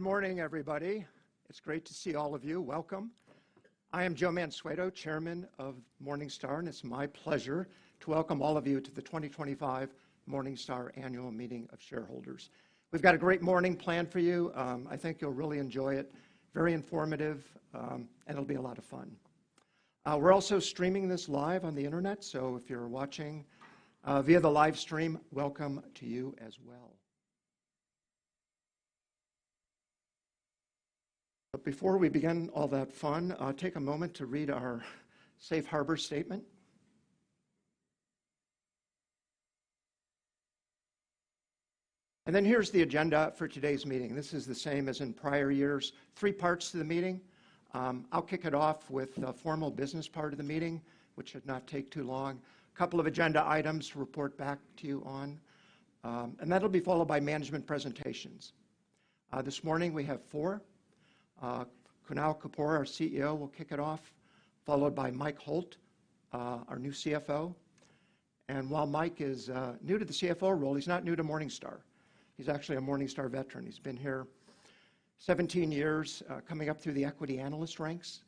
Good morning, everybody. It's great to see all of you. Welcome. I am Joe Mansueto, Chairman of Morningstar, and it's my pleasure to welcome all of you to the 2025 Morningstar Annual Meeting of Shareholders. We've got a great morning planned for you. I think you'll really enjoy it. Very informative, and it'll be a lot of fun. We're also streaming this live on the internet, so if you're watching via the live stream, welcome to you as well. Before we begin all that fun, take a moment to read our Safe Harbor Statement. Here is the agenda for today's meeting. This is the same as in prior years. Three parts to the meeting. I'll kick it off with the formal business part of the meeting, which should not take too long. A couple of agenda items to report back to you on, and that'll be followed by management presentations. This morning we have four. Kunal Kapoor, our CEO, will kick it off, followed by Mike Holt, our new CFO. While Mike is new to the CFO role, he's not new to Morningstar. He's actually a Morningstar veteran. He's been here 17 years, coming up through the equity analyst ranks,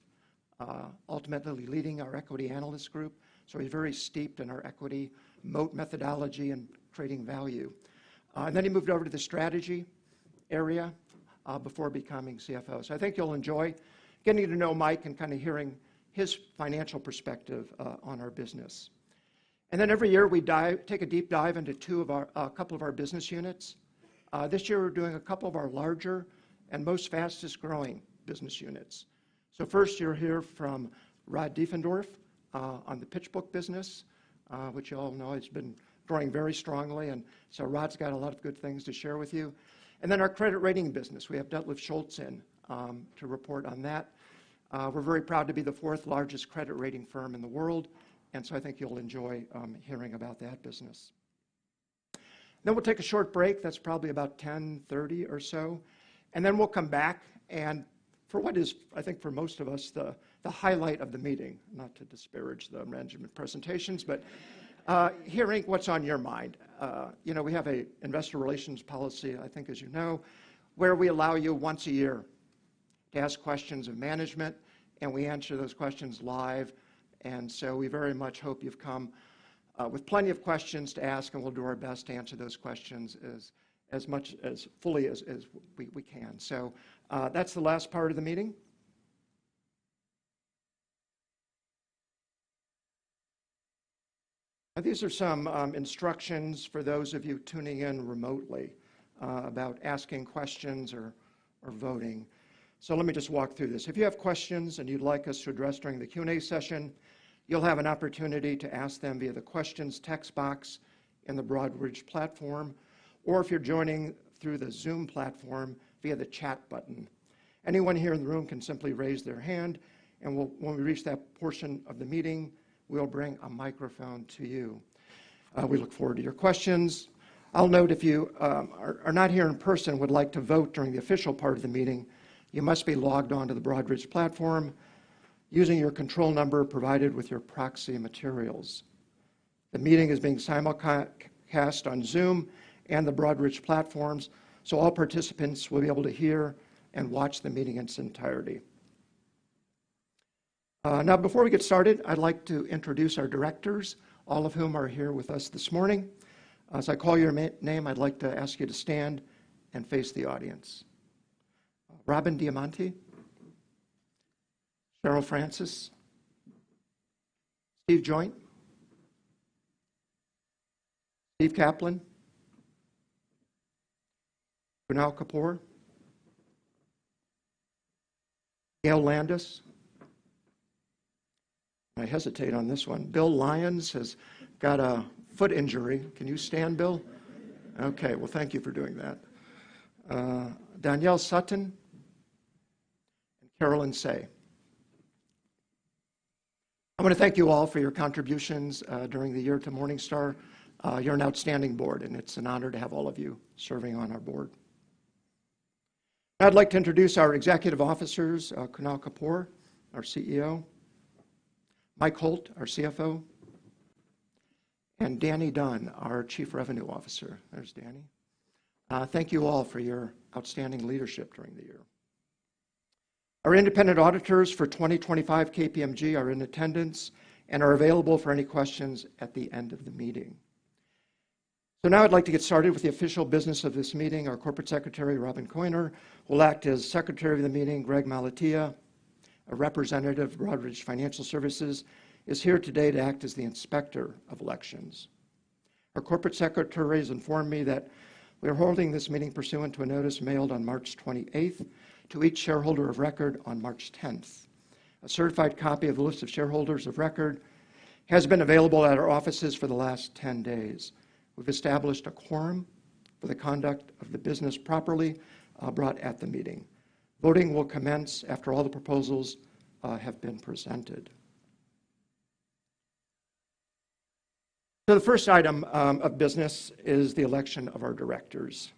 ultimately leading our equity analyst group. He's very steeped in our equity moat methodology and creating value. He moved over to the strategy area before becoming CFO. I think you'll enjoy getting to know Mike and kind of hearing his financial perspective on our business. Every year we take a deep dive into a couple of our business units. This year we're doing a couple of our larger and most fastest growing business units. First you'll hear from Rod Diefendorf on the PitchBook business, which you all know has been growing very strongly. Rod's got a lot of good things to share with you. Then our credit rating business. We have Detlef Scholz to report on that. We're very proud to be the fourth largest credit rating firm in the world. I think you'll enjoy hearing about that business. We'll take a short break. That's probably about 10:30 or so. We'll come back and for what is, I think for most of us, the highlight of the meeting, not to disparage the management presentations, but hearing what's on your mind. We have an investor relations policy, I think, as you know, where we allow you once a year to ask questions of management, and we answer those questions live. We very much hope you've come with plenty of questions to ask, and we'll do our best to answer those questions as fully as we can. That is the last part of the meeting. Now, these are some instructions for those of you tuning in remotely about asking questions or voting. Let me just walk through this. If you have questions and you'd like us to address them during the Q&A session, you'll have an opportunity to ask them via the questions text box in the Broadridge platform, or if you're joining through the Zoom platform, via the chat button. Anyone here in the room can simply raise their hand, and when we reach that portion of the meeting, we'll bring a microphone to you. We look forward to your questions. I'll note if you are not here in person and would like to vote during the official part of the meeting, you must be logged on to the Broadridge platform using your control number provided with your proxy materials. The meeting is being simulcast on Zoom and the Broadridge platforms, so all participants will be able to hear and watch the meeting in its entirety. Now, before we get started, I'd like to introduce our directors, all of whom are here with us this morning. As I call your name, I'd like to ask you to stand and face the audience. Robin Diamonte, Cheryl Francis, Steve Joynt, Steve Kaplan, Kunal Kapoor, Gail Landis. I hesitate on this one. Bill Lyons has got a foot injury. Can you stand, Bill? Okay. Thank you for doing that. Doniel Sutton and Caroline Tsay. I want to thank you all for your contributions during the year to Morningstar. You're an outstanding board, and it's an honor to have all of you serving on our board. I'd like to introduce our executive officers, Kunal Kapoor, our CEO, Mike Holt, our CFO, and Danny Dunn, our Chief Revenue Officer. There's Danny. Thank you all for your outstanding leadership during the year. Our independent auditors for 2025, KPMG, are in attendance and are available for any questions at the end of the meeting. Now I'd like to get started with the official business of this meeting. Our Corporate Secretary, Robyn Koyner, will act as Secretary of the Meeting. Greg Malatia, a representative of Broadridge Financial Services, is here today to act as the Inspector of Elections. Our Corporate Secretary has informed me that we are holding this meeting pursuant to a notice mailed on March 28th to each shareholder of record on March 10th. A certified copy of the list of shareholders of record has been available at our offices for the last 10 days. We've established a quorum for the conduct of the business properly brought at the meeting. Voting will commence after all the proposals have been presented. The first item of business is the election of our directors.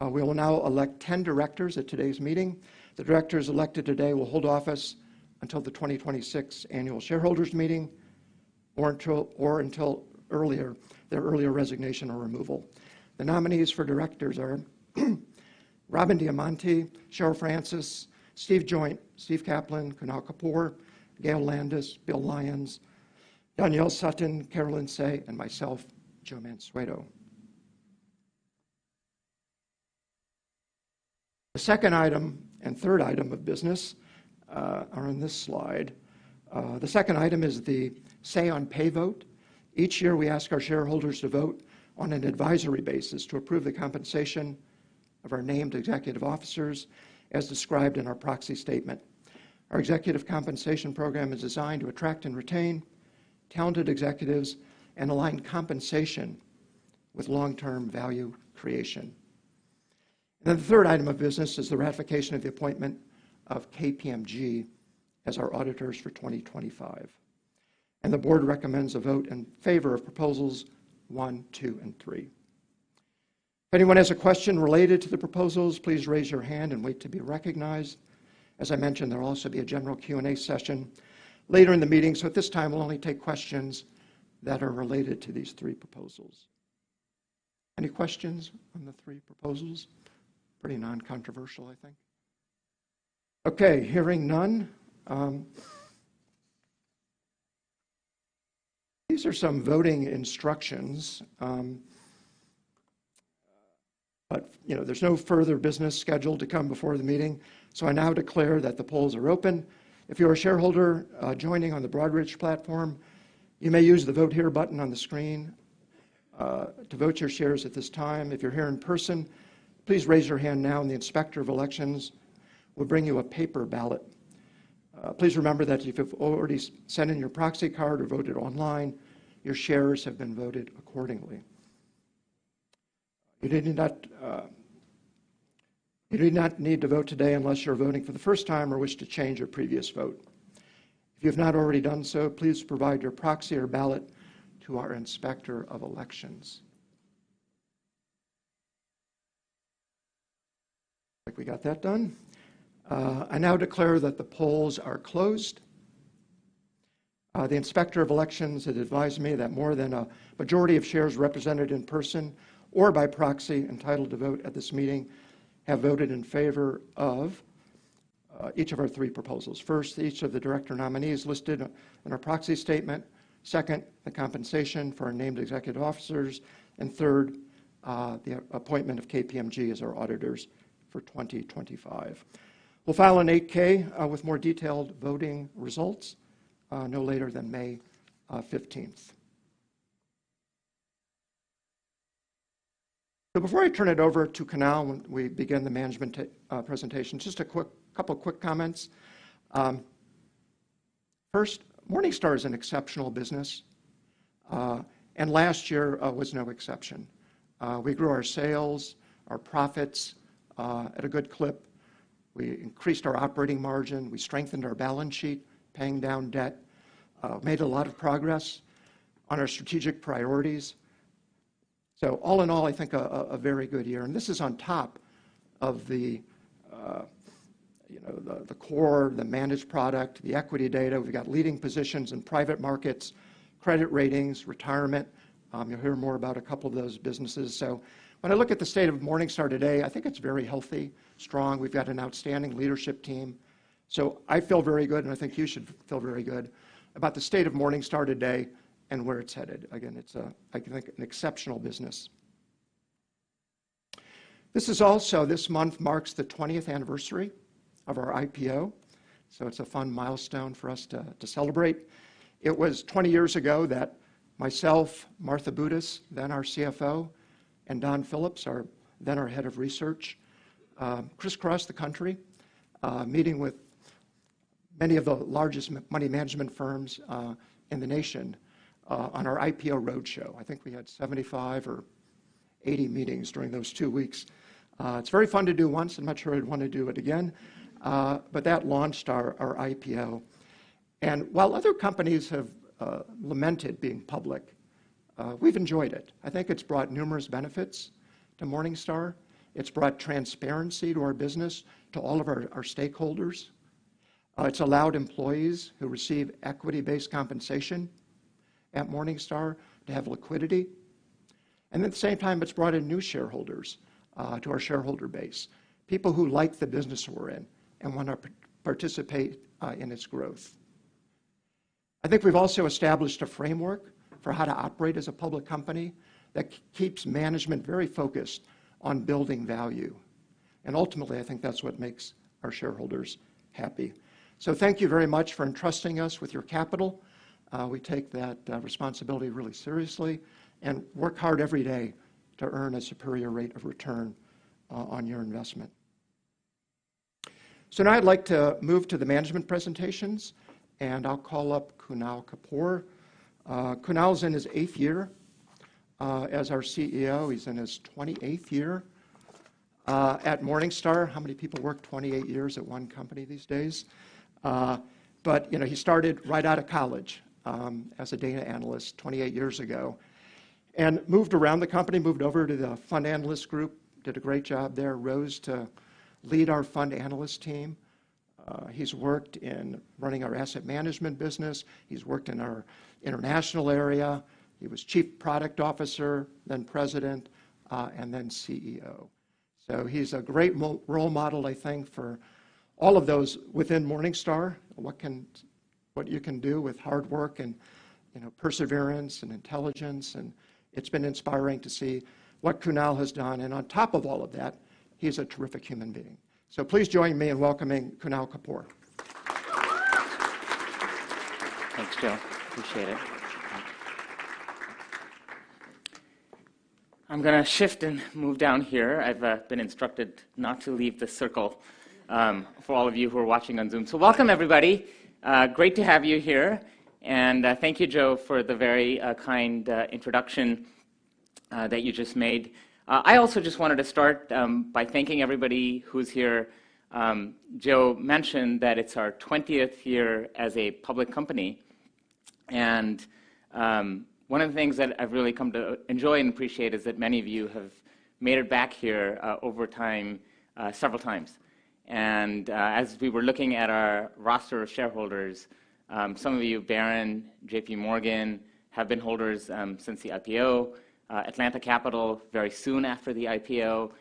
We will now elect 10 directors at today's meeting. The directors elected today will hold office until the 2026 Annual Shareholders Meeting or until their earlier resignation or removal. The nominees for directors are Robin Diamonte, Cheryl Francis, Steve Joynt, Steve Kaplan, Kunal Kapoor, Gail Landis, Bill Lyons, Doniel Sutton, Caroline Tsay, and myself, Joe Mansueto. The second item and third item of business are on this slide. The second item is the say-on-pay vote. Each year we ask our shareholders to vote on an advisory basis to approve the compensation of our named executive officers as described in our proxy statement. Our executive compensation program is designed to attract and retain talented executives and align compensation with long-term value creation. The third item of business is the ratification of the appointment of KPMG as our auditors for 2025. The board recommends a vote in favor of proposals one, two, and three. If anyone has a question related to the proposals, please raise your hand and wait to be recognized. As I mentioned, there'll also be a general Q&A session later in the meeting. At this time, we'll only take questions that are related to these three proposals. Any questions on the three proposals? Pretty non-controversial, I think. Okay. Hearing none. These are some voting instructions. There is no further business scheduled to come before the meeting. I now declare that the polls are open. If you're a shareholder joining on the Broadridge platform, you may use the vote here button on the screen to vote your shares at this time. If you're here in person, please raise your hand now, and the Inspector of Elections will bring you a paper ballot. Please remember that if you've already sent in your proxy card or voted online, your shares have been voted accordingly. You do not need to vote today unless you're voting for the first time or wish to change your previous vote. If you have not already done so, please provide your proxy or ballot to our Inspector of Elections. I think we got that done. I now declare that the polls are closed. The Inspector of Elections had advised me that more than a majority of shares represented in person or by proxy entitled to vote at this meeting have voted in favor of each of our three proposals. First, each of the director nominees listed in our proxy statement. Second, the compensation for our named executive officers. Third, the appointment of KPMG as our auditors for 2025. We'll file an 8-K with more detailed voting results no later than May 15th. Before I turn it over to Kunal when we begin the management presentation, just a couple of quick comments. First, Morningstar is an exceptional business, and last year was no exception. We grew our sales, our profits at a good clip. We increased our operating margin. We strengthened our balance sheet, paying down debt. Made a lot of progress on our strategic priorities. All in all, I think a very good year. This is on top of the core, the managed product, the equity data. We have leading positions in private markets, credit ratings, retirement. You will hear more about a couple of those businesses. When I look at the state of Morningstar today, I think it is very healthy, strong. We have an outstanding leadership team. I feel very good, and I think you should feel very good about the state of Morningstar today and where it is headed. I think it is an exceptional business. This month also marks the 20th anniversary of our IPO. It is a fun milestone for us to celebrate. It was 20 years ago that myself, Martha Boudos, then our CFO, and Don Phillips, then our head of research, crisscrossed the country meeting with many of the largest money management firms in the nation on our IPO roadshow. I think we had 75 or 80 meetings during those two weeks. It's very fun to do once. I'm not sure I'd want to do it again. That launched our IPO. While other companies have lamented being public, we've enjoyed it. I think it's brought numerous benefits to Morningstar. It's brought transparency to our business, to all of our stakeholders. It's allowed employees who receive equity-based compensation at Morningstar to have liquidity. At the same time, it's brought in new shareholders to our shareholder base, people who like the business we're in and want to participate in its growth. I think we've also established a framework for how to operate as a public company that keeps management very focused on building value. Ultimately, I think that's what makes our shareholders happy. Thank you very much for entrusting us with your capital. We take that responsibility really seriously and work hard every day to earn a superior rate of return on your investment. Now I'd like to move to the management presentations, and I'll call up Kunal Kapoor. Kunal is in his eighth year as our CEO. He's in his 28th year at Morningstar. How many people work 28 years at one company these days? He started right out of college as a data analyst 28 years ago and moved around the company, moved over to the fund analyst group, did a great job there, rose to lead our fund analyst team. He's worked in running our asset management business. He's worked in our international area. He was Chief Product Officer, then President, and then CEO. He is a great role model, I think, for all of those within Morningstar, what you can do with hard work and perseverance and intelligence. It has been inspiring to see what Kunal has done. On top of all of that, he is a terrific human being. Please join me in welcoming Kunal Kapoor. Thanks, Joe. Appreciate it. I'm going to shift and move down here. I've been instructed not to leave the circle for all of you who are watching on Zoom. Welcome, everybody. Great to have you here. Thank you, Joe, for the very kind introduction that you just made. I also just wanted to start by thanking everybody who's here. Joe mentioned that it's our 20th year as a public company. One of the things that I've really come to enjoy and appreciate is that many of you have made it back here over time several times. As we were looking at our roster of shareholders, some of you, Barron, JPMorgan, have been holders since the IPO, Atlanta Capital very soon after the IPO.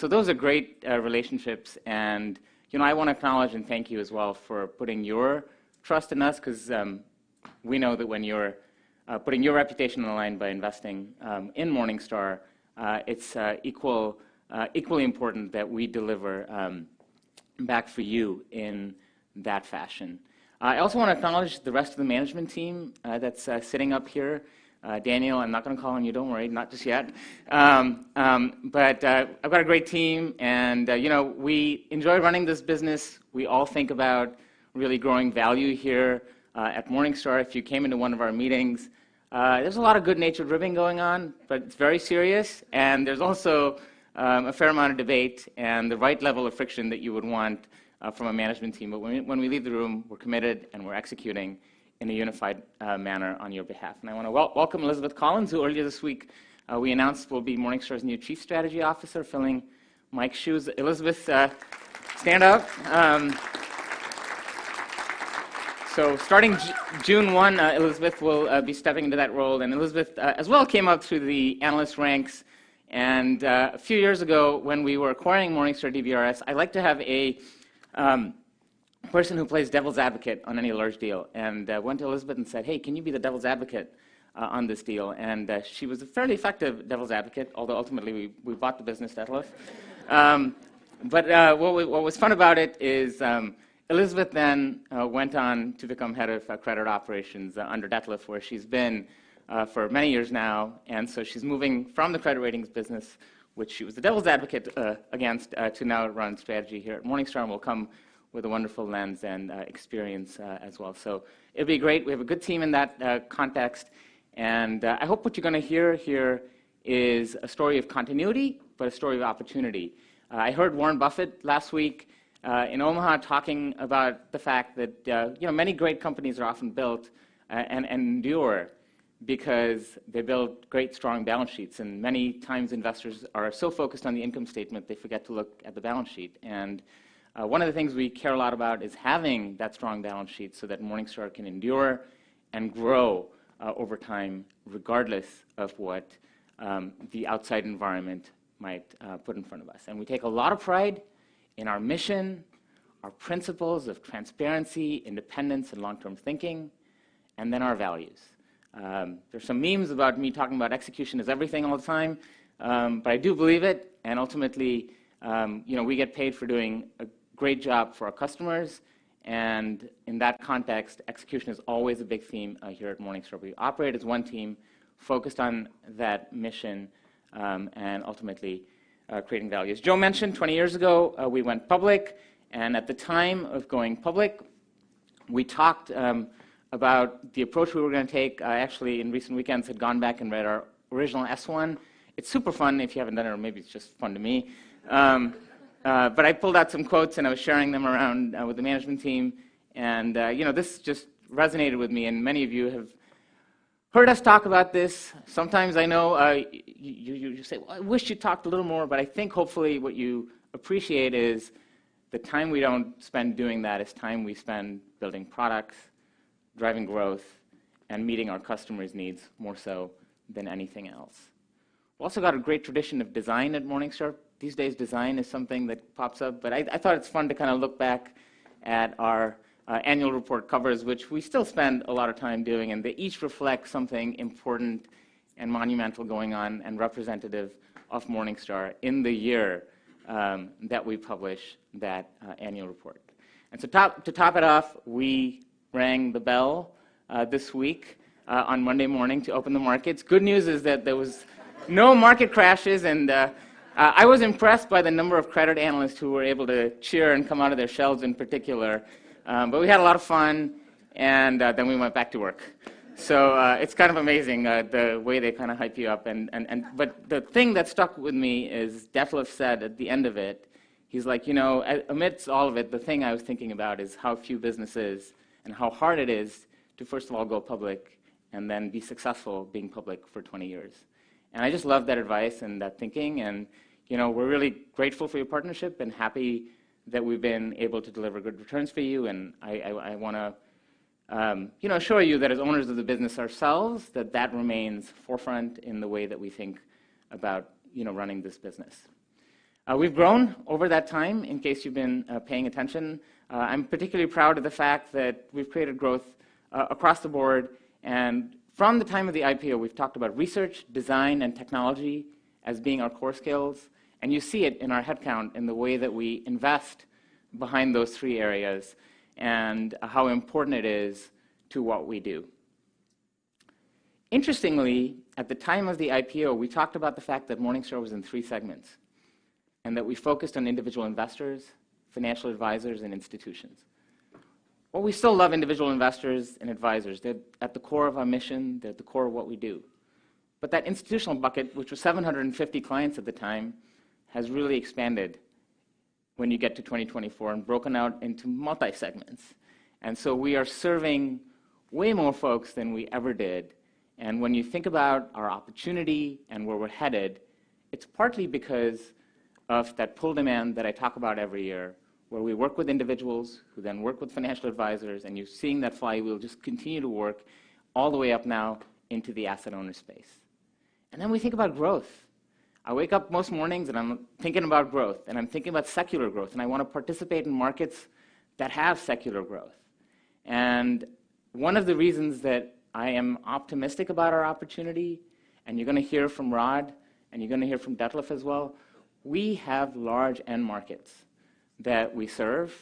Those are great relationships. I want to acknowledge and thank you as well for putting your trust in us because we know that when you're putting your reputation on the line by investing in Morningstar, it's equally important that we deliver back for you in that fashion. I also want to acknowledge the rest of the management team that's sitting up here. Daniel, I'm not going to call on you. Don't worry. Not just yet. I've got a great team. We enjoy running this business. We all think about really growing value here at Morningstar. If you came into one of our meetings, there's a lot of good-natured ribbing going on, but it's very serious. There's also a fair amount of debate and the right level of friction that you would want from a management team. When we leave the room, we're committed and we're executing in a unified manner on your behalf. I want to welcome Elizabeth Collins, who earlier this week we announced will be Morningstar's new Chief Strategy Officer, filling Mike's shoes. Elizabeth, stand up. Starting June 1, Elizabeth will be stepping into that role. Elizabeth as well came up through the analyst ranks. A few years ago, when we were acquiring Morningstar DBRS, I like to have a person who plays devil's advocate on any large deal. I went to Elizabeth and said, "Hey, can you be the devil's advocate on this deal?" She was a fairly effective devil's advocate, although ultimately we bought the business, Detlef. What was fun about it is Elizabeth then went on to become head of credit operations under Detlef, where she's been for many years now. She is moving from the credit ratings business, which she was the devil's advocate against, to now run strategy here at Morningstar and will come with a wonderful lens and experience as well. It will be great. We have a good team in that context. I hope what you are going to hear here is a story of continuity, but a story of opportunity. I heard Warren Buffett last week in Omaha talking about the fact that many great companies are often built and endure because they build great, strong balance sheets. Many times investors are so focused on the income statement, they forget to look at the balance sheet. One of the things we care a lot about is having that strong balance sheet so that Morningstar can endure and grow over time, regardless of what the outside environment might put in front of us. We take a lot of pride in our mission, our principles of transparency, independence, and long-term thinking, and then our values. There are some memes about me talking about execution as everything all the time, but I do believe it. Ultimately, we get paid for doing a great job for our customers. In that context, execution is always a big theme here at Morningstar. We operate as one team focused on that mission and ultimately creating values. Joe mentioned 20 years ago we went public. At the time of going public, we talked about the approach we were going to take. I actually, in recent weekends, had gone back and read our original S1. It is super fun if you have not done it, or maybe it is just fun to me. I pulled out some quotes and I was sharing them around with the management team. This just resonated with me. Many of you have heard us talk about this. Sometimes I know you say, "Well, I wish you talked a little more." I think hopefully what you appreciate is the time we do not spend doing that is time we spend building products, driving growth, and meeting our customers' needs more so than anything else. We have also got a great tradition of design at Morningstar. These days, design is something that pops up. I thought it is fun to kind of look back at our annual report covers, which we still spend a lot of time doing. They each reflect something important and monumental going on and representative of Morningstar in the year that we publish that annual report. To top it off, we rang the bell this week on Monday morning to open the markets. Good news is that there were no market crashes. I was impressed by the number of credit analysts who were able to cheer and come out of their shells in particular. We had a lot of fun. We went back to work. It is kind of amazing the way they kind of hype you up. The thing that stuck with me is Detlef said at the end of it, he is like, "Amidst all of it, the thing I was thinking about is how few businesses and how hard it is to, first of all, go public and then be successful being public for 20 years." I just love that advice and that thinking. We are really grateful for your partnership and happy that we have been able to deliver good returns for you. I want to assure you that as owners of the business ourselves, that that remains forefront in the way that we think about running this business. We've grown over that time, in case you've been paying attention. I'm particularly proud of the fact that we've created growth across the board. From the time of the IPO, we've talked about research, design, and technology as being our core skills. You see it in our headcount, in the way that we invest behind those three areas and how important it is to what we do. Interestingly, at the time of the IPO, we talked about the fact that Morningstar was in three segments and that we focused on individual investors, financial advisors, and institutions. We still love individual investors and advisors. They're at the core of our mission. They're at the core of what we do. That institutional bucket, which was 750 clients at the time, has really expanded when you get to 2024 and broken out into multi-segments. We are serving way more folks than we ever did. When you think about our opportunity and where we're headed, it's partly because of that pull demand that I talk about every year, where we work with individuals who then work with financial advisors. You're seeing that flywheel just continue to work all the way up now into the asset owner space. We think about growth. I wake up most mornings and I'm thinking about growth. I'm thinking about secular growth. I want to participate in markets that have secular growth. One of the reasons that I am optimistic about our opportunity, and you're going to hear from Rod, and you're going to hear from Detlef as well, we have large end markets that we serve.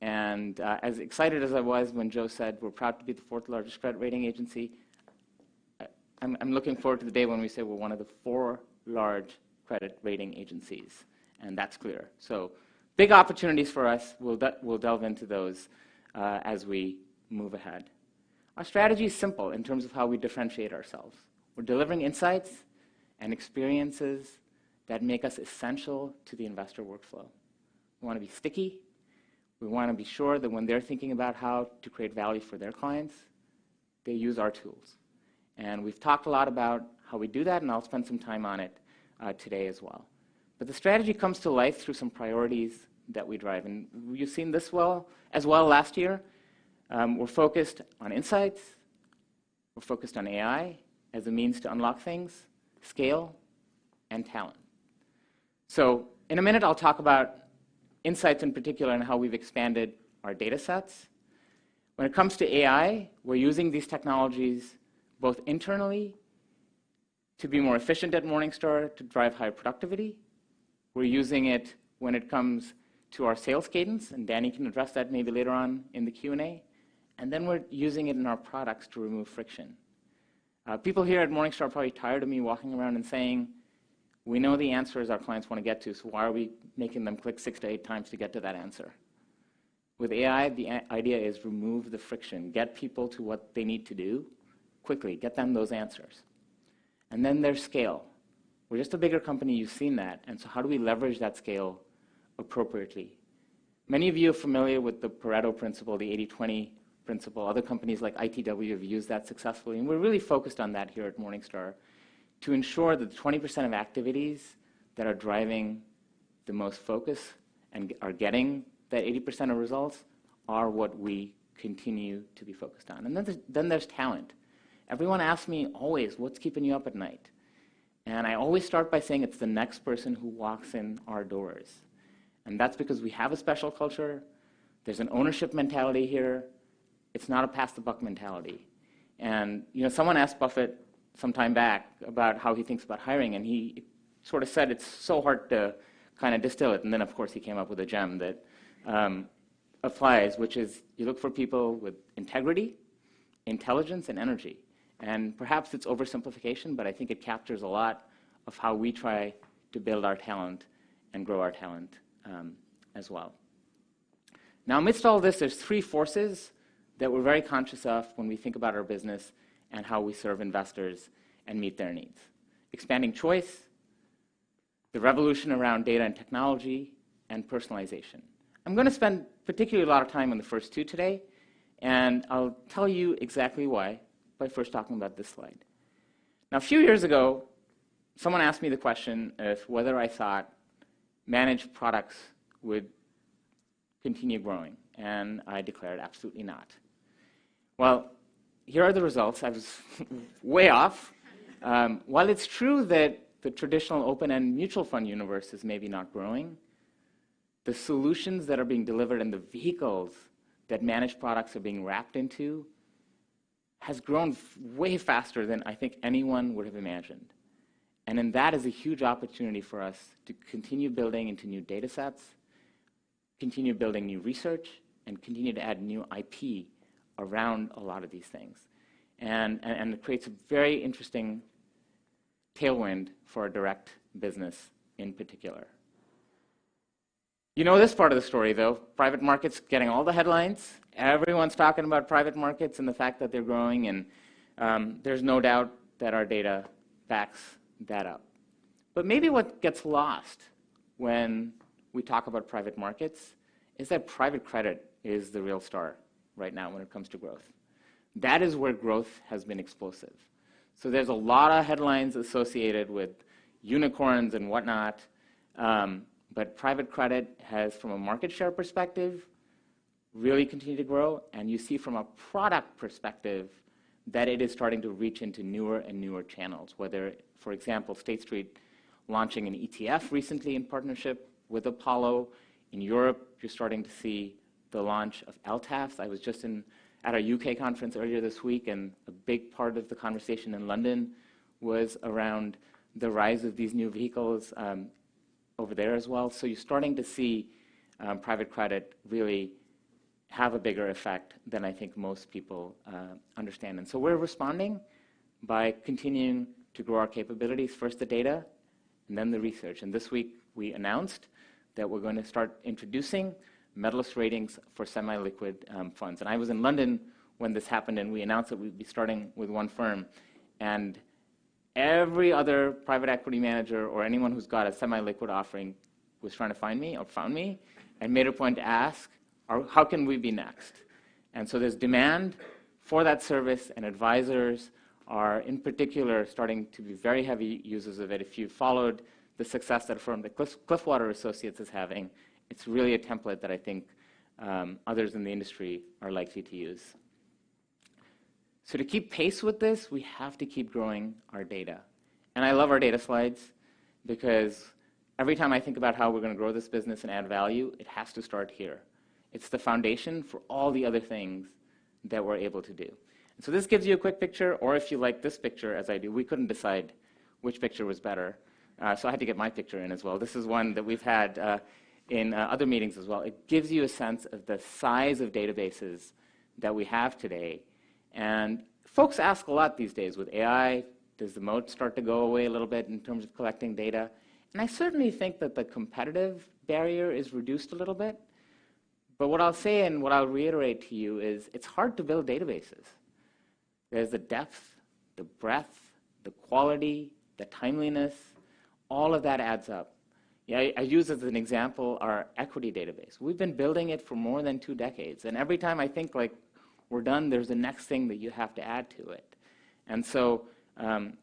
As excited as I was when Joe said, "We're proud to be the fourth largest credit rating agency," I'm looking forward to the day when we say we're one of the four large credit rating agencies. That's clear. Big opportunities for us. We'll delve into those as we move ahead. Our strategy is simple in terms of how we differentiate ourselves. We're delivering insights and experiences that make us essential to the investor workflow. We want to be sticky. We want to be sure that when they're thinking about how to create value for their clients, they use our tools. We've talked a lot about how we do that. I'll spend some time on it today as well. The strategy comes to life through some priorities that we drive. You saw this last year as well. We're focused on insights. We're focused on AI as a means to unlock things, scale, and talent. In a minute, I'll talk about insights in particular and how we've expanded our data sets. When it comes to AI, we're using these technologies both internally to be more efficient at Morningstar, to drive higher productivity. We're using it when it comes to our sales cadence. Danny can address that maybe later on in the Q&A. We're also using it in our products to remove friction. People here at Morningstar are probably tired of me walking around and saying, "We know the answers our clients want to get to. Why are we making them click six to eight times to get to that answer?" With AI, the idea is remove the friction, get people to what they need to do quickly, get them those answers. Then there is scale. We are just a bigger company. You have seen that. How do we leverage that scale appropriately? Many of you are familiar with the Pareto Principle, the 80/20 Principle. Other companies like ITW have used that successfully. We are really focused on that here at Morningstar to ensure that the 20% of activities that are driving the most focus and are getting that 80% of results are what we continue to be focused on. Then there is talent. Everyone asks me always, "What is keeping you up at night?" I always start by saying it is the next person who walks in our doors. That is because we have a special culture. There is an ownership mentality here. It is not a pass-the-buck mentality. Someone asked Buffett some time back about how he thinks about hiring. He sort of said it is so hard to kind of distill it. Of course, he came up with a gem that applies, which is you look for people with integrity, intelligence, and energy. Perhaps it is oversimplification, but I think it captures a lot of how we try to build our talent and grow our talent as well. Now, amidst all this, there are three forces that we are very conscious of when we think about our business and how we serve investors and meet their needs: expanding choice, the revolution around data and technology, and personalization. I am going to spend particularly a lot of time on the first two today. I'll tell you exactly why by first talking about this slide. Now, a few years ago, someone asked me the question of whether I thought managed products would continue growing. I declared, "Absolutely not." Here are the results. I was way off. While it's true that the traditional open-end mutual fund universe is maybe not growing, the solutions that are being delivered and the vehicles that managed products are being wrapped into have grown way faster than I think anyone would have imagined. That is a huge opportunity for us to continue building into new data sets, continue building new research, and continue to add new IP around a lot of these things. It creates a very interesting tailwind for direct business in particular. You know this part of the story, though: private markets getting all the headlines. Everyone's talking about private markets and the fact that they're growing. There's no doubt that our data backs that up. Maybe what gets lost when we talk about private markets is that private credit is the real star right now when it comes to growth. That is where growth has been explosive. There's a lot of headlines associated with unicorns and whatnot. Private credit has, from a market share perspective, really continued to grow. You see from a product perspective that it is starting to reach into newer and newer channels, whether, for example, State Street launching an ETF recently in partnership with Apollo in Europe. You're starting to see the launch of LTAF. I was just at a U.K. conference earlier this week. A big part of the conversation in London was around the rise of these new vehicles over there as well. You're starting to see private credit really have a bigger effect than I think most people understand. We're responding by continuing to grow our capabilities, first the data and then the research. This week, we announced that we're going to start introducing Medalist Ratings for semi-liquid funds. I was in London when this happened. We announced that we'd be starting with one firm. Every other private equity manager or anyone who's got a semi-liquid offering was trying to find me or found me and made a point to ask, "How can we be next?" There's demand for that service. Advisors are, in particular, starting to be very heavy users of it. If you followed the success that a firm, Cliffwater Associates, is having, it's really a template that I think others in the industry are likely to use. To keep pace with this, we have to keep growing our data. I love our data slides because every time I think about how we're going to grow this business and add value, it has to start here. It's the foundation for all the other things that we're able to do. This gives you a quick picture. If you like this picture as I do, we could not decide which picture was better. I had to get my picture in as well. This is one that we've had in other meetings as well. It gives you a sense of the size of databases that we have today. Folks ask a lot these days, "With AI, does the moat start to go away a little bit in terms of collecting data?" I certainly think that the competitive barrier is reduced a little bit. What I'll say and what I'll reiterate to you is it's hard to build databases. There's the depth, the breadth, the quality, the timeliness. All of that adds up. I use as an example our equity database. We've been building it for more than two decades. Every time I think we're done, there's the next thing that you have to add to it.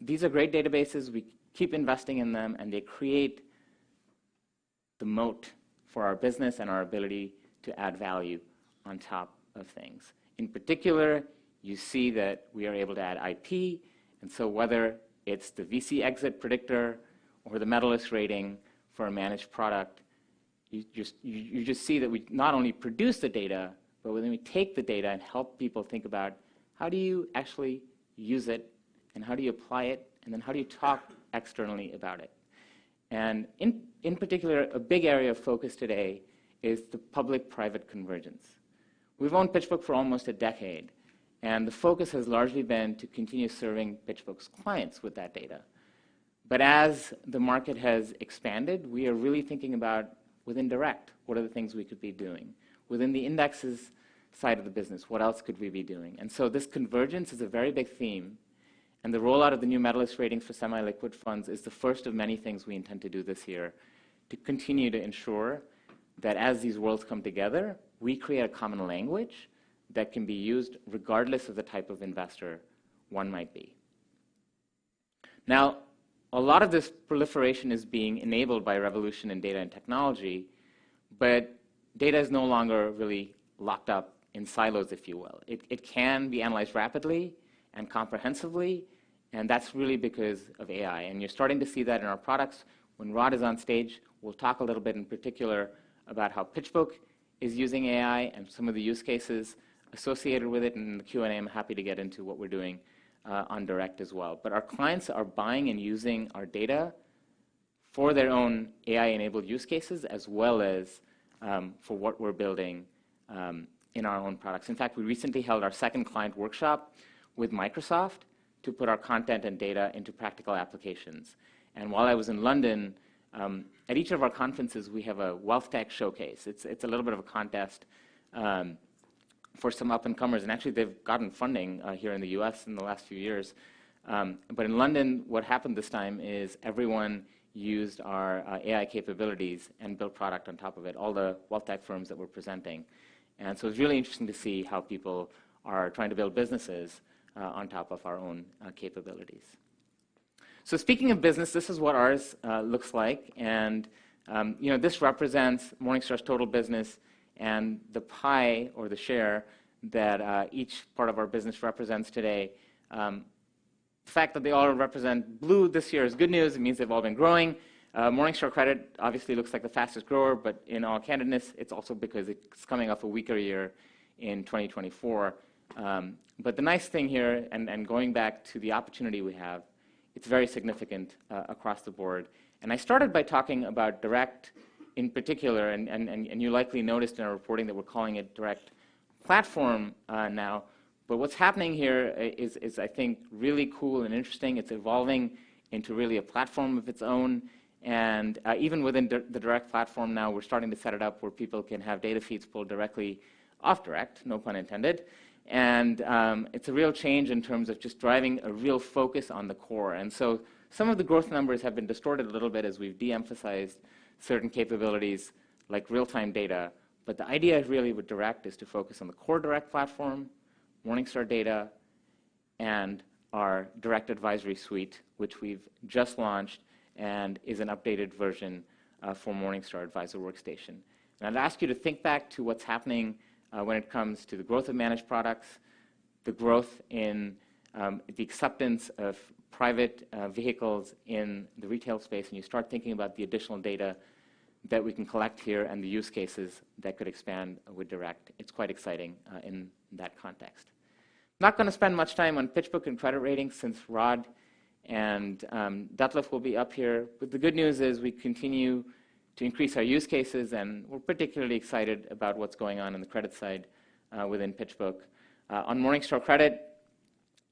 These are great databases. We keep investing in them. They create the moat for our business and our ability to add value on top of things. In particular, you see that we are able to add IP. Whether it's the VC Exit Predictor or the Medalist Rating for a managed product, you just see that we not only produce the data, but we then take the data and help people think about how do you actually use it and how do you apply it and then how do you talk externally about it. In particular, a big area of focus today is the public-private convergence. We have owned PitchBook for almost a decade. The focus has largely been to continue serving PitchBook's clients with that data. As the market has expanded, we are really thinking about within Direct, what are the things we could be doing? Within the indexes side of the business, what else could we be doing? This convergence is a very big theme. The rollout of the new Medalist Ratings for semi-liquid funds is the first of many things we intend to do this year to continue to ensure that as these worlds come together, we create a common language that can be used regardless of the type of investor one might be. A lot of this proliferation is being enabled by a revolution in data and technology. Data is no longer really locked up in silos, if you will. It can be analyzed rapidly and comprehensively. That is really because of AI. You are starting to see that in our products. When Rod is on stage, we will talk a little bit in particular about how PitchBook is using AI and some of the use cases associated with it. In the Q&A, I am happy to get into what we are doing on direct as well. Our clients are buying and using our data for their own AI-enabled use cases as well as for what we're building in our own products. In fact, we recently held our second client workshop with Microsoft to put our content and data into practical applications. While I was in London, at each of our conferences, we have a wealth tech showcase. It's a little bit of a contest for some up-and-comers. Actually, they've gotten funding here in the U.S. in the last few years. In London, what happened this time is everyone used our AI capabilities and built product on top of it, all the wealth tech firms that were presenting. It's really interesting to see how people are trying to build businesses on top of our own capabilities. Speaking of business, this is what ours looks like. This represents Morningstar's total business and the pie or the share that each part of our business represents today. The fact that they all represent blue this year is good news. It means they have all been growing. Morningstar Credit obviously looks like the fastest grower. In all candidness, it is also because it is coming off a weaker year in 2024. The nice thing here, and going back to the opportunity we have, is it is very significant across the board. I started by talking about direct in particular. You likely noticed in our reporting that we are calling it direct platform now. What is happening here is, I think, really cool and interesting. It is evolving into really a platform of its own. Even within the direct platform now, we are starting to set it up where people can have data feeds pulled directly off direct, no pun intended. It is a real change in terms of just driving a real focus on the core. Some of the growth numbers have been distorted a little bit as we have de-emphasized certain capabilities like real-time data. The idea really with Direct is to focus on the core Direct Platform, Morningstar Data, and our Direct Advisory Suite, which we have just launched and is an updated version for Morningstar Advisor Workstation. I would ask you to think back to what is happening when it comes to the growth of managed products, the growth in the acceptance of private vehicles in the retail space. You start thinking about the additional data that we can collect here and the use cases that could expand with Direct. It is quite exciting in that context. I am not going to spend much time on PitchBook and credit ratings since Rod and Detlef will be up here. The good news is we continue to increase our use cases. We're particularly excited about what's going on in the credit side within PitchBook. On Morningstar Credit,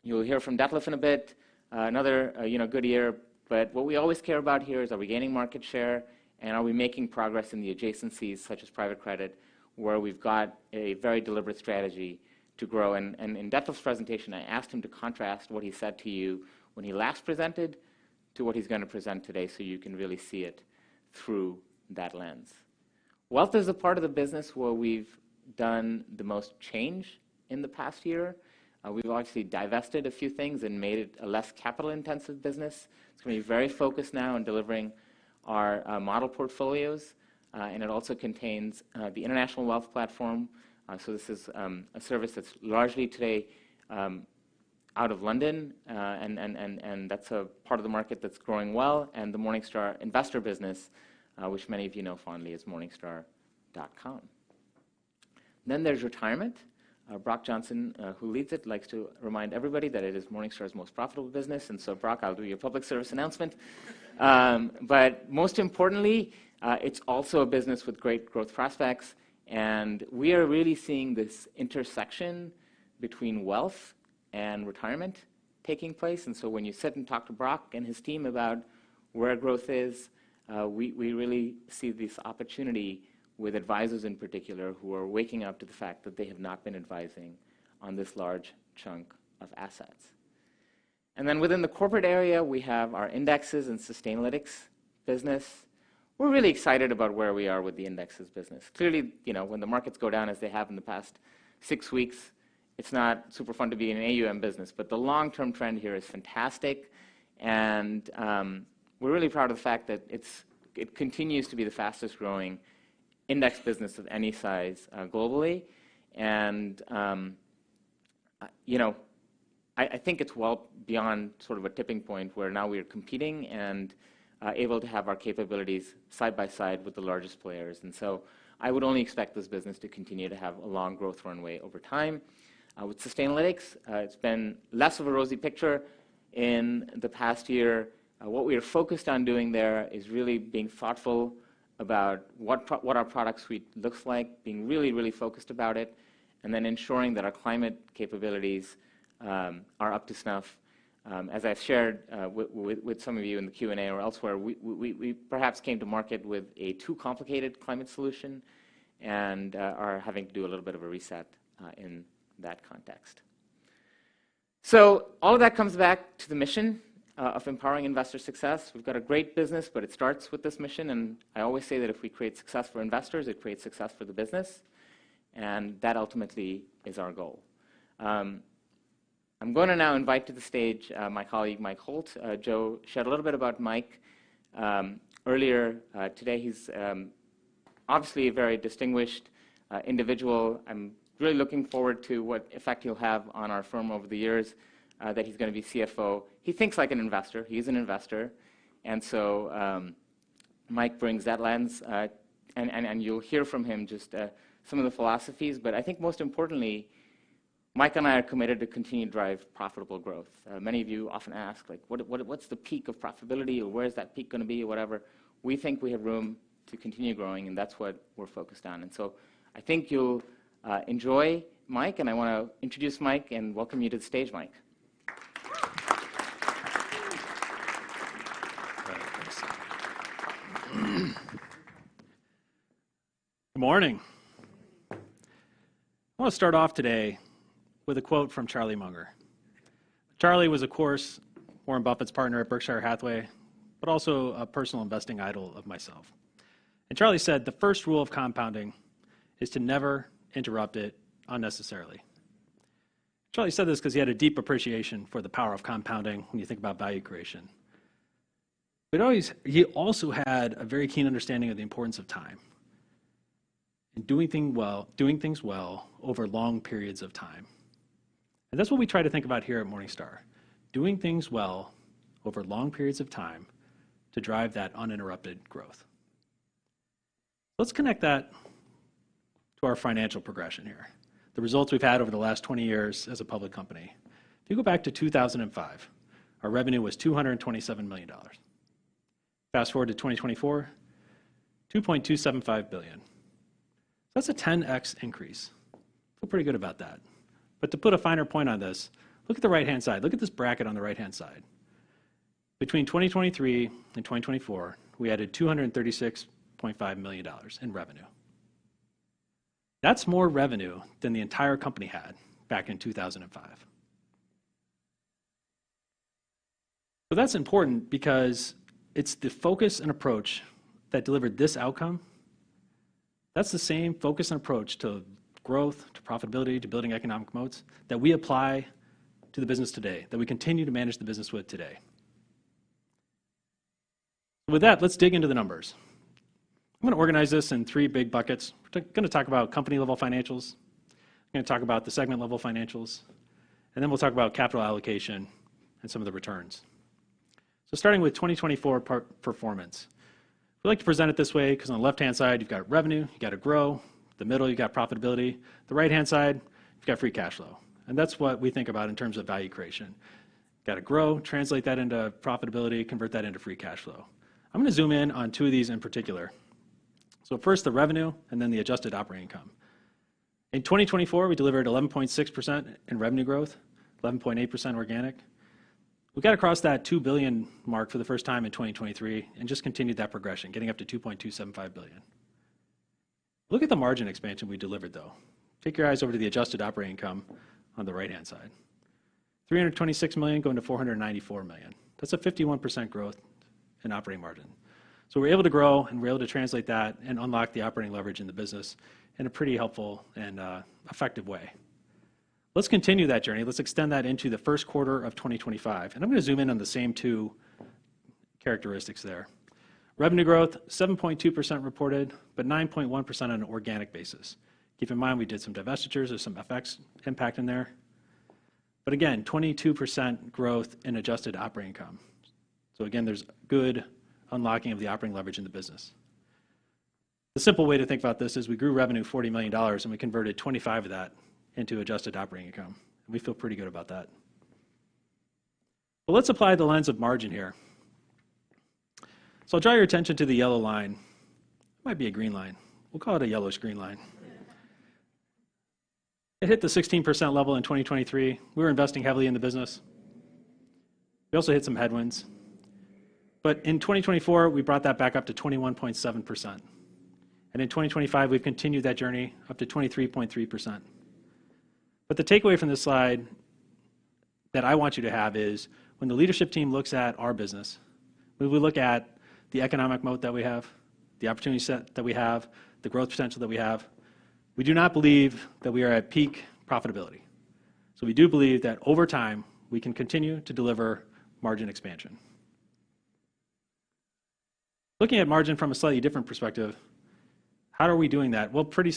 you'll hear from Detlef in a bit, another good year. What we always care about here is are we gaining market share? Are we making progress in the adjacencies such as private credit where we've got a very deliberate strategy to grow? In Detlef's presentation, I asked him to contrast what he said to you when he last presented to what he's going to present today so you can really see it through that lens. Wealth is a part of the business where we've done the most change in the past year. We've obviously divested a few things and made it a less capital-intensive business. It's going to be very focused now on delivering our model portfolios. It also contains the International Wealth Platform. This is a service that is largely today out of London. That is a part of the market that is growing well. The Morningstar investor business, which many of you know fondly as morningstar.com. There is retirement. Brock Johnson, who leads it, likes to remind everybody that it is Morningstar's most profitable business. Brock, I will do your public service announcement. Most importantly, it is also a business with great growth prospects. We are really seeing this intersection between wealth and retirement taking place. When you sit and talk to Brock and his team about where growth is, we really see this opportunity with advisors in particular who are waking up to the fact that they have not been advising on this large chunk of assets. Within the corporate area, we have our Indexes and Sustainalytics business. We are really excited about where we are with the Indexes business. Clearly, when the markets go down as they have in the past six weeks, it is not super fun to be in an AUM business. The long-term trend here is fantastic. We are really proud of the fact that it continues to be the fastest-growing index business of any size globally. I think it is well beyond sort of a tipping point where now we are competing and able to have our capabilities side-by-side with the largest players. I would only expect this business to continue to have a long growth runway over time. With Sustainalytics, it has been less of a rosy picture in the past year. What we are focused on doing there is really being thoughtful about what our product suite looks like, being really, really focused about it, and then ensuring that our climate capabilities are up to snuff. As I've shared with some of you in the Q&A or elsewhere, we perhaps came to market with a too complicated climate solution and are having to do a little bit of a reset in that context. All of that comes back to the mission of empowering investor success. We've got a great business. It starts with this mission. I always say that if we create success for investors, it creates success for the business. That ultimately is our goal. I'm going to now invite to the stage my colleague, Mike Holt. Joe shared a little bit about Mike earlier today. He's obviously a very distinguished individual. I'm really looking forward to what effect he'll have on our firm over the years that he's going to be CFO. He thinks like an investor. He is an investor. Mike brings that lens. You'll hear from him just some of the philosophies. I think most importantly, Mike and I are committed to continue to drive profitable growth. Many of you often ask, "What's the peak of profitability?" or "Where's that peak going to be?" or whatever. We think we have room to continue growing. That's what we're focused on. I think you'll enjoy Mike. I want to introduce Mike and welcome you to the stage, Mike. Good morning. I want to start off today with a quote from Charlie Munger. Charlie was, of course, Warren Buffett's partner at Berkshire Hathaway, but also a personal investing idol of myself. Charlie said, "The first rule of compounding is to never interrupt it unnecessarily." Charlie said this because he had a deep appreciation for the power of compounding when you think about value creation. He also had a very keen understanding of the importance of time and doing things well over long periods of time. That is what we try to think about here at Morningstar, doing things well over long periods of time to drive that uninterrupted growth. Let's connect that to our financial progression here, the results we have had over the last 20 years as a public company. If you go back to 2005, our revenue was $227 million. Fast forward to 2024, $2.275 billion. That is a 10x increase. Feel pretty good about that. To put a finer point on this, look at the right-hand side. Look at this bracket on the right-hand side. Between 2023 and 2024, we added $236.5 million in revenue. That's more revenue than the entire company had back in 2005. That's important because it's the focus and approach that delivered this outcome. That's the same focus and approach to growth, to profitability, to building economic moats that we apply to the business today, that we continue to manage the business with today. With that, let's dig into the numbers. I'm going to organize this in three big buckets. We're going to talk about company-level financials. We're going to talk about the segment-level financials. And then we'll talk about capital allocation and some of the returns. Starting with 2024 performance, we like to present it this way because on the left-hand side, you've got revenue. You've got to grow. The middle, you've got profitability. The right-hand side, you've got free cash flow. That is what we think about in terms of value creation. Got to grow, translate that into profitability, convert that into free cash flow. I am going to zoom in on two of these in particular. First, the revenue, and then the adjusted operating income. In 2024, we delivered 11.6% in revenue growth, 11.8% organic. We got across that $2 billion mark for the first time in 2023 and just continued that progression, getting up to $2.275 billion. Look at the margin expansion we delivered, though. Take your eyes over to the adjusted operating income on the right-hand side. $326 million going to $494 million. That is a 51% growth in operating margin. We are able to grow, and we are able to translate that and unlock the operating leverage in the business in a pretty helpful and effective way. Let us continue that journey. Let's extend that into the first quarter of 2025. I'm going to zoom in on the same two characteristics there. Revenue growth, 7.2% reported, but 9.1% on an organic basis. Keep in mind, we did some divestitures. There's some FX impact in there. Again, 22% growth in adjusted operating income. Again, there's good unlocking of the operating leverage in the business. The simple way to think about this is we grew revenue $40 million, and we converted 25 of that into adjusted operating income. We feel pretty good about that. Let's apply the lens of margin here. I'll draw your attention to the yellow line. It might be a green line. We'll call it a yellow screen line. It hit the 16% level in 2023. We were investing heavily in the business. We also hit some headwinds. In 2024, we brought that back up to 21.7%. In 2025, we have continued that journey up to 23.3%. The takeaway from this slide that I want you to have is when the leadership team looks at our business, we look at the economic moat that we have, the opportunity set that we have, the growth potential that we have. We do not believe that we are at peak profitability. We do believe that over time, we can continue to deliver margin expansion. Looking at margin from a slightly different perspective, how are we doing that? Pretty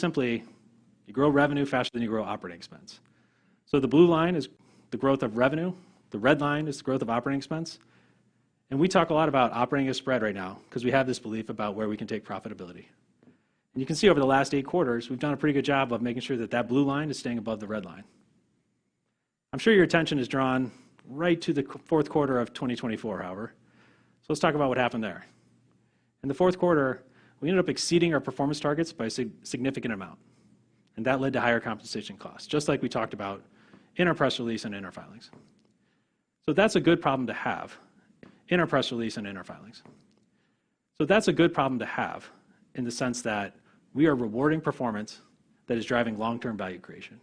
simply, you grow revenue faster than you grow operating expense. The blue line is the growth of revenue. The red line is the growth of operating expense. We talk a lot about operating a spread right now because we have this belief about where we can take profitability. You can see over the last eight quarters, we have done a pretty good job of making sure that that blue line is staying above the red line. I am sure your attention is drawn right to the fourth quarter of 2024, however. Let us talk about what happened there. In the fourth quarter, we ended up exceeding our performance targets by a significant amount. That led to higher compensation costs, just like we talked about in our press release and in our filings. That is a good problem to have in the sense that we are rewarding performance that is driving long-term value creation.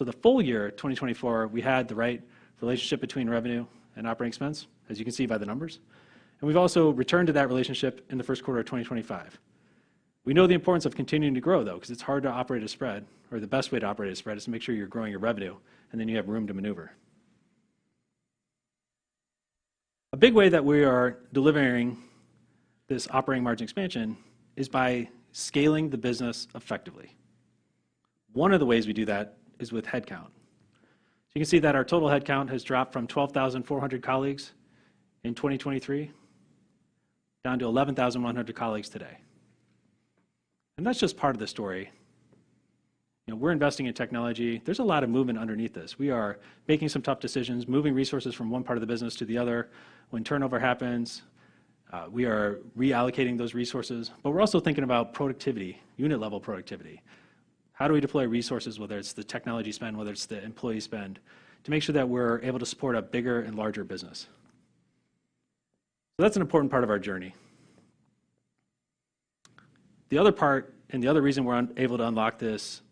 The full year, 2024, we had the right relationship between revenue and operating expense, as you can see by the numbers. We have also returned to that relationship in the first quarter of 2025. We know the importance of continuing to grow, though, because it is hard to operate a spread, or the best way to operate a spread is to make sure you are growing your revenue, and then you have room to maneuver. A big way that we are delivering this operating margin expansion is by scaling the business effectively. One of the ways we do that is with headcount. You can see that our total headcount has dropped from 12,400 colleagues in 2023 down to 11,100 colleagues today. That is just part of the story. We are investing in technology. There is a lot of movement underneath this. We are making some tough decisions, moving resources from one part of the business to the other when turnover happens. We are reallocating those resources. We are also thinking about productivity, unit-level productivity. How do we deploy resources, whether it's the technology spend, whether it's the employee spend, to make sure that we're able to support a bigger and larger business? That is an important part of our journey. The other part and the other reason we're able to unlock this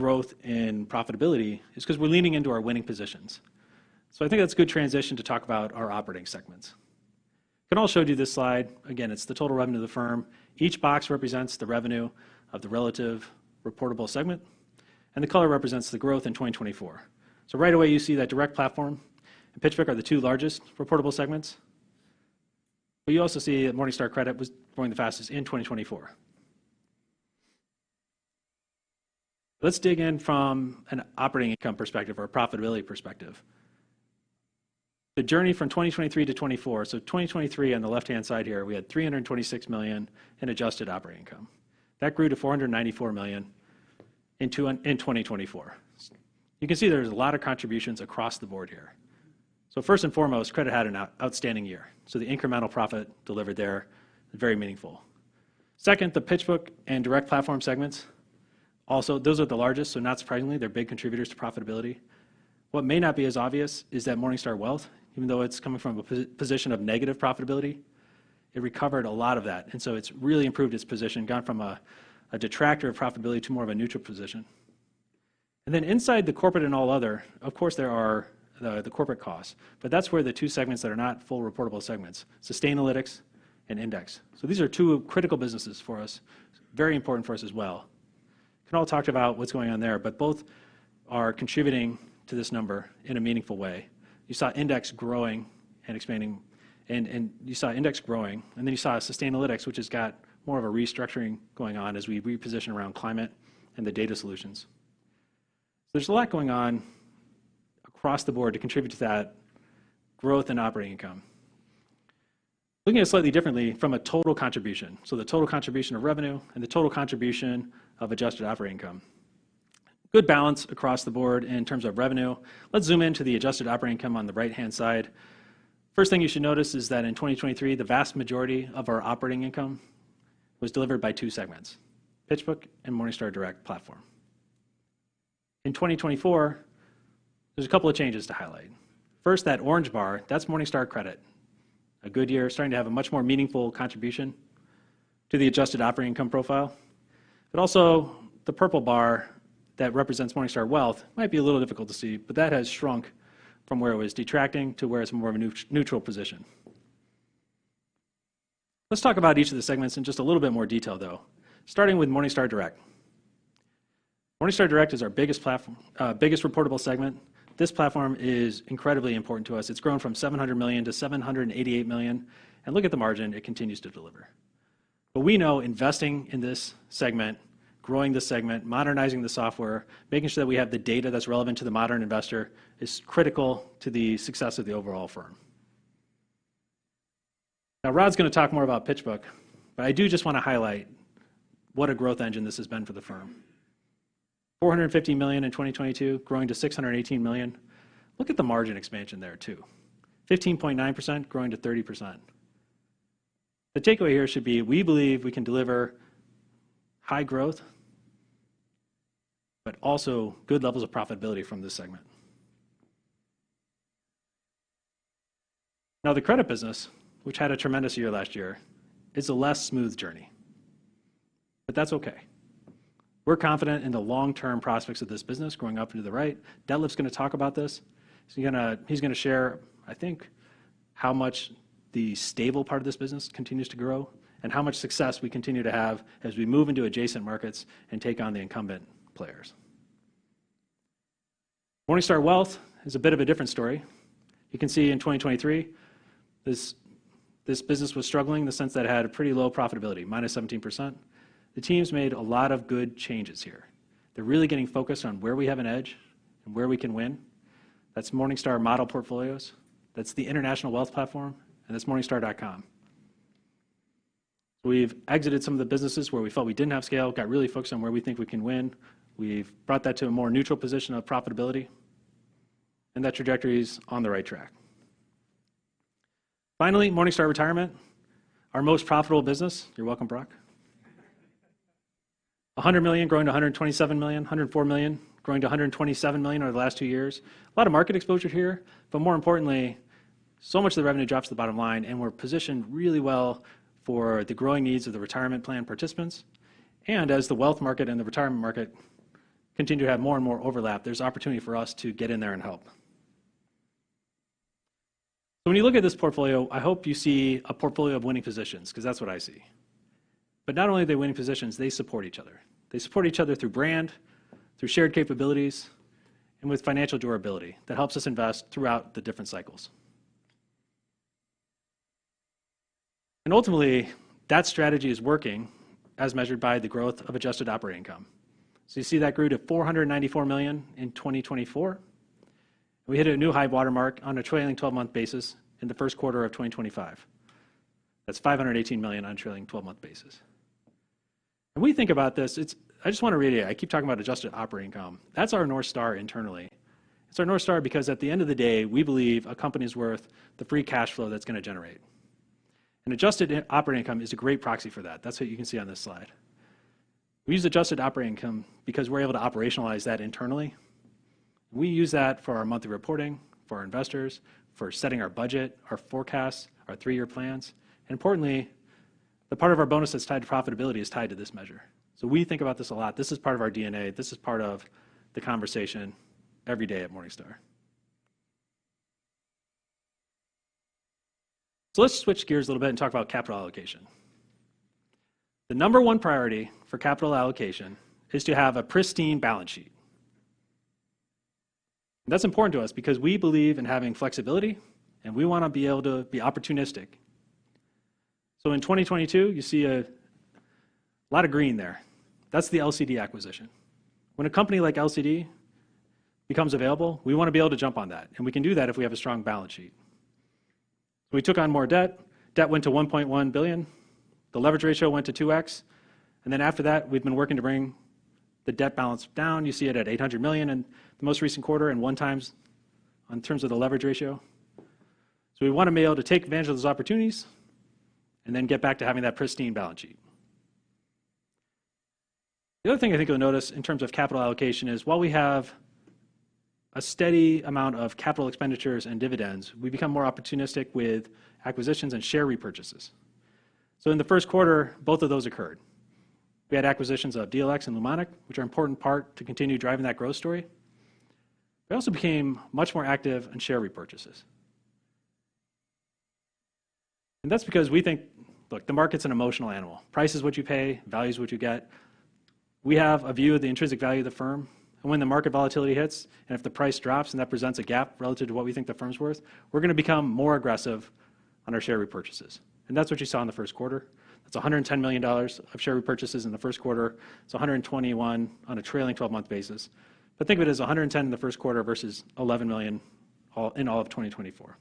growth in profitability is because we're leaning into our winning positions. I think that's a good transition to talk about our operating segments. I can also show you this slide. Again, it's the total revenue of the firm. Each box represents the revenue of the relative reportable segment. The color represents the growth in 2024. Right away, you see that Direct Platform and PitchBook are the two largest reportable segments. You also see that Morningstar Credit was growing the fastest in 2024. Let's dig in from an operating income perspective or a profitability perspective. The journey from 2023 to 2024, so 2023 on the left-hand side here, we had $326 million in adjusted operating income. That grew to $494 million in 2024. You can see there are a lot of contributions across the board here. First and foremost, Credit had an outstanding year. The incremental profit delivered there is very meaningful. Second, the PitchBook and direct platform segments, also those are the largest. Not surprisingly, they are big contributors to profitability. What may not be as obvious is that Morningstar Wealth, even though it is coming from a position of negative profitability, recovered a lot of that. It has really improved its position, gone from a detractor of profitability to more of a neutral position. Inside the corporate and all other, of course, there are the corporate costs. That is where the two segments that are not full reportable segments, Sustainalytics and Index, are. These are two critical businesses for us, very important for us as well. We can all talk about what is going on there, but both are contributing to this number in a meaningful way. You saw Index growing and expanding, and you saw Index growing. You saw Sustainalytics, which has got more of a restructuring going on as we reposition around climate and the data solutions. There is a lot going on across the board to contribute to that growth in operating income. Looking at it slightly differently from a total contribution, so the total contribution of revenue and the total contribution of adjusted operating income, good balance across the board in terms of revenue. Let's zoom into the adjusted operating income on the right-hand side. First thing you should notice is that in 2023, the vast majority of our operating income was delivered by two segments, PitchBook and Morningstar Direct platform. In 2024, there's a couple of changes to highlight. First, that orange bar, that's Morningstar Credit, a good year starting to have a much more meaningful contribution to the adjusted operating income profile. Also, the purple bar that represents Morningstar Wealth might be a little difficult to see, but that has shrunk from where it was detracting to where it's more of a neutral position. Let's talk about each of the segments in just a little bit more detail, though, starting with Morningstar Direct. Morningstar Direct is our biggest reportable segment. This platform is incredibly important to us. It's grown from $700 million to $788 million. Look at the margin. It continues to deliver. We know investing in this segment, growing the segment, modernizing the software, making sure that we have the data that's relevant to the modern investor is critical to the success of the overall firm. Now, Rod's going to talk more about PitchBook, but I do just want to highlight what a growth engine this has been for the firm. $450 million in 2022, growing to $618 million. Look at the margin expansion there, too, 15.9% growing to 30%. The takeaway here should be, we believe we can deliver high growth, but also good levels of profitability from this segment. Now, the credit business, which had a tremendous year last year, is a less smooth journey. That's okay. We're confident in the long-term prospects of this business growing up and to the right. Detlef's going to talk about this. He's going to share, I think, how much the stable part of this business continues to grow and how much success we continue to have as we move into adjacent markets and take on the incumbent players. Morningstar Wealth is a bit of a different story. You can see in 2023, this business was struggling in the sense that it had a pretty low profitability, -17%. The teams made a lot of good changes here. They're really getting focused on where we have an edge and where we can win. That's Morningstar Model Portfolios. That's the International Wealth Platform. That's morningstar.com. We've exited some of the businesses where we felt we didn't have scale, got really focused on where we think we can win. We've brought that to a more neutral position of profitability. That trajectory is on the right track. Finally, Morningstar Retirement, our most profitable business. You're welcome, Brock. $100 million, growing to $127 million, $104 million, growing to $127 million over the last two years. A lot of market exposure here. More importantly, so much of the revenue drops to the bottom line, and we're positioned really well for the growing needs of the retirement plan participants. As the wealth market and the retirement market continue to have more and more overlap, there's opportunity for us to get in there and help. When you look at this portfolio, I hope you see a portfolio of winning positions because that's what I see. Not only are they winning positions, they support each other. They support each other through brand, through shared capabilities, and with financial durability that helps us invest throughout the different cycles. Ultimately, that strategy is working as measured by the growth of adjusted operating income. You see that grew to $494 million in 2024. We hit a new high watermark on a trailing 12-month basis in the first quarter of 2025. That is $518 million on a trailing 12-month basis. When we think about this, I just want to reiterate, I keep talking about adjusted operating income. That is our North Star internally. It is our North Star because at the end of the day, we believe a company's worth is the free cash flow that it is going to generate. Adjusted operating income is a great proxy for that. That is what you can see on this slide. We use adjusted operating income because we're able to operationalize that internally. We use that for our monthly reporting, for our investors, for setting our budget, our forecasts, our three-year plans. Importantly, the part of our bonus that's tied to profitability is tied to this measure. We think about this a lot. This is part of our DNA. This is part of the conversation every day at Morningstar. Let's switch gears a little bit and talk about capital allocation. The number one priority for capital allocation is to have a pristine balance sheet. That's important to us because we believe in having flexibility, and we want to be able to be opportunistic. In 2022, you see a lot of green there. That's the LCD acquisition. When a company like LCD becomes available, we want to be able to jump on that. We can do that if we have a strong balance sheet. We took on more debt. Debt went to $1.1 billion. The leverage ratio went to 2x. After that, we have been working to bring the debt balance down. You see it at $800 million in the most recent quarter and one times in terms of the leverage ratio. We want to be able to take advantage of those opportunities and then get back to having that pristine balance sheet. The other thing I think you will notice in terms of capital allocation is while we have a steady amount of capital expenditures and dividends, we become more opportunistic with acquisitions and share repurchases. In the first quarter, both of those occurred. We had acquisitions of DLX and Lumonic, which are an important part to continue driving that growth story. They also became much more active in share repurchases. That is because we think, look, the market's an emotional animal. Price is what you pay, value is what you get. We have a view of the intrinsic value of the firm. When the market volatility hits, and if the price drops and that presents a gap relative to what we think the firm's worth, we're going to become more aggressive on our share repurchases. That is what you saw in the first quarter. That is $110 million of share repurchases in the first quarter. It is $121 million on a trailing 12-month basis. Think of it as $110 million in the first quarter versus $11 million in all of 2024.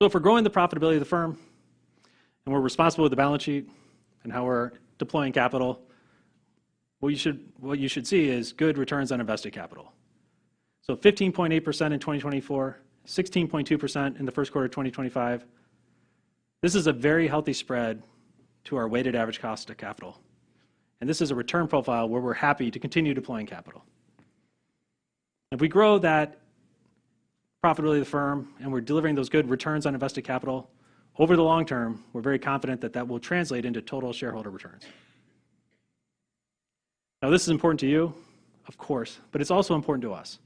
If we're growing the profitability of the firm and we're responsible with the balance sheet and how we're deploying capital, what you should see is good returns on invested capital. 15.8% in 2024, 16.2% in the first quarter of 2025. This is a very healthy spread to our weighted average cost of capital. This is a return profile where we're happy to continue deploying capital. If we grow that profitability of the firm and we're delivering those good returns on invested capital over the long term, we're very confident that that will translate into total shareholder returns. This is important to you, of course, but it's also important to us.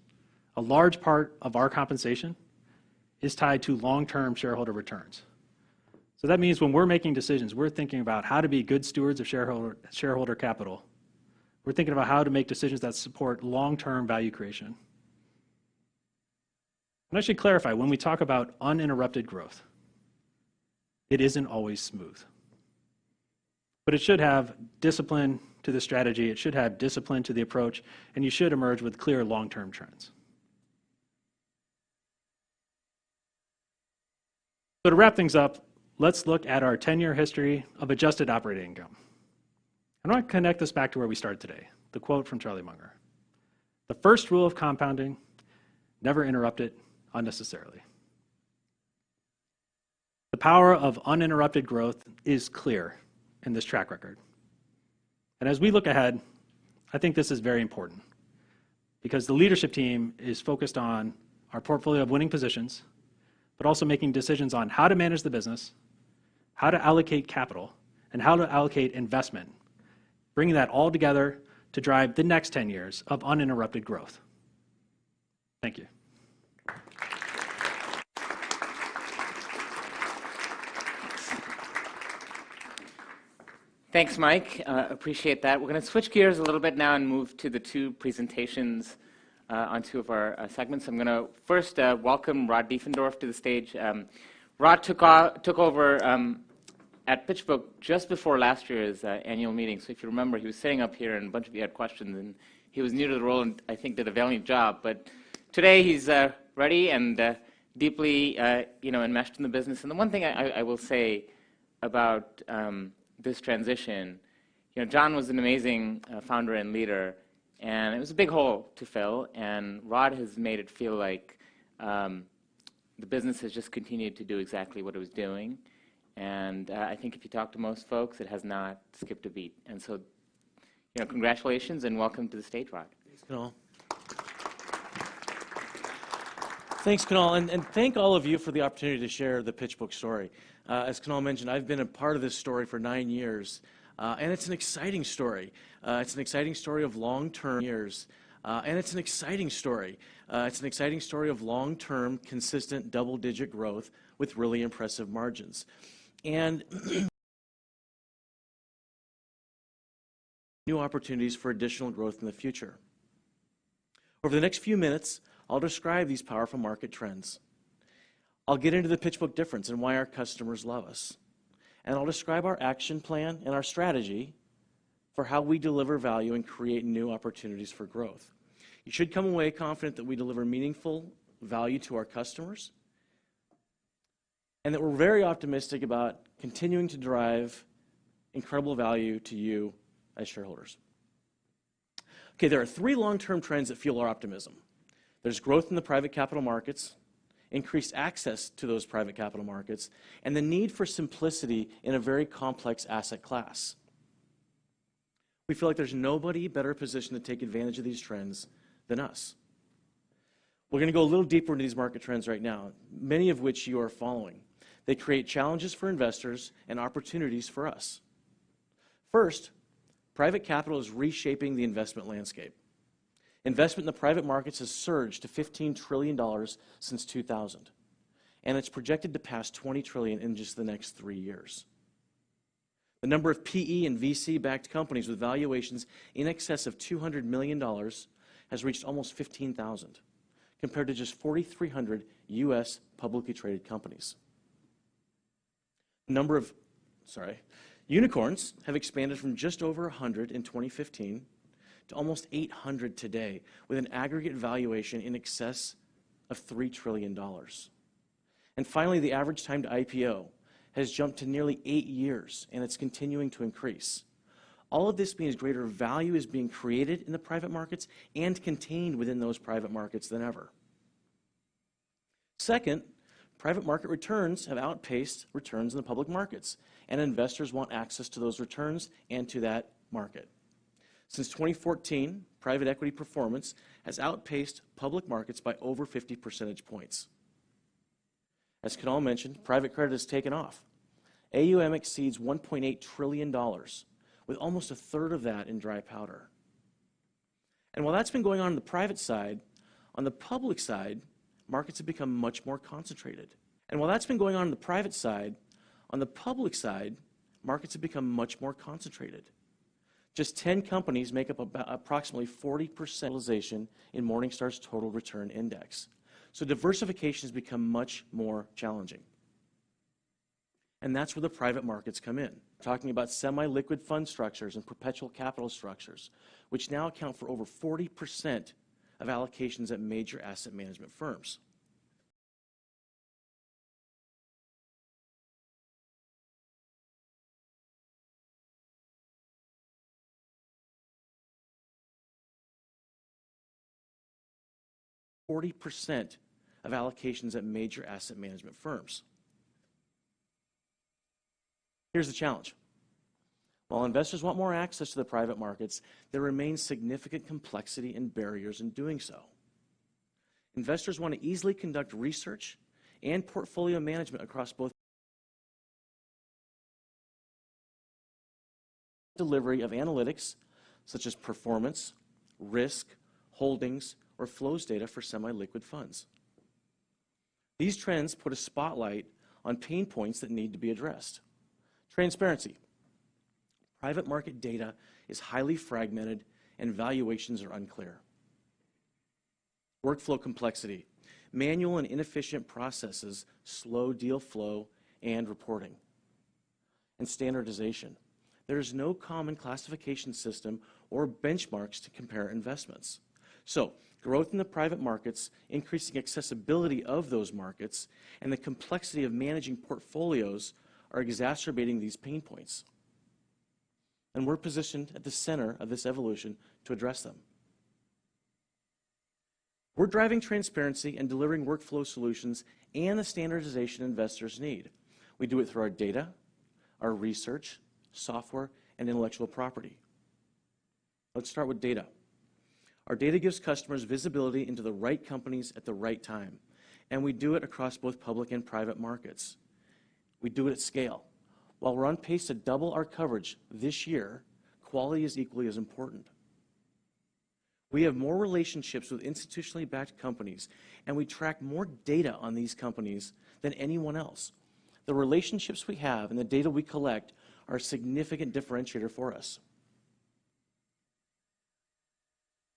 A large part of our compensation is tied to long-term shareholder returns. That means when we're making decisions, we're thinking about how to be good stewards of shareholder capital. We're thinking about how to make decisions that support long-term value creation. I should clarify, when we talk about uninterrupted growth, it isn't always smooth. It should have discipline to the strategy. It should have discipline to the approach. You should emerge with clear long-term trends. To wrap things up, let's look at our 10-year history of adjusted operating income. I want to connect this back to where we started today, the quote from Charlie Munger, "The first rule of compounding, never interrupt it unnecessarily." The power of uninterrupted growth is clear in this track record. As we look ahead, I think this is very important because the leadership team is focused on our portfolio of winning positions, but also making decisions on how to manage the business, how to allocate capital, and how to allocate investment, bringing that all together to drive the next 10 years of uninterrupted growth. Thank you. Thanks, Mike. Appreciate that. We're going to switch gears a little bit now and move to the two presentations on two of our segments. I'm going to first welcome Rod Diefendorf to the stage. Rod took over at PitchBook just before last year's annual meeting. If you remember, he was sitting up here and a bunch of you had questions. He was new to the role and I think did a valuable job. Today he's ready and deeply enmeshed in the business. The one thing I will say about this transition, John was an amazing founder and leader. It was a big hole to fill. Rod has made it feel like the business has just continued to do exactly what it was doing. I think if you talk to most folks, it has not skipped a beat. Congratulations and welcome to the stage, Rod. Thanks, Kunal. Thank all of you for the opportunity to share the PitchBook story. As Kunal mentioned, I've been a part of this story for nine years. It's an exciting story of long-term, consistent double-digit growth with really impressive margins and new opportunities for additional growth in the future. Over the next few minutes, I'll describe these powerful market trends. I'll get into the PitchBook difference and why our customers love us. I'll describe our action plan and our strategy for how we deliver value and create new opportunities for growth. You should come away confident that we deliver meaningful value to our customers and that we're very optimistic about continuing to drive incredible value to you as shareholders. There are three long-term trends that fuel our optimism. There's growth in the private capital markets, increased access to those private capital markets, and the need for simplicity in a very complex asset class. We feel like there's nobody better positioned to take advantage of these trends than us. We're going to go a little deeper into these market trends right now, many of which you are following. They create challenges for investors and opportunities for us. First, private capital is reshaping the investment landscape. Investment in the private markets has surged to $15 trillion since 2000. It is projected to pass $20 trillion in just the next three years. The number of PE and VC-backed companies with valuations in excess of $200 million has reached almost 15,000, compared to just 4,300 U.S. publicly traded companies. The number of, sorry, unicorns have expanded from just over 100 in 2015 to almost 800 today, with an aggregate valuation in excess of $3 trillion. Finally, the average time to IPO has jumped to nearly eight years, and it is continuing to increase. All of this means greater value is being created in the private markets and contained within those private markets than ever. Second, private market returns have outpaced returns in the public markets. Investors want access to those returns and to that market. Since 2014, private equity performance has outpaced public markets by over 50 percentage points. As Kunal mentioned, private credit has taken off. AUM exceeds $1.8 trillion, with almost a third of that in dry powder. While that has been going on on the private side, on the public side, markets have become much more concentrated. While that's been going on on the private side, on the public side, markets have become much more concentrated. Just 10 companies make up approximately 40% in Morningstar's total return index. Diversification has become much more challenging. That's where the private markets come in. Talking about semi-liquid fund structures and perpetual capital structures, which now account for over 40% of allocations at major asset management firms. 40% of allocations at major asset management firms. Here's the challenge. While investors want more access to the private markets, there remains significant complexity and barriers in doing so. Investors want to easily conduct research and portfolio management across both delivery of analytics, such as performance, risk, holdings, or flows data for semi-liquid funds. These trends put a spotlight on pain points that need to be addressed. Transparency. Private market data is highly fragmented and valuations are unclear. Workflow complexity. Manual and inefficient processes slow deal flow and reporting. There is no common classification system or benchmarks to compare investments. Growth in the private markets, increasing accessibility of those markets, and the complexity of managing portfolios are exacerbating these pain points. We are positioned at the center of this evolution to address them. We are driving transparency and delivering workflow solutions and the standardization investors need. We do it through our data, our research, software, and intellectual property. Let's start with data. Our data gives customers visibility into the right companies at the right time. We do it across both public and private markets. We do it at scale. While we are on pace to double our coverage this year, quality is equally as important. We have more relationships with institutionally backed companies, and we track more data on these companies than anyone else. The relationships we have and the data we collect are a significant differentiator for us.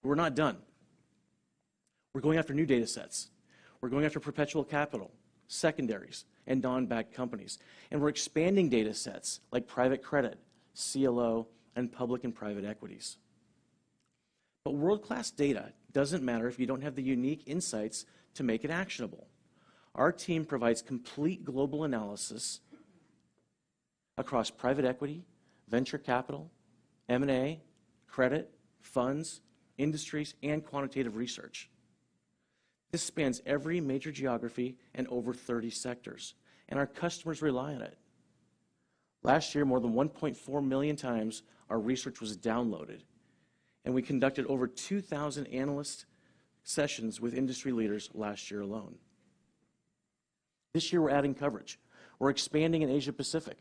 We're not done. We're going after new data sets. We're going after perpetual capital, secondaries, and non-backed companies. We're expanding data sets like private credit, CLO, and public and private equities. World-class data doesn't matter if you don't have the unique insights to make it actionable. Our team provides complete global analysis across private equity, venture capital, M&A, credit, funds, industries, and quantitative research. This spans every major geography and over 30 sectors. Our customers rely on it. Last year, more than 1.4 million times, our research was downloaded. We conducted over 2,000 analyst sessions with industry leaders last year alone. This year, we're adding coverage. We're expanding in Asia-Pacific.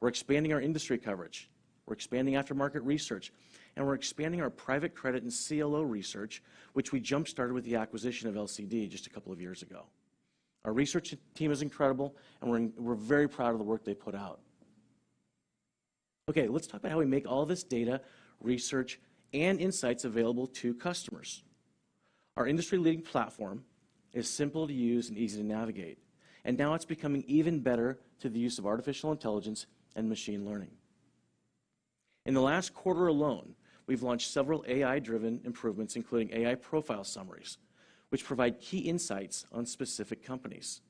We're expanding our industry coverage. We're expanding aftermarket research. We're expanding our private credit and CLO research, which we jump-started with the acquisition of LCD just a couple of years ago. Our research team is incredible, and we're very proud of the work they put out. Let's talk about how we make all this data, research, and insights available to customers. Our industry-leading platform is simple to use and easy to navigate. Now it's becoming even better through the use of artificial intelligence and machine learning. In the last quarter alone, we've launched several AI-driven improvements, including AI profile summaries, which provide key insights on specific companies,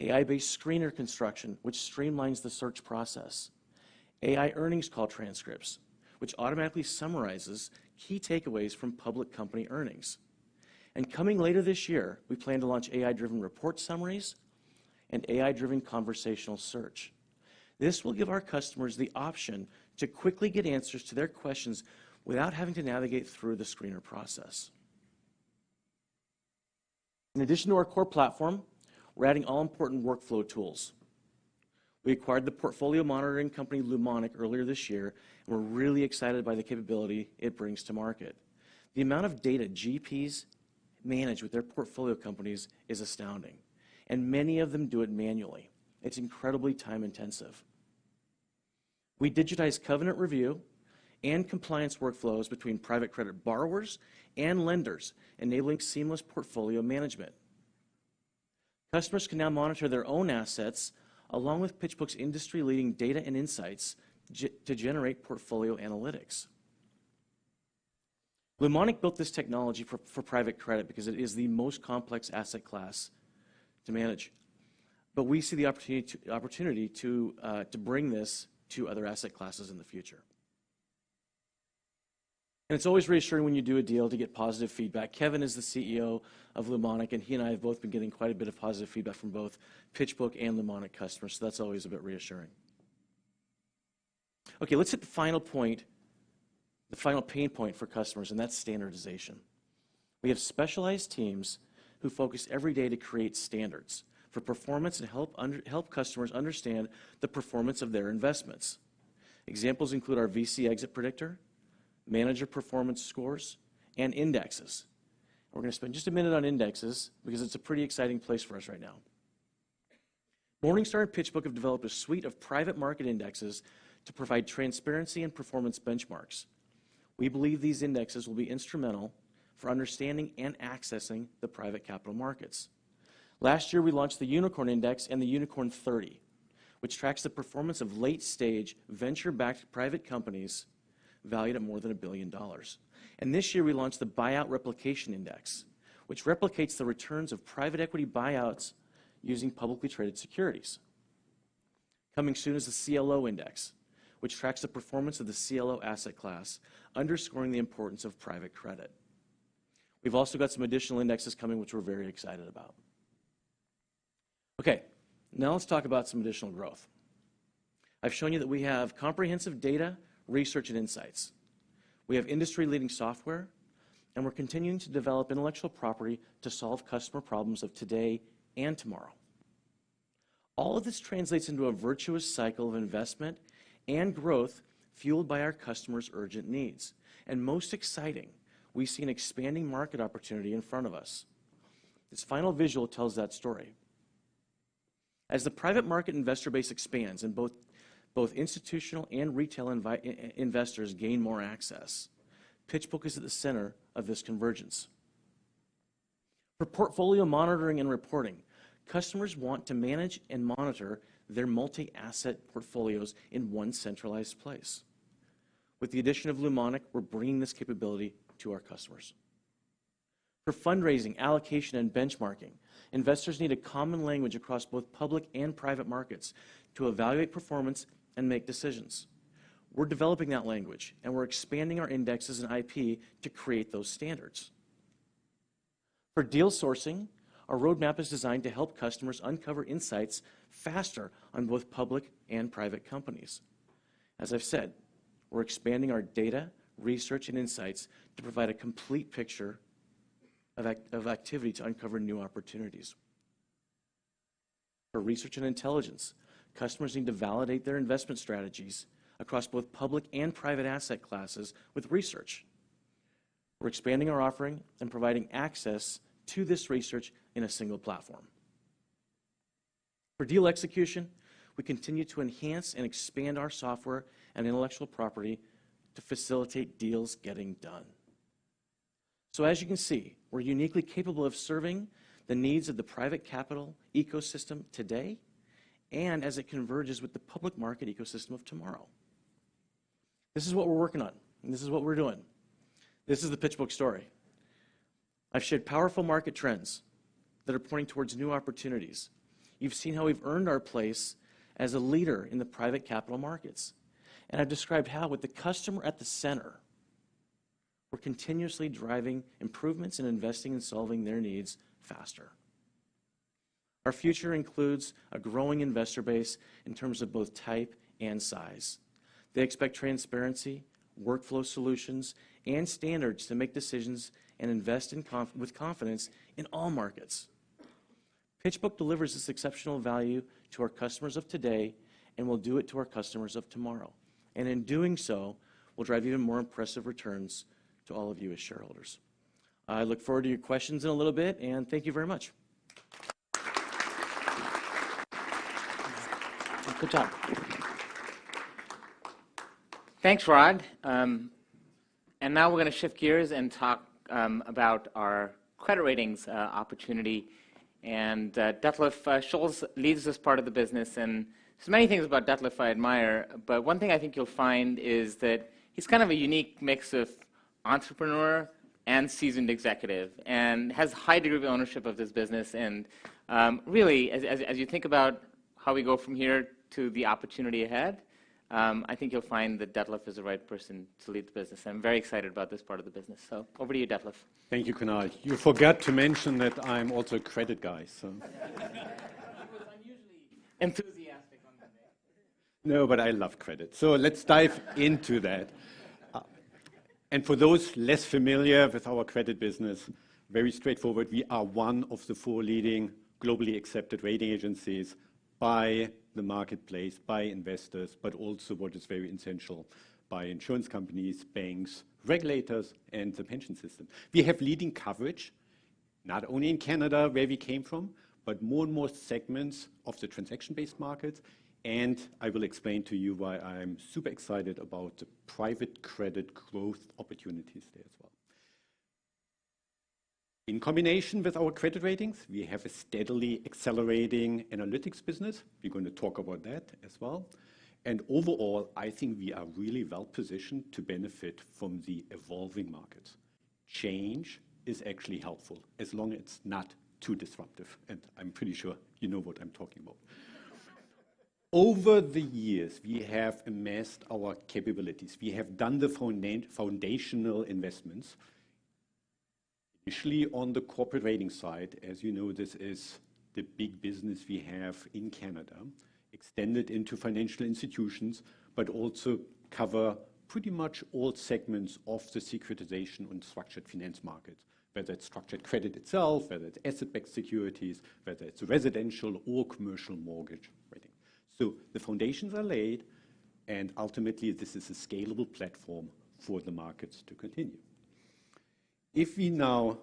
AI-based screener construction, which streamlines the search process, and AI earnings call transcripts, which automatically summarize key takeaways from public company earnings. Coming later this year, we plan to launch AI-driven report summaries and AI-driven conversational search. This will give our customers the option to quickly get answers to their questions without having to navigate through the screener process. In addition to our core platform, we're adding all-important workflow tools. We acquired the portfolio monitoring company Lumonic earlier this year, and we're really excited by the capability it brings to market. The amount of data GPs manage with their portfolio companies is astounding. Many of them do it manually. It's incredibly time-intensive. We digitize covenant review and compliance workflows between private credit borrowers and lenders, enabling seamless portfolio management. Customers can now monitor their own assets along with PitchBook's industry-leading data and insights to generate portfolio analytics. Lumonic built this technology for private credit because it is the most complex asset class to manage. We see the opportunity to bring this to other asset classes in the future. It is always reassuring when you do a deal to get positive feedback. Kevin is the CEO of Lumonic, and he and I have both been getting quite a bit of positive feedback from both PitchBook and Lumonic customers. That is always a bit reassuring. Okay, let's hit the final point, the final pain point for customers, and that is standardization. We have specialized teams who focus every day to create standards for performance and help customers understand the performance of their investments. Examples include our VC Exit Predictor, manager performance scores, and indexes. We are going to spend just a minute on Indexes because it is a pretty exciting place for us right now. Morningstar and PitchBook have developed a suite of private market indexes to provide transparency and performance benchmarks. We believe these indexes will be instrumental for understanding and accessing the private capital markets. Last year, we launched the Unicorn Index and the Unicorn 30, which tracks the performance of late-stage venture-backed private companies valued at more than $1 billion. This year, we launched the Buyout Replication Index, which replicates the returns of private equity buyouts using publicly traded securities. Coming soon is the CLO Index, which tracks the performance of the CLO asset class, underscoring the importance of private credit. We've also got some additional indexes coming, which we're very excited about. Okay, now let's talk about some additional growth. I've shown you that we have comprehensive data, research, and insights. We have industry-leading software, and we're continuing to develop intellectual property to solve customer problems of today and tomorrow. All of this translates into a virtuous cycle of investment and growth fueled by our customers' urgent needs. Most exciting, we see an expanding market opportunity in front of us. This final visual tells that story. As the private market investor base expands and both institutional and retail investors gain more access, PitchBook is at the center of this convergence. For portfolio monitoring and reporting, customers want to manage and monitor their multi-asset portfolios in one centralized place. With the addition of Lumonic, we're bringing this capability to our customers. For fundraising, allocation, and benchmarking, investors need a common language across both public and private markets to evaluate performance and make decisions. We're developing that language, and we're expanding our indexes and IP to create those standards. For deal sourcing, our roadmap is designed to help customers uncover insights faster on both public and private companies. As I've said, we're expanding our data, research, and insights to provide a complete picture of activity to uncover new opportunities. For research and intelligence, customers need to validate their investment strategies across both public and private asset classes with research. We are expanding our offering and providing access to this research in a single platform. For deal execution, we continue to enhance and expand our software and intellectual property to facilitate deals getting done. As you can see, we are uniquely capable of serving the needs of the private capital ecosystem today and as it converges with the public market ecosystem of tomorrow. This is what we are working on. This is what we are doing. This is the PitchBook story. I have shared powerful market trends that are pointing towards new opportunities. You have seen how we have earned our place as a leader in the private capital markets. I have described how, with the customer at the center, we are continuously driving improvements and investing and solving their needs faster. Our future includes a growing investor base in terms of both type and size. They expect transparency, workflow solutions, and standards to make decisions and invest with confidence in all markets. PitchBook delivers this exceptional value to our customers of today and will do it to our customers of tomorrow. In doing so, we will drive even more impressive returns to all of you as shareholders. I look forward to your questions in a little bit, and thank you very much. Good Job. Thanks, Rod. Now we're going to shift gears and talk about our credit ratings opportunity. Detlef Scholz leads this part of the business. There are many things about Detlef I admire, but one thing I think you'll find is that he's kind of a unique mix of entrepreneur and seasoned executive and has a high degree of ownership of this business. Really, as you think about how we go from here to the opportunity ahead, I think you'll find that Detlef is the right person to lead the business. I'm very excited about this part of the business. Over to you, Detlef. Thank you, Kunal. You forgot to mention that I'm also a credit guy, so. I was unusually enthusiastic on Monday. No, but I love credit. Let's dive into that. For those less familiar with our credit business, very straightforward, we are one of the four leading globally accepted rating agencies by the marketplace, by investors, but also what is very essential by insurance companies, banks, regulators, and the pension system. We have leading coverage, not only in Canada where we came from, but more and more segments of the transaction-based markets. I will explain to you why I'm super excited about the private credit growth opportunities there as well. In combination with our credit ratings, we have a steadily accelerating analytics business. We're going to talk about that as well. Overall, I think we are really well positioned to benefit from the evolving markets. Change is actually helpful as long as it's not too disruptive. I'm pretty sure you know what I'm talking about. Over the years, we have amassed our capabilities. We have done the foundational investments, initially on the corporate rating side. As you know, this is the big business we have in Canada, extended into financial institutions, but also cover pretty much all segments of the securitization and structured finance markets, whether it is structured credit itself, whether it is asset-backed securities, whether it is residential or commercial mortgage ratings. The foundations are laid, and ultimately, this is a scalable platform for the markets to continue. If we now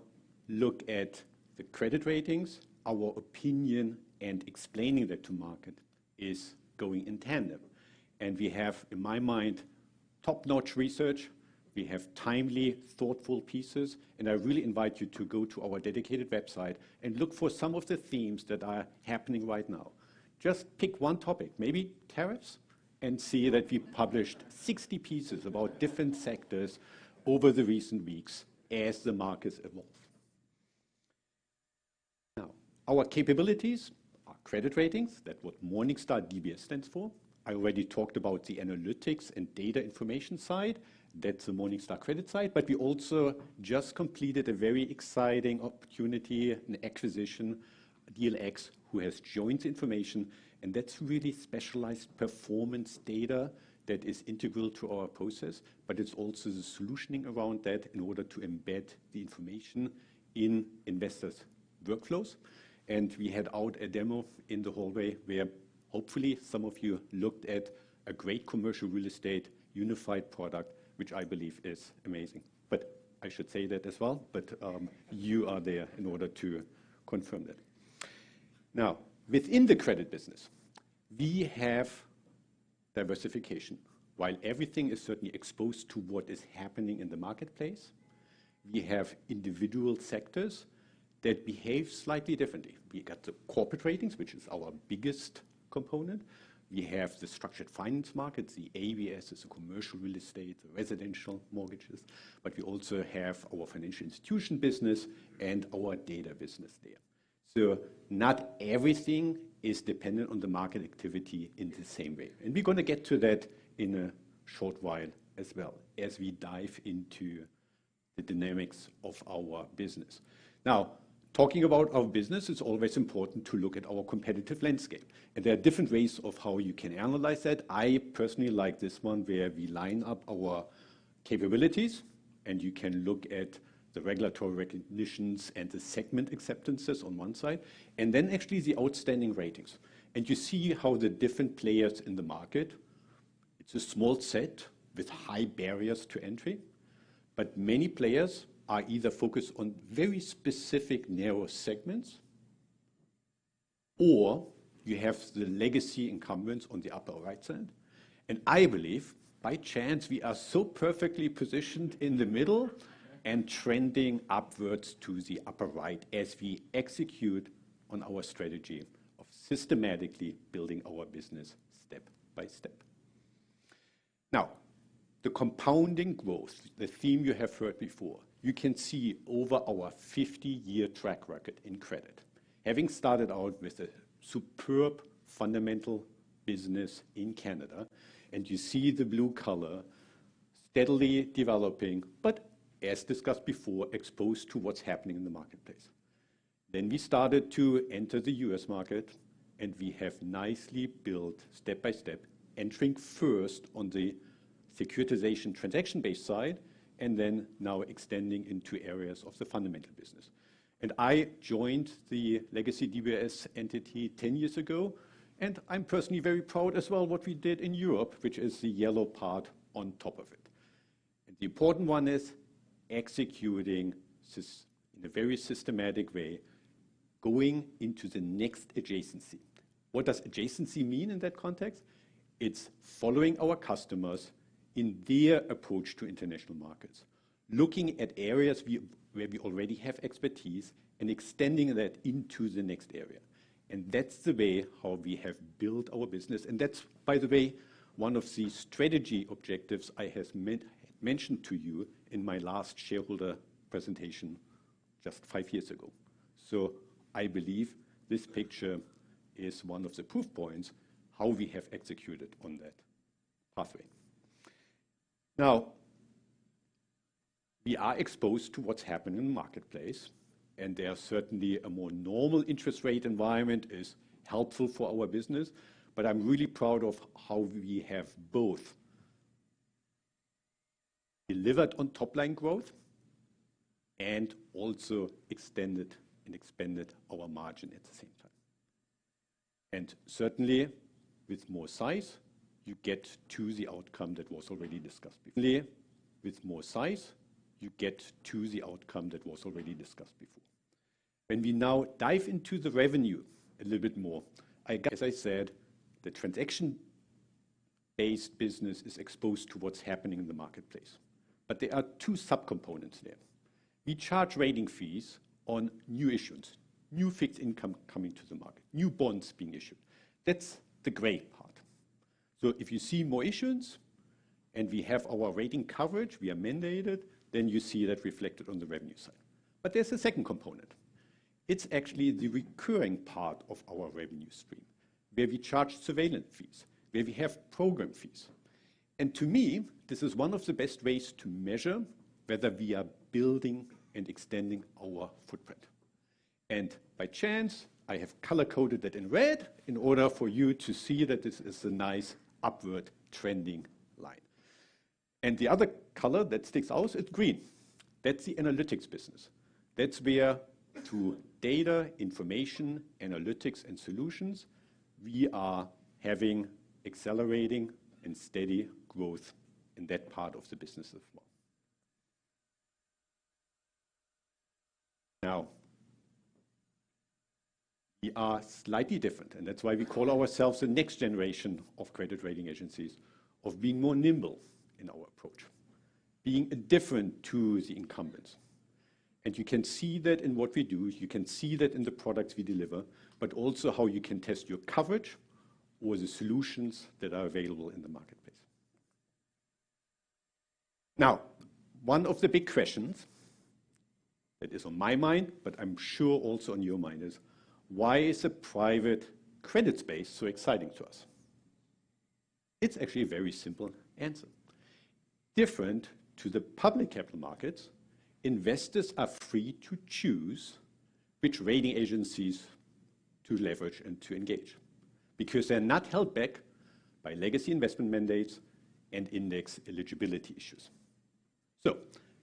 look at the credit ratings, our opinion and explaining that to market is going in tandem. We have, in my mind, top-notch research. We have timely, thoughtful pieces. I really invite you to go to our dedicated website and look for some of the themes that are happening right now. Just pick one topic, maybe tariffs, and see that we published 60 pieces about different sectors over the recent weeks as the markets evolve. Now, our capabilities are credit ratings. That's what Morningstar DBRS stands for. I already talked about the analytics and data information side. That's the Morningstar Credit side. We also just completed a very exciting opportunity, an acquisition, DealX, who has joined the information. That's really specialized performance data that is integral to our process, but it's also the solutioning around that in order to embed the information in investors' workflows. We had out a demo in the hallway where, hopefully, some of you looked at a great commercial real estate unified product, which I believe is amazing. I should say that as well, but you are there in order to confirm that. Now, within the credit business, we have diversification. While everything is certainly exposed to what is happening in the marketplace, we have individual sectors that behave slightly differently. We got the corporate ratings, which is our biggest component. We have the structured finance markets. The ABSs is a commercial real estate, the residential mortgages. We also have our financial institution business and our data business there. Not everything is dependent on the market activity in the same way. We are going to get to that in a short while as well, as we dive into the dynamics of our business. Now, talking about our business, it is always important to look at our competitive landscape. There are different ways of how you can analyze that. I personally like this one where we line up our capabilities, and you can look at the regulatory recognitions and the segment acceptances on one side, and then actually the outstanding ratings. You see how the different players in the market, it's a small set with high barriers to entry, but many players are either focused on very specific narrow segments, or you have the legacy incumbents on the upper right side. I believe, by chance, we are so perfectly positioned in the middle and trending upwards to the upper right as we execute on our strategy of systematically building our business step-by-step. Now, the compounding growth, the theme you have heard before, you can see over our 50-year track record in credit. Having started out with a superb fundamental business in Canada, and you see the blue color steadily developing, but as discussed before, exposed to what's happening in the marketplace. We started to enter the U.S. market, and we have nicely built step-by-step, entering first on the securitization transaction-based side, and now extending into areas of the fundamental business. I joined the legacy DBRS entity 10 years ago, and I'm personally very proud as well of what we did in Europe, which is the yellow part on top of it. The important one is executing in a very systematic way, going into the next adjacency. What does adjacency mean in that context? It's following our customers in their approach to international markets, looking at areas where we already have expertise and extending that into the next area. That is the way how we have built our business. That is, by the way, one of the strategy objectives I mentioned to you in my last shareholder presentation just five years ago. I believe this picture is one of the proof points how we have executed on that pathway. Now, we are exposed to what is happening in the marketplace, and there is certainly a more normal interest rate environment that is helpful for our business. I am really proud of how we have both delivered on top-line growth and also extended and expanded our margin at the same time. Certainly, with more size, you get to the outcome that was already discussed. With more size, you get to the outcome that was already discussed before. When we now dive into the revenue a little bit more, I. As I said, the transaction-based business is exposed to what's happening in the marketplace. There are two sub-components there. We charge rating fees on new issuance, new fixed income coming to the market, new bonds being issued. That's the gray part. If you see more issuance and we have our rating coverage, we are mandated, then you see that reflected on the revenue side. There is a second component. It's actually the recurring part of our revenue stream where we charge surveillance fees, where we have program fees. To me, this is one of the best ways to measure whether we are building and extending our footprint. By chance, I have color-coded that in red in order for you to see that this is a nice upward trending line. The other color that sticks out is green. That's the analytics business. That's where, through data, information, analytics, and solutions, we are having accelerating and steady growth in that part of the business as well. Now, we are slightly different, and that's why we call ourselves the next generation of credit rating agencies, of being more nimble in our approach, being different to the incumbents. You can see that in what we do. You can see that in the products we deliver, but also how you can test your coverage or the solutions that are available in the marketplace. Now, one of the big questions that is on my mind, but I'm sure also on your mind is, why is the private credit space so exciting to us? It's actually a very simple answer. Different to the public capital markets, investors are free to choose which rating agencies to leverage and to engage because they're not held back by legacy investment mandates and index eligibility issues.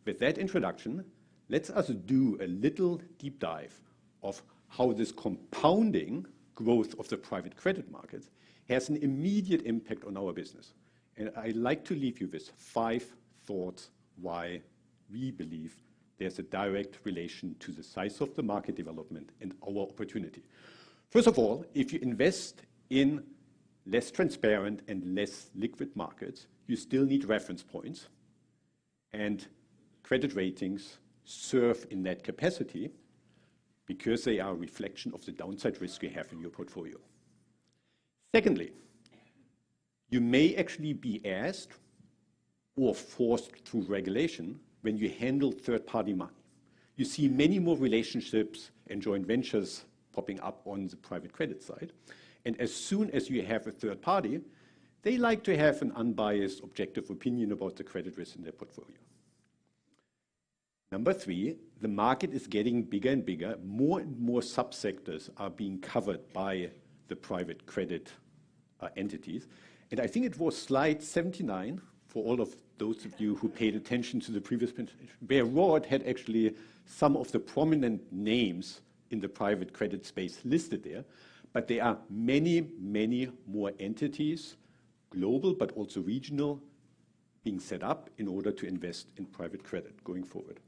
With that introduction, let us do a little deep dive of how this compounding growth of the private credit markets has an immediate impact on our business. I would like to leave you with five thoughts why we believe there's a direct relation to the size of the market development and our opportunity. First of all, if you invest in less transparent and less liquid markets, you still need reference points. Credit ratings serve in that capacity because they are a reflection of the downside risk you have in your portfolio. Secondly, you may actually be asked or forced through regulation when you handle third-party money. You see many more relationships and joint ventures popping up on the private credit side. As soon as you have a third party, they like to have an unbiased objective opinion about the credit risk in their portfolio. Number three, the market is getting bigger and bigger. More and more sub-sectors are being covered by the private credit entities. I think it was slide 79 for all of those of you who paid attention to the previous presentation, where Rod had actually some of the prominent names in the private credit space listed there. There are many, many more entities, global, but also regional, being set up in order to invest in private credit going forward.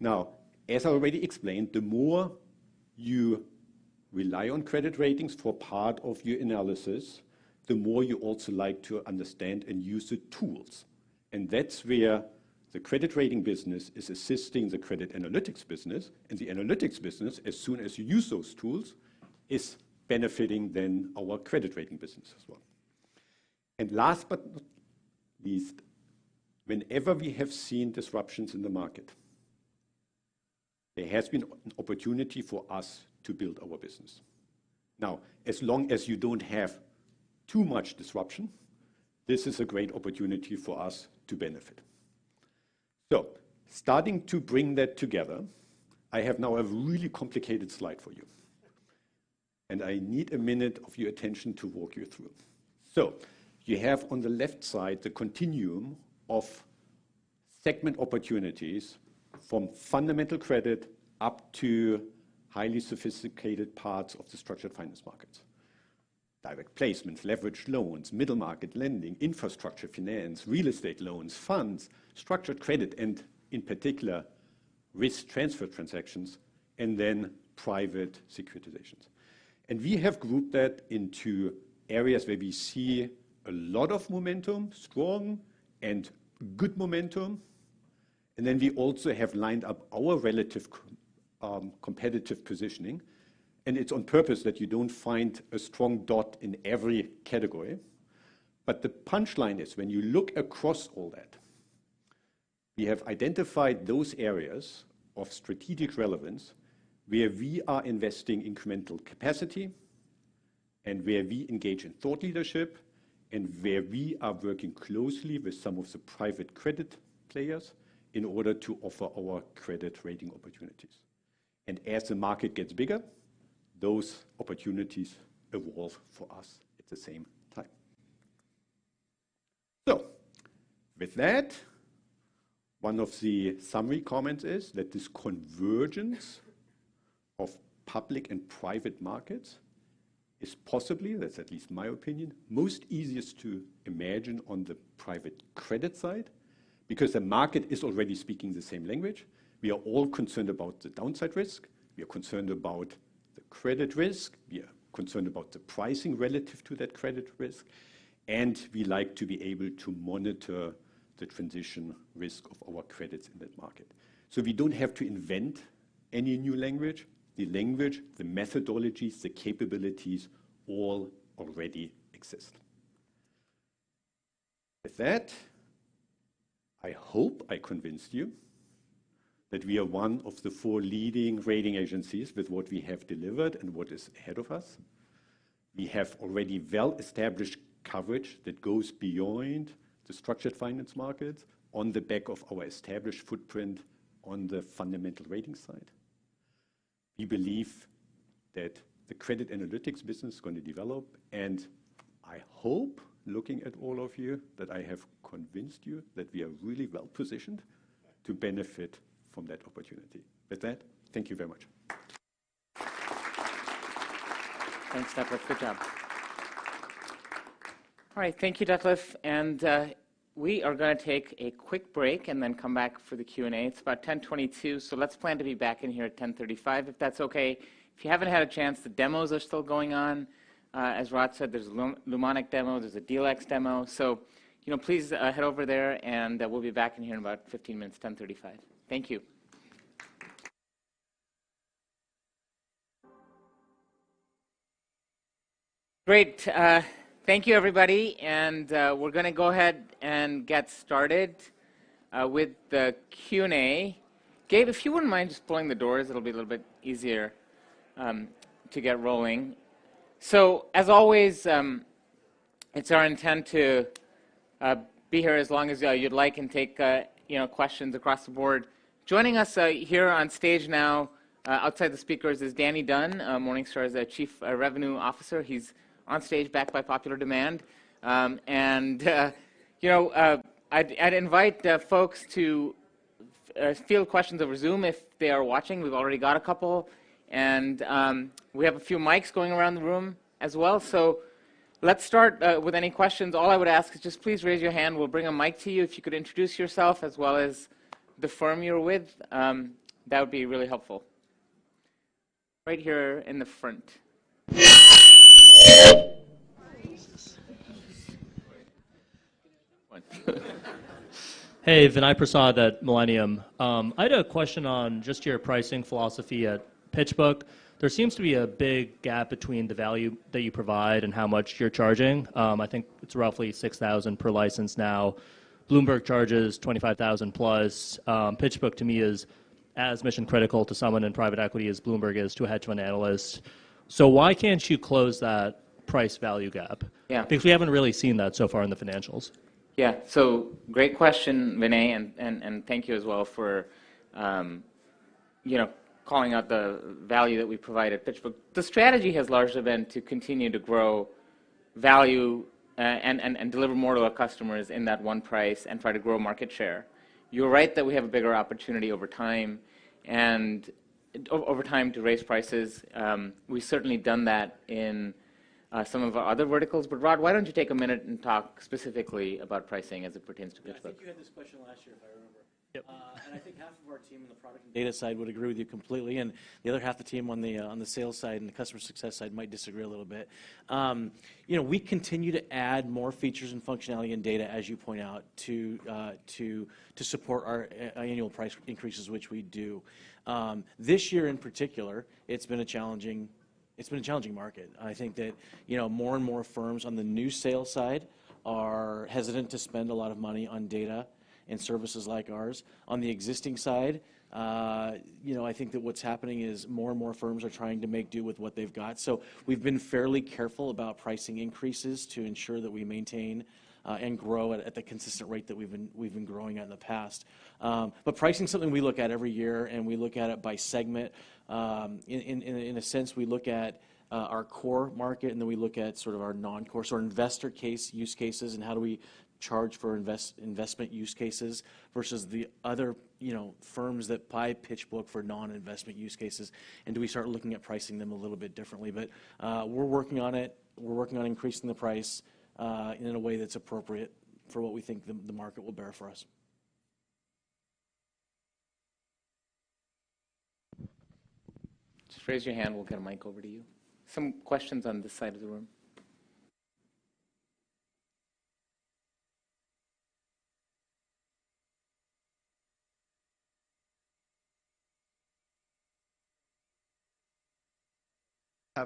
Now, as I already explained, the more you rely on credit ratings for part of your analysis, the more you also like to understand and use the tools. That is where the credit rating business is assisting the credit analytics business. The analytics business, as soon as you use those tools, is benefiting then our credit rating business as well. Last but not least, whenever we have seen disruptions in the market, there has been an opportunity for us to build our business. Now, as long as you do not have too much disruption, this is a great opportunity for us to benefit. Starting to bring that together, I have now a really complicated slide for you. I need a minute of your attention to walk you through. You have on the left side the continuum of segment opportunities from fundamental credit up to highly sophisticated parts of the structured finance markets: direct placements, leveraged loans, middle market lending, infrastructure finance, real estate loans, funds, structured credit, and in particular, risk transfer transactions, and then private securitizations. We have grouped that into areas where we see a lot of momentum, strong and good momentum. We also have lined up our relative competitive positioning. It is on purpose that you do not find a strong dot in every category. The punchline is, when you look across all that, we have identified those areas of strategic relevance where we are investing incremental capacity and where we engage in thought leadership and where we are working closely with some of the private credit players in order to offer our credit rating opportunities. As the market gets bigger, those opportunities evolve for us at the same time. With that, one of the summary comments is that this convergence of public and private markets is possibly, that's at least my opinion, most easiest to imagine on the private credit side because the market is already speaking the same language. We are all concerned about the downside risk. We are concerned about the credit risk. We are concerned about the pricing relative to that credit risk. We like to be able to monitor the transition risk of our credits in that market. We do not have to invent any new language. The language, the methodologies, the capabilities all already exist. With that, I hope I convinced you that we are one of the four leading rating agencies with what we have delivered and what is ahead of us. We have already well-established coverage that goes beyond the structured finance markets on the back of our established footprint on the fundamental rating side. We believe that the credit analytics business is going to develop. I hope, looking at all of you, that I have convinced you that we are really well-positioned to benefit from that opportunity. With that, thank you very much. Thanks, Detlef. Good job. All right. Thank you, Detlef. We are going to take a quick break and then come back for the Q&A. It's about 10:22. Let's plan to be back in here at 10:35 if that's okay. If you haven't had a chance, the demos are still going on. As Rod said, there's a Lumonic demo, there's a DLX demo. Please head over there and we'll be back in here in about 15 minutes, 10:35. Thank you. Great. Thank you, everybody. We're going to go ahead and get started with the Q&A. Gabe, if you wouldn't mind just pulling the doors, it'll be a little bit easier to get rolling. As always, it's our intent to be here as long as you'd like and take questions across the board. Joining us here on stage now, outside the speakers, is Danny Dunn, Morningstar's Chief Revenue Officer. He's on stage back by popular demand. I'd invite folks to field questions over Zoom if they are watching. We've already got a couple. We have a few mics going around the room as well. Let's start with any questions. All I would ask is just please raise your hand. We'll bring a mic to you. If you could introduce yourself as well as the firm you're with, that would be really helpful. Right here in the front. Hey, Vinay Prasad at Millennium. I had a question on just your pricing philosophy at PitchBook. There seems to be a big gap between the value that you provide and how much you're charging. I think it's roughly $6,000 per license now. Bloomberg charges $25,000 plus. PitchBook, to me, is as mission-critical to someone in private equity as Bloomberg is to a hedge fund analyst. Why can't you close that price-value gap? Because we haven't really seen that so far in the financials. Yeah. Great question, Vinay. Thank you as well for calling out the value that we provide at PitchBook. The strategy has largely been to continue to grow value and deliver more to our customers in that one price and try to grow market share. You're right that we have a bigger opportunity over time to raise prices. We've certainly done that in some of our other verticals. Rod, why don't you take a minute and talk specifically about pricing as it pertains to PitchBook? I think you had this question last year, if I remember. I think half of our team on the product and data side would agree with you completely. The other half of the team on the sales side and the customer success side might disagree a little bit. We continue to add more features and functionality and data, as you point out, to support our annual price increases, which we do. This year, in particular, it has been a challenging market. I think that more and more firms on the new sales side are hesitant to spend a lot of money on data and services like ours. On the existing side, I think that what is happening is more and more firms are trying to make do with what they have got. We've been fairly careful about pricing increases to ensure that we maintain and grow at the consistent rate that we've been growing at in the past. Pricing is something we look at every year, and we look at it by segment. In a sense, we look at our core market, and then we look at sort of our non-core or investor use cases and how do we charge for investment use cases versus the other firms that buy PitchBook for non-investment use cases. Do we start looking at pricing them a little bit differently? We're working on it. We're working on increasing the price in a way that's appropriate for what we think the market will bear for us. Just raise your hand. We'll get a mic over to you. Some questions on this side of the room?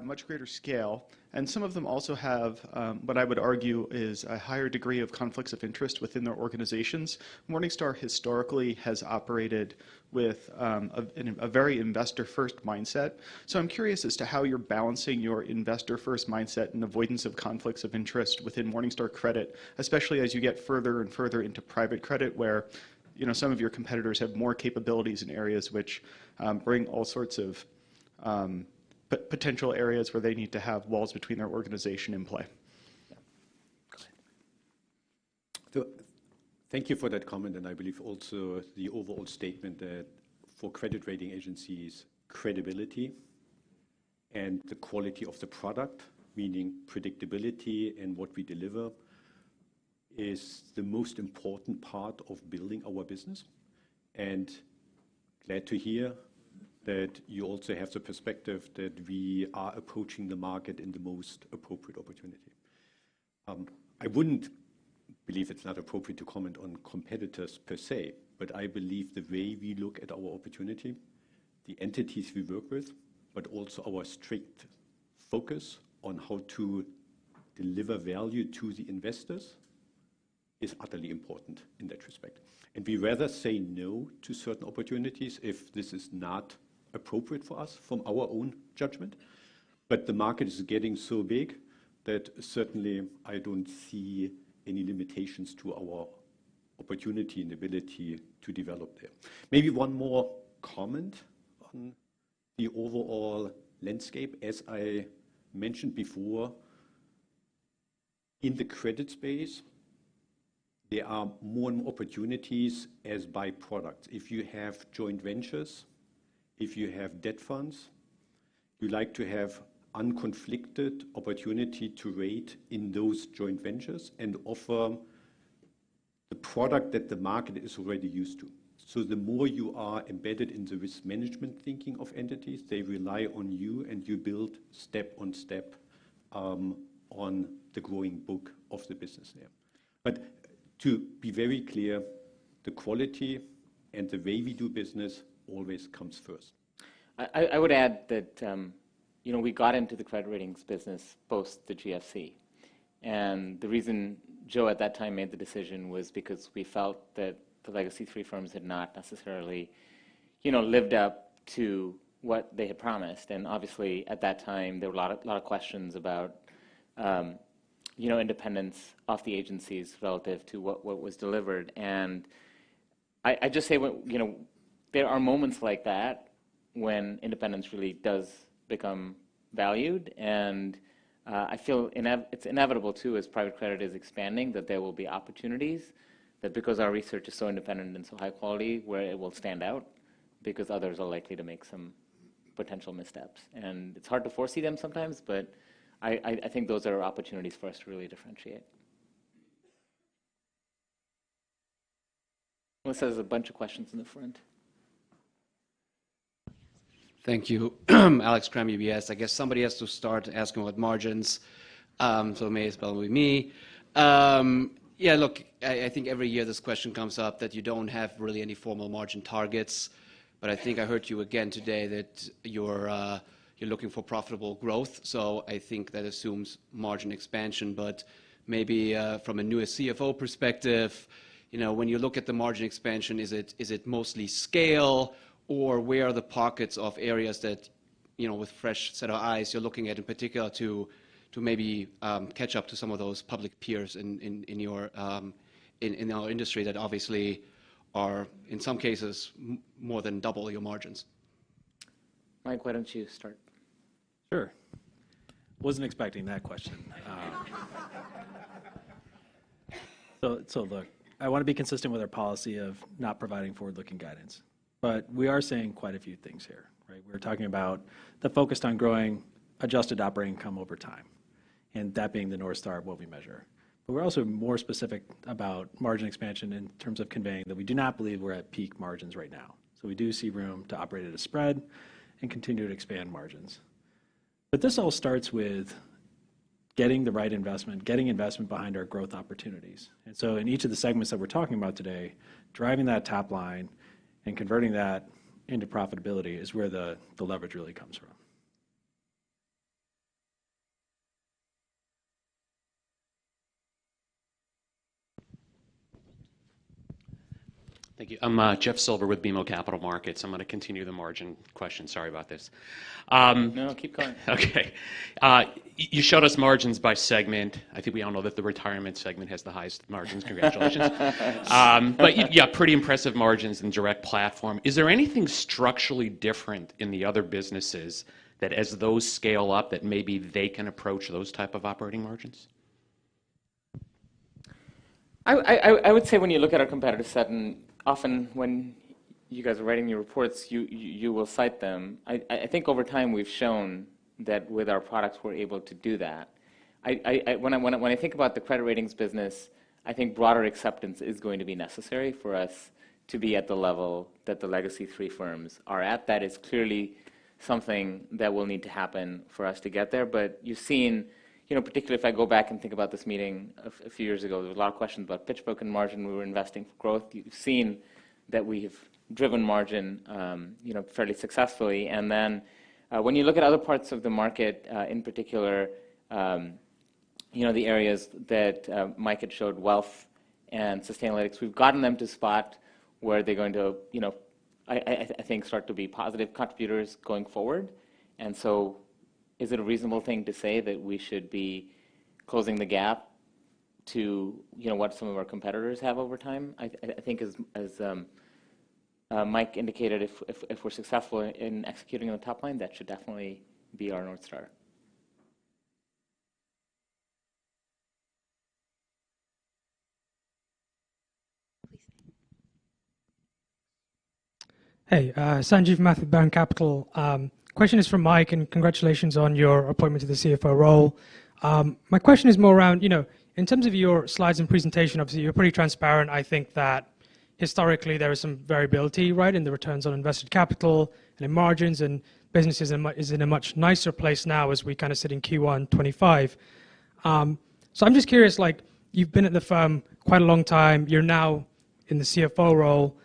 Much greater scale. Some of them also have what I would argue is a higher degree of conflicts of interest within their organizations. Morningstar historically has operated with a very investor-first mindset. I am curious as to how you are balancing your investor-first mindset and avoidance of conflicts of interest within Morningstar Credit, especially as you get further and further into private credit where some of your competitors have more capabilities in areas which bring all sorts of potential areas where they need to have walls between their organization in play. Thank you for that comment. I believe also the overall statement that for credit rating agencies, credibility and the quality of the product, meaning predictability and what we deliver, is the most important part of building our business. I am glad to hear that you also have the perspective that we are approaching the market in the most appropriate opportunity. I would not believe it is appropriate to comment on competitors per se, but I believe the way we look at our opportunity, the entities we work with, but also our strict focus on how to deliver value to the investors, is utterly important in that respect. We would rather say no to certain opportunities if this is not appropriate for us from our own judgment. The market is getting so big that certainly I do not see any limitations to our opportunity and ability to develop there. Maybe one more comment on the overall landscape. As I mentioned before, in the credit space, there are more and more opportunities as byproducts. If you have joint ventures, if you have debt funds, you like to have unconflicted opportunity to rate in those joint ventures and offer the product that the market is already used to. The more you are embedded in the risk management thinking of entities, they rely on you, and you build step-on-step on the growing book of the business there. To be very clear, the quality and the way we do business always comes first. I would add that we got into the credit ratings business post the GFC. The reason Joe at that time made the decision was because we felt that the legacy three firms had not necessarily lived up to what they had promised. Obviously, at that time, there were a lot of questions about independence of the agencies relative to what was delivered. I just say there are moments like that when independence really does become valued. I feel it is inevitable too, as private credit is expanding, that there will be opportunities that, because our research is so independent and so high quality, where it will stand out because others are likely to make some potential missteps. It is hard to foresee them sometimes, but I think those are opportunities for us to really differentiate. Melissa has a bunch of questions in the front. Thank you. Alex Kramm, UBS. I guess somebody has to start asking what margins. So, may as well be me. Yeah, look, I think every year this question comes up that you do not have really any formal margin targets. But I think I heard you again today that you are looking for profitable growth. So, I think that assumes margin expansion. But maybe from a newest CFO perspective, when you look at the margin expansion, is it mostly scale or where are the pockets of areas that, with fresh set of eyes, you are looking at in particular to maybe catch up to some of those public peers in our industry that obviously are, in some cases, more than double your margins? Mike, why don't you start? Sure. Wasn't expecting that question. Look, I want to be consistent with our policy of not providing forward-looking guidance. We are saying quite a few things here. We're talking about the focus on growing adjusted operating income over time, and that being the North Star of what we measure. We're also more specific about margin expansion in terms of conveying that we do not believe we're at peak margins right now. We do see room to operate at a spread and continue to expand margins. This all starts with getting the right investment, getting investment behind our growth opportunities. In each of the segments that we're talking about today, driving that top line and converting that into profitability is where the leverage really comes from. Thank you. I'm Jeff Silber with BMO Capital Markets. I'm going to continue the margin question. Sorry about this. No, no, keep going. Okay. You showed us margins by segment. I think we all know that the retirement segment has the highest margins. Congratulations. Yeah, pretty impressive margins in Direct platform. Is there anything structurally different in the other businesses that, as those scale up, that maybe they can approach those type of operating margins? I would say when you look at our competitor set, and often when you guys are writing your reports, you will cite them. I think over time we've shown that with our products we're able to do that. When I think about the credit ratings business, I think broader acceptance is going to be necessary for us to be at the level that the legacy three firms are at. That is clearly something that will need to happen for us to get there. You have seen, particularly if I go back and think about this meeting a few years ago, there were a lot of questions about PitchBook and margin. We were investing for growth. You have seen that we have driven margin fairly successfully. When you look at other parts of the market, in particular, the areas that Mike had showed, wealth and sustainability, we have gotten them to a spot where they are going to, I think, start to be positive contributors going forward. Is it a reasonable thing to say that we should be closing the gap to what some of our competitors have over time? I think as Mike indicated, if we are successful in executing on the top line, that should definitely be our North Star. Hey, Sanjeev Math of Baron Capital. Question is for Mike, and congratulations on your appointment to the CFO role. My question is more around, in terms of your slides and presentation, obviously, you're pretty transparent. I think that historically there is some variability in the returns on invested capital and in margins, and businesses are in a much nicer place now as we kind of sit in Q1 2025. I'm just curious, you've been at the firm quite a long time. You're now in the CFO role.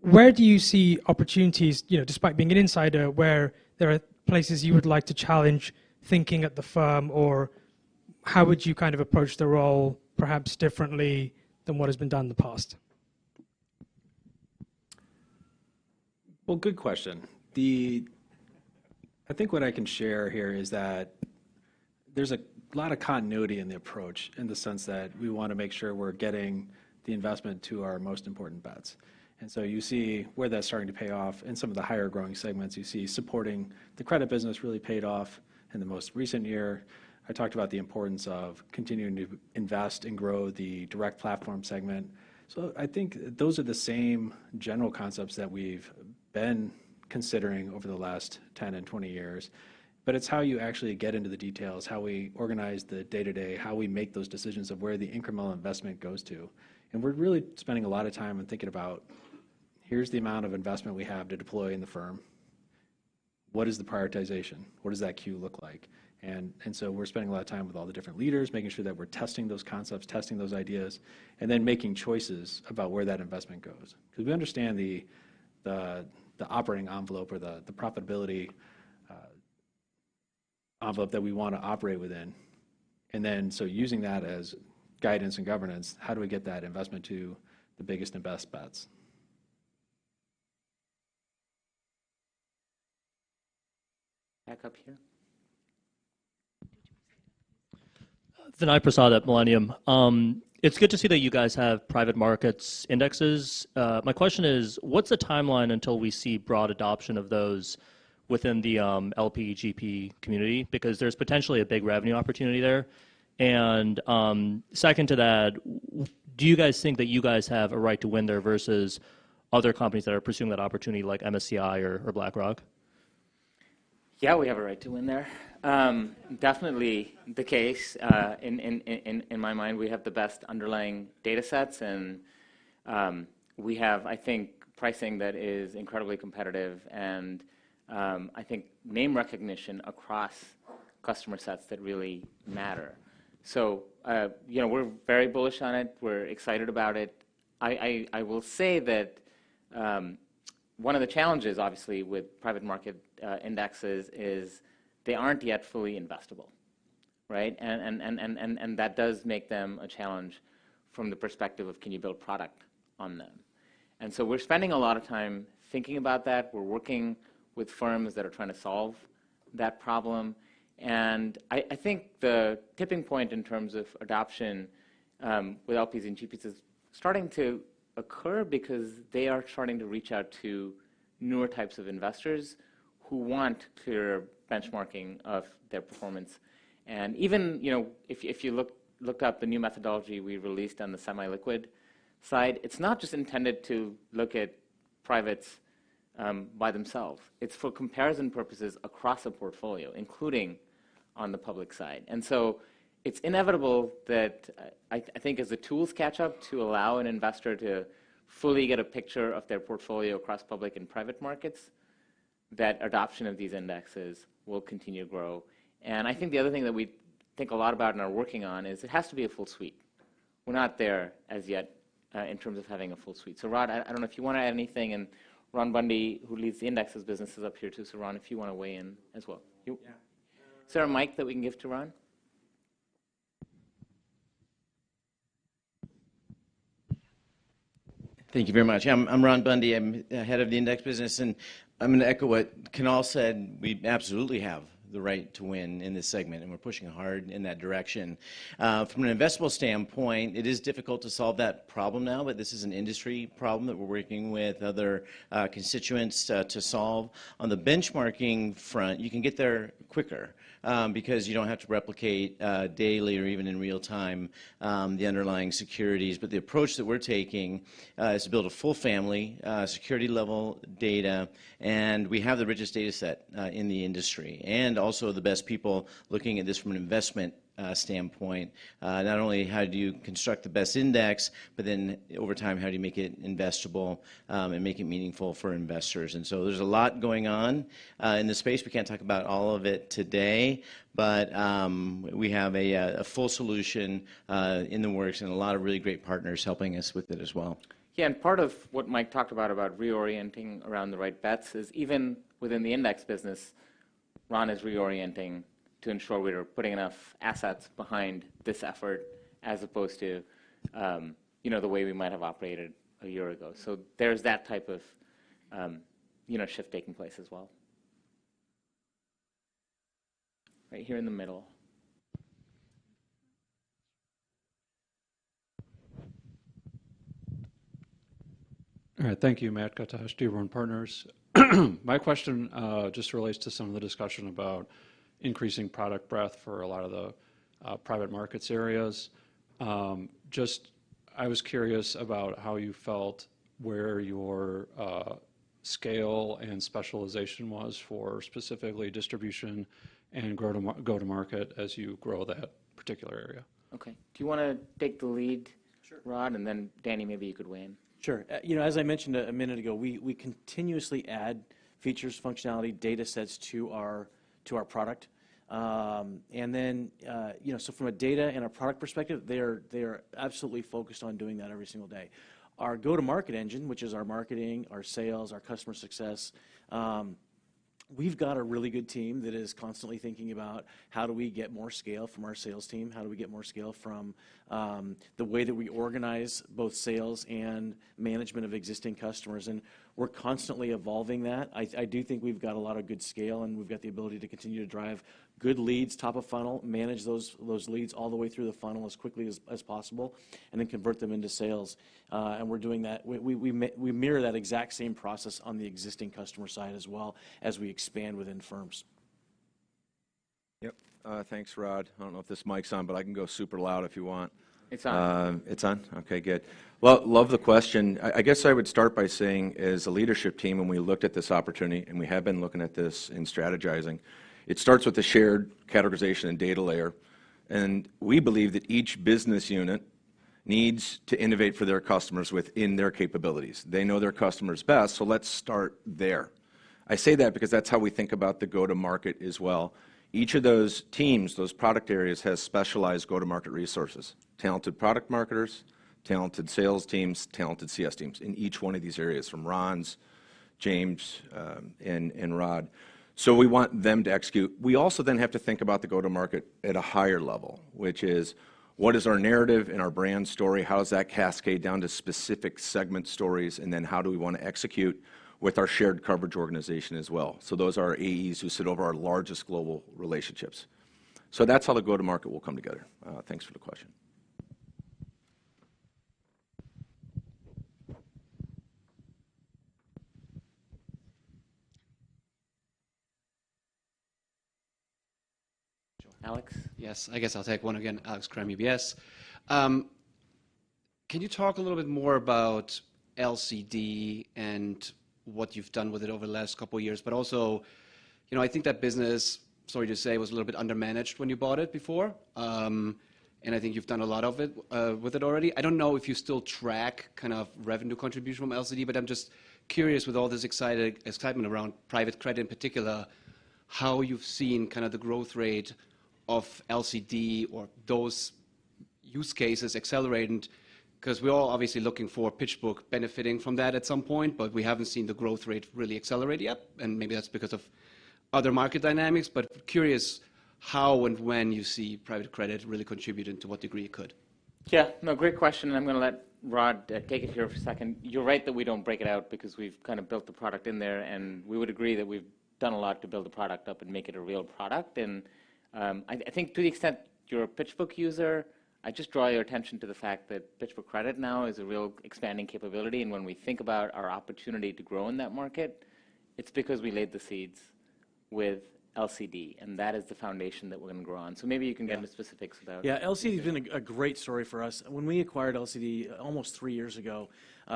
Where do you see opportunities, despite being an insider, where there are places you would like to challenge thinking at the firm? How would you kind of approach the role perhaps differently than what has been done in the past? Good question. I think what I can share here is that there's a lot of continuity in the approach in the sense that we want to make sure we're getting the investment to our most important bets. You see where that's starting to pay off. In some of the higher growing segments, you see supporting the credit business really paid off in the most recent year. I talked about the importance of continuing to invest and grow the Direct platform segment. I think those are the same general concepts that we've been considering over the last 10 and 20 years. It's how you actually get into the details, how we organize the day-to-day, how we make those decisions of where the incremental investment goes to. We're really spending a lot of time in thinking about, here's the amount of investment we have to deploy in the firm. What is the prioritization? What does that queue look like? We're spending a lot of time with all the different leaders, making sure that we're testing those concepts, testing those ideas, and then making choices about where that investment goes. We understand the operating envelope or the profitability envelope that we want to operate within. Using that as guidance and governance, how do we get that investment to the biggest and best bets? Back up here. Vinay Prasad at Millennium. It's good to see that you guys have private markets indexes. My question is, what's the timeline until we see broad adoption of those within the LP, GP community? Because there's potentially a big revenue opportunity there. Second to that, do you guys think that you guys have a right to win there versus other companies that are pursuing that opportunity like MSCI or BlackRock? Yeah, we have a right to win there. Definitely the case. In my mind, we have the best underlying data sets, and we have, I think, pricing that is incredibly competitive. I think name recognition across customer sets that really matter. We are very bullish on it. We are excited about it. I will say that one of the challenges, obviously, with private market indexes is they are not yet fully investable. That does make them a challenge from the perspective of can you build product on them? We are spending a lot of time thinking about that. We are working with firms that are trying to solve that problem. I think the tipping point in terms of adoption with LPs and GPs is starting to occur because they are starting to reach out to newer types of investors who want clearer benchmarking of their performance. Even if you looked up the new methodology we released on the semi-liquid side, it is not just intended to look at privates by themselves. It is for comparison purposes across a portfolio, including on the public side. It is inevitable that I think as the tools catch up to allow an investor to fully get a picture of their portfolio across public and private markets, adoption of these indexes will continue to grow. The other thing that we think a lot about and are working on is it has to be a full suite. We are not there as yet in terms of having a full suite. Ron, I do not know if you want to add anything. Ron Bundy, who leads the Indexes business, is up here too. Ron, if you want to weigh in as well. Is there a mic that we can give to Ron? Thank you very much. I'm Ron Bundy. I'm head of the Index business. I'm going to echo what Kunal said. We absolutely have the right to win in this segment, and we're pushing hard in that direction. From an investable standpoint, it is difficult to solve that problem now, but this is an industry problem that we're working with other constituents to solve. On the benchmarking front, you can get there quicker because you do not have to replicate daily or even in real time the underlying securities. The approach that we're taking is to build a full family security level data. We have the richest data set in the industry and also the best people looking at this from an investment standpoint. Not only how do you construct the best index, but then over time, how do you make it investable and make it meaningful for investors? There is a lot going on in the space. We can't talk about all of it today, but we have a full solution in the works and a lot of really great partners helping us with it as well. Yeah, and part of what Mike talked about, about reorienting around the right bets is even within the index business, Ron is reorienting to ensure we're putting enough assets behind this effort as opposed to the way we might have operated a year ago. There is that type of shift taking place as well. Right here in the middle. All right, thank you, Matt Guttosch, Dearborn Partners. My question just relates to some of the discussion about increasing product breadth for a lot of the private markets areas. I was curious about how you felt where your scale and specialization was for specifically distribution and go-to-market as you grow that particular area. Okay. Do you want to take the lead, Rod, and then Danny, maybe you could weigh in? Sure. As I mentioned a minute ago, we continuously add features, functionality, data sets to our product. From a data and a product perspective, they are absolutely focused on doing that every single day. Our go-to-market engine, which is our marketing, our sales, our customer success, we've got a really good team that is constantly thinking about how do we get more scale from our sales team, how do we get more scale from the way that we organize both sales and management of existing customers. We're constantly evolving that. I do think we've got a lot of good scale, and we've got the ability to continue to drive good leads top of funnel, manage those leads all the way through the funnel as quickly as possible, and then convert them into sales. We're doing that. We mirror that exact same process on the existing customer side as well as we expand within firms. Yep. Thanks, Rod. I do not know if this mic's on, but I can go super loud if you want. It's on. It's on? Okay, good. Love the question. I guess I would start by saying, as a leadership team, when we looked at this opportunity, and we have been looking at this and strategizing, it starts with the shared categorization and data layer. We believe that each business unit needs to innovate for their customers within their capabilities. They know their customers best, so let's start there. I say that because that's how we think about the go-to-market as well. Each of those teams, those product areas has specialized go-to-market resources: talented product marketers, talented sales teams, talented CS teams in each one of these areas from Ron's, James, and Rod. We want them to execute. We also then have to think about the go-to-market at a higher level, which is what is our narrative and our brand story? How does that cascade down to specific segment stories? How do we want to execute with our shared coverage organization as well? Those are our AEs who sit over our largest global relationships. That is how the go-to-market will come together. Thanks for the question. Alex? Yes, I guess I'll take one again. Alex Kramm, UBS. Can you talk a little bit more about LCD and what you've done with it over the last couple of years? Also, I think that business, sorry to say, was a little bit undermanaged when you bought it before. I think you've done a lot with it already. I don't know if you still track kind of revenue contribution from LCD, but I'm just curious with all this excitement around private credit in particular, how you've seen kind of the growth rate of LCD or those use cases accelerating. We are all obviously looking for PitchBook benefiting from that at some point, but we haven't seen the growth rate really accelerate yet. Maybe that's because of other market dynamics. Curious how and when you see private credit really contributing to what degree it could. Yeah, no, great question. I am going to let Rod take it here for a second. You're right that we do not break it out because we have kind of built the product in there. We would agree that we have done a lot to build the product up and make it a real product. I think to the extent you are a PitchBook user, I just draw your attention to the fact that PitchBook Credit now is a real expanding capability. When we think about our opportunity to grow in that market, it is because we laid the seeds with LCD. That is the foundation that we are going to grow on. Maybe you can give the specifics about. Yeah, LCD has been a great story for us. When we acquired LCD almost three years ago,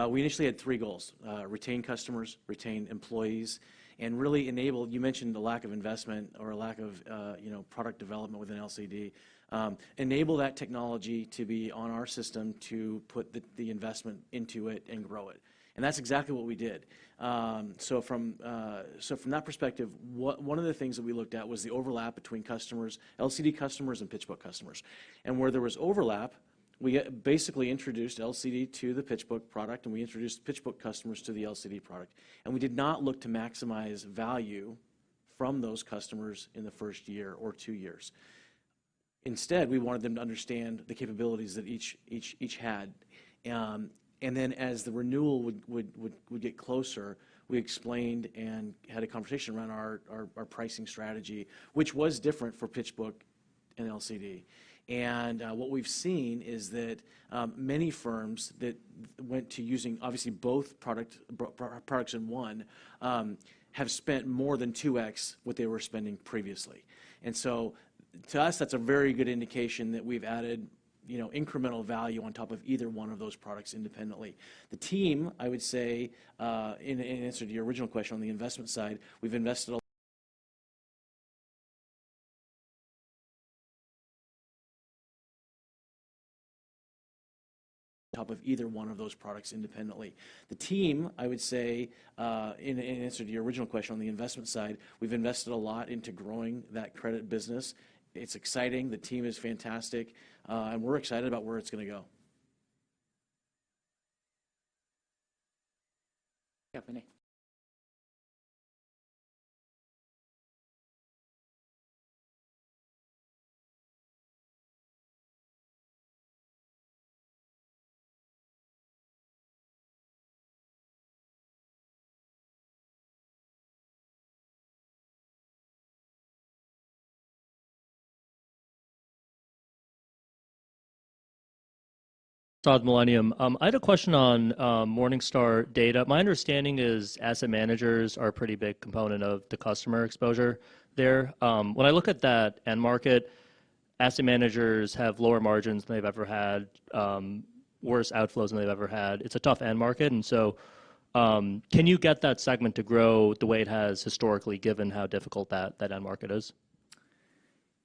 we initially had three goals: retain customers, retain employees, and really enable, you mentioned the lack of investment or lack of product development within LCD, enable that technology to be on our system to put the investment into it and grow it. That is exactly what we did. From that perspective, one of the things that we looked at was the overlap between LCD customers and PitchBook customers. Where there was overlap, we basically introduced LCD to the PitchBook product, and we introduced PitchBook customers to the LCD product. We did not look to maximize value from those customers in the first year or two years. Instead, we wanted them to understand the capabilities that each had. As the renewal would get closer, we explained and had a conversation around our pricing strategy, which was different for PitchBook and LCD. What we've seen is that many firms that went to using obviously both products in one have spent more than 2x what they were spending previously. To us, that's a very good indication that we've added incremental value on top of either one of those products independently. The team, I would say, in answer to your original question on the investment side, we've invested a lot into growing that credit business. It's exciting. The team is fantastic. We're excited about where it's going to go. Stephanie. Of Millennium. I had a question on Morningstar Data. My understanding is asset managers are a pretty big component of the customer exposure there. When I look at that end market, asset managers have lower margins than they've ever had, worse outflows than they've ever had. It's a tough end market. Can you get that segment to grow the way it has historically, given how difficult that end market is?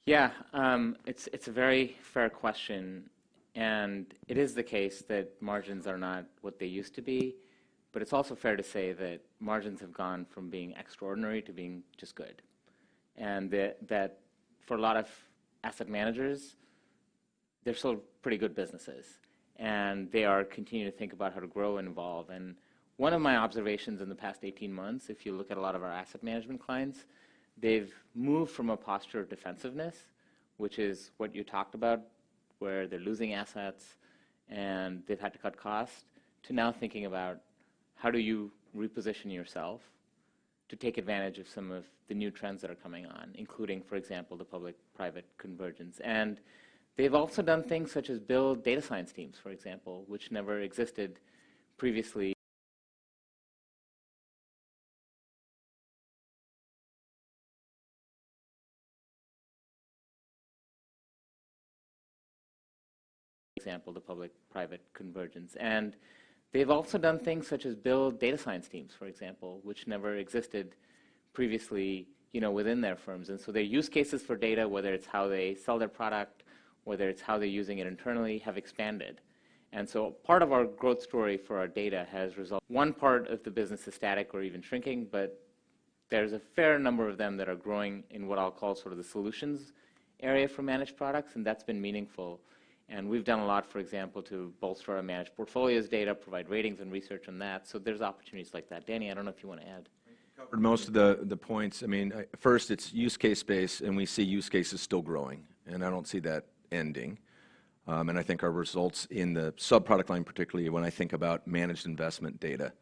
Yeah, it's a very fair question. It is the case that margins are not what they used to be. It's also fair to say that margins have gone from being extraordinary to being just good. For a lot of asset managers, they're still pretty good businesses. They are continuing to think about how to grow and evolve. One of my observations in the past 18 months, if you look at a lot of our asset management clients, they've moved from a posture of defensiveness, which is what you talked about, where they're losing assets and they've had to cut costs, to now thinking about how do you reposition yourself to take advantage of some of the new trends that are coming on, including, for example, the public-private convergence. They've also done things such as build data science teams, for example, which never existed previously. Example, the public-private convergence. They've also done things such as build data science teams, for example, which never existed previously within their firms. Their use cases for data, whether it's how they sell their product, whether it's how they're using it internally, have expanded. Part of our growth story for our data has resulted. One part of the business is static or even shrinking, but there's a fair number of them that are growing in what I'll call sort of the solutions area for managed products. That's been meaningful. We've done a lot, for example, to bolster our managed portfolios data, provide ratings and research on that. There's opportunities like that. Danny, I don't know if you want to add. I covered most of the points. I mean, first, it's use case based, and we see use cases still growing. I don't see that ending. I think our results in the subproduct line, particularly when I think about managed investment data.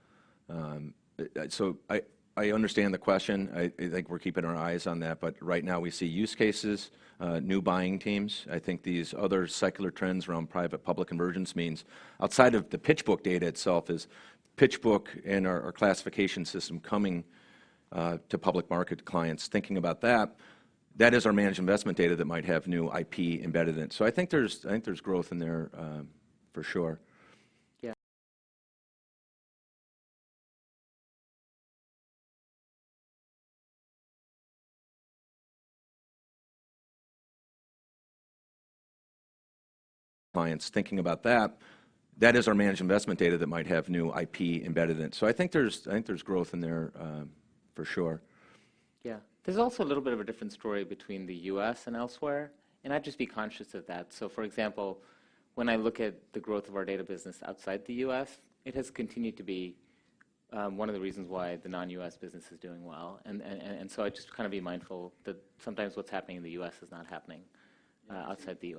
I understand the question. I think we're keeping our eyes on that. Right now, we see use cases, new buying teams. I think these other secular trends around private-public convergence means outside of the PitchBook data itself is PitchBook and our classification system coming to public market clients, thinking about that. That is our managed investment data that might have new IP embedded in it. I think there's growth in there for sure. Yeah. Clients thinking about that. That is our managed investment data that might have new IP embedded in it. I think there's growth in there for sure. Yeah, there's also a little bit of a different story between the U.S. and elsewhere. I'd just be conscious of that. For example, when I look at the growth of our data business outside the U.S., it has continued to be one of the reasons why the non-U.S. business is doing well. I just kind of be mindful that sometimes what's happening in the U.S. is not happening outside the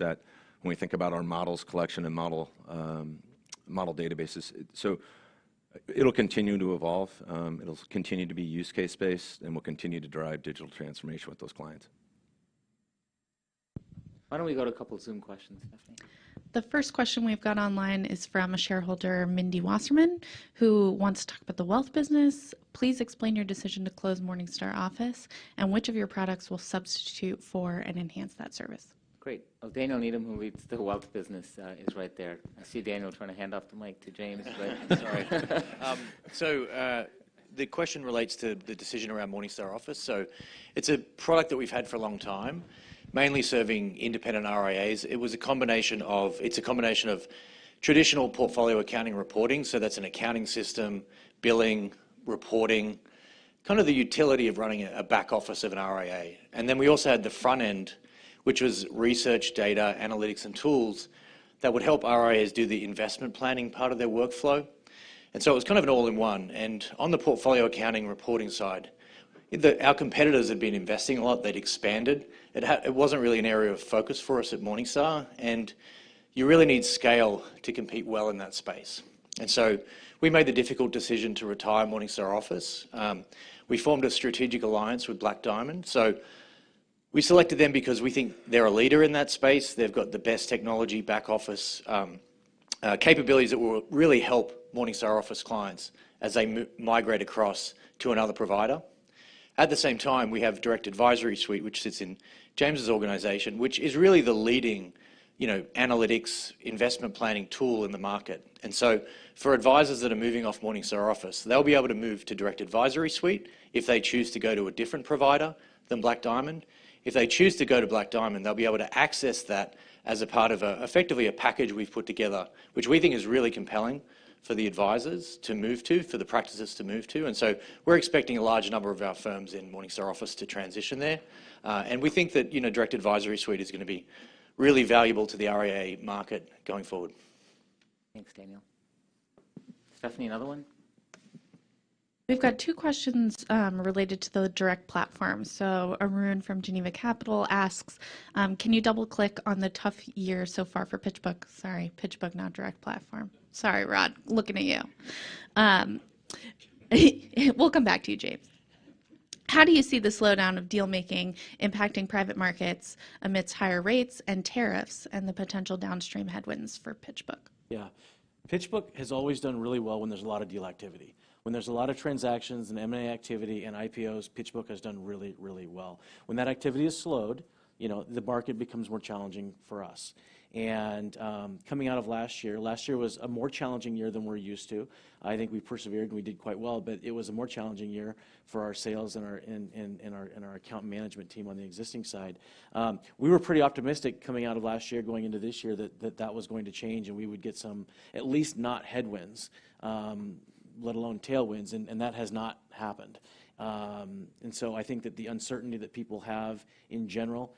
U.S. When we think about our models collection and model databases, it'll continue to evolve. It'll continue to be use case based, and we'll continue to drive digital transformation with those clients. Why don't we go to a couple of Zoom questions, Stephanie? The first question we've got online is from a shareholder, Mindy Wasserman, who wants to talk about the wealth business. Please explain your decision to close Morningstar Office and which of your products will substitute for and enhance that service. Great. Oh, Daniel Needham, who leads the wealth business, is right there. I see Daniel trying to hand off the mic to James. The question relates to the decision around Morningstar Office. It's a product that we've had for a long time, mainly serving independent RIAs. It was a combination of, it's a combination of traditional portfolio accounting reporting. That's an accounting system, billing, reporting, kind of the utility of running a back office of an RIA. We also had the front end, which was research, data, analytics, and tools that would help RIAs do the investment planning part of their workflow. It was kind of an all-in-one. On the portfolio accounting reporting side, our competitors had been investing a lot. They'd expanded. It wasn't really an area of focus for us at Morningstar. You really need scale to compete well in that space. We made the difficult decision to retire Morningstar Office. We formed a strategic alliance with Black Diamond. We selected them because we think they're a leader in that space. They've got the best technology back office capabilities that will really help Morningstar Office clients as they migrate across to another provider. At the same time, we have Direct Advisory Suite, which sits in James's organization, which is really the leading analytics, investment planning tool in the market. For advisors that are moving off Morningstar Office, they'll be able to move to Direct Advisory Suite if they choose to go to a different provider than Black Diamond. If they choose to go to Black Diamond, they'll be able to access that as a part of effectively a package we've put together, which we think is really compelling for the advisors to move to, for the practices to move to. We're expecting a large number of our firms in Morningstar Office to transition there. We think that Direct Advisory Suite is going to be really valuable to the RIA market going forward. Thanks, Daniel. Stephanie, another one? We've got two questions related to the Direct platform. Arun from Geneva Capital asks, can you double-click on the tough year so far for PitchBook? Sorry, PitchBook, not Direct Platform. Sorry, Rod, looking at you. We'll come back to you, James. How do you see the slowdown of dealmaking impacting private markets amidst higher rates and tariffs and the potential downstream headwinds for PitchBook? Yeah, PitchBook has always done really well when there's a lot of deal activity. When there's a lot of transactions and M&A activity and IPOs, PitchBook has done really, really well. When that activity is slowed, the market becomes more challenging for us. Coming out of last year, last year was a more challenging year than we're used to. I think we persevered and we did quite well. It was a more challenging year for our sales and our account management team on the existing side. We were pretty optimistic coming out of last year, going into this year, that that was going to change and we would get some at least not headwinds, let alone tailwinds. That has not happened. I think that the uncertainty that people have in general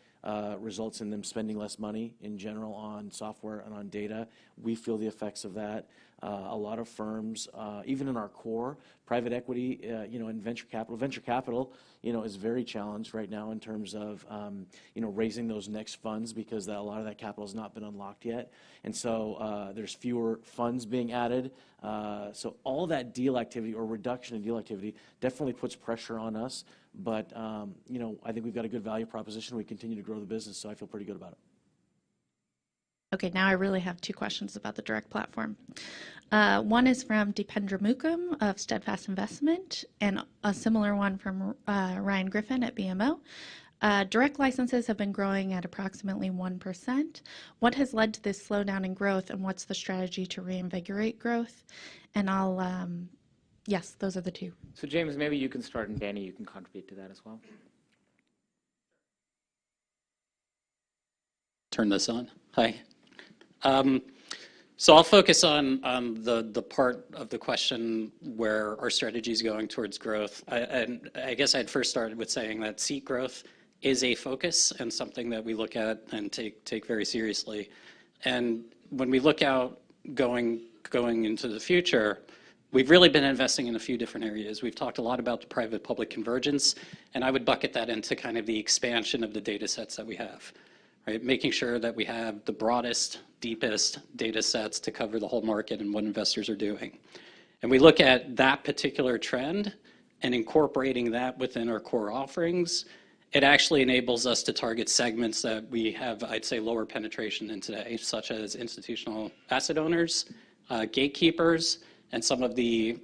results in them spending less money in general on software and on data. We feel the effects of that. A lot of firms, even in our core, private equity and venture capital, venture capital is very challenged right now in terms of raising those next funds because a lot of that capital has not been unlocked yet. There are fewer funds being added. All that deal activity or reduction in deal activity definitely puts pressure on us. I think we've got a good value proposition. We continue to grow the business. I feel pretty good about it. Okay, now I really have two questions about the Direct platform. One is from Deependra Mookim of Steadfast Investment and a similar one from Ryan Griffin at BMO. Direct licenses have been growing at approximately 1%. What has led to this slowdown in growth and what's the strategy to reinvigorate growth? Yes, those are the two. James, maybe you can start and Danny, you can contribute to that as well. Turn this on. Hi. I'll focus on the part of the question where our strategy is going towards growth. I guess I'd first start with saying that seat growth is a focus and something that we look at and take very seriously. When we look out going into the future, we've really been investing in a few different areas. We've talked a lot about the private-public convergence. I would bucket that into kind of the expansion of the datasets that we have, making sure that we have the broadest, deepest datasets to cover the whole market and what investors are doing. We look at that particular trend and incorporating that within our core offerings, it actually enables us to target segments that we have, I'd say, lower penetration into today, such as institutional asset owners, gatekeepers, and some of the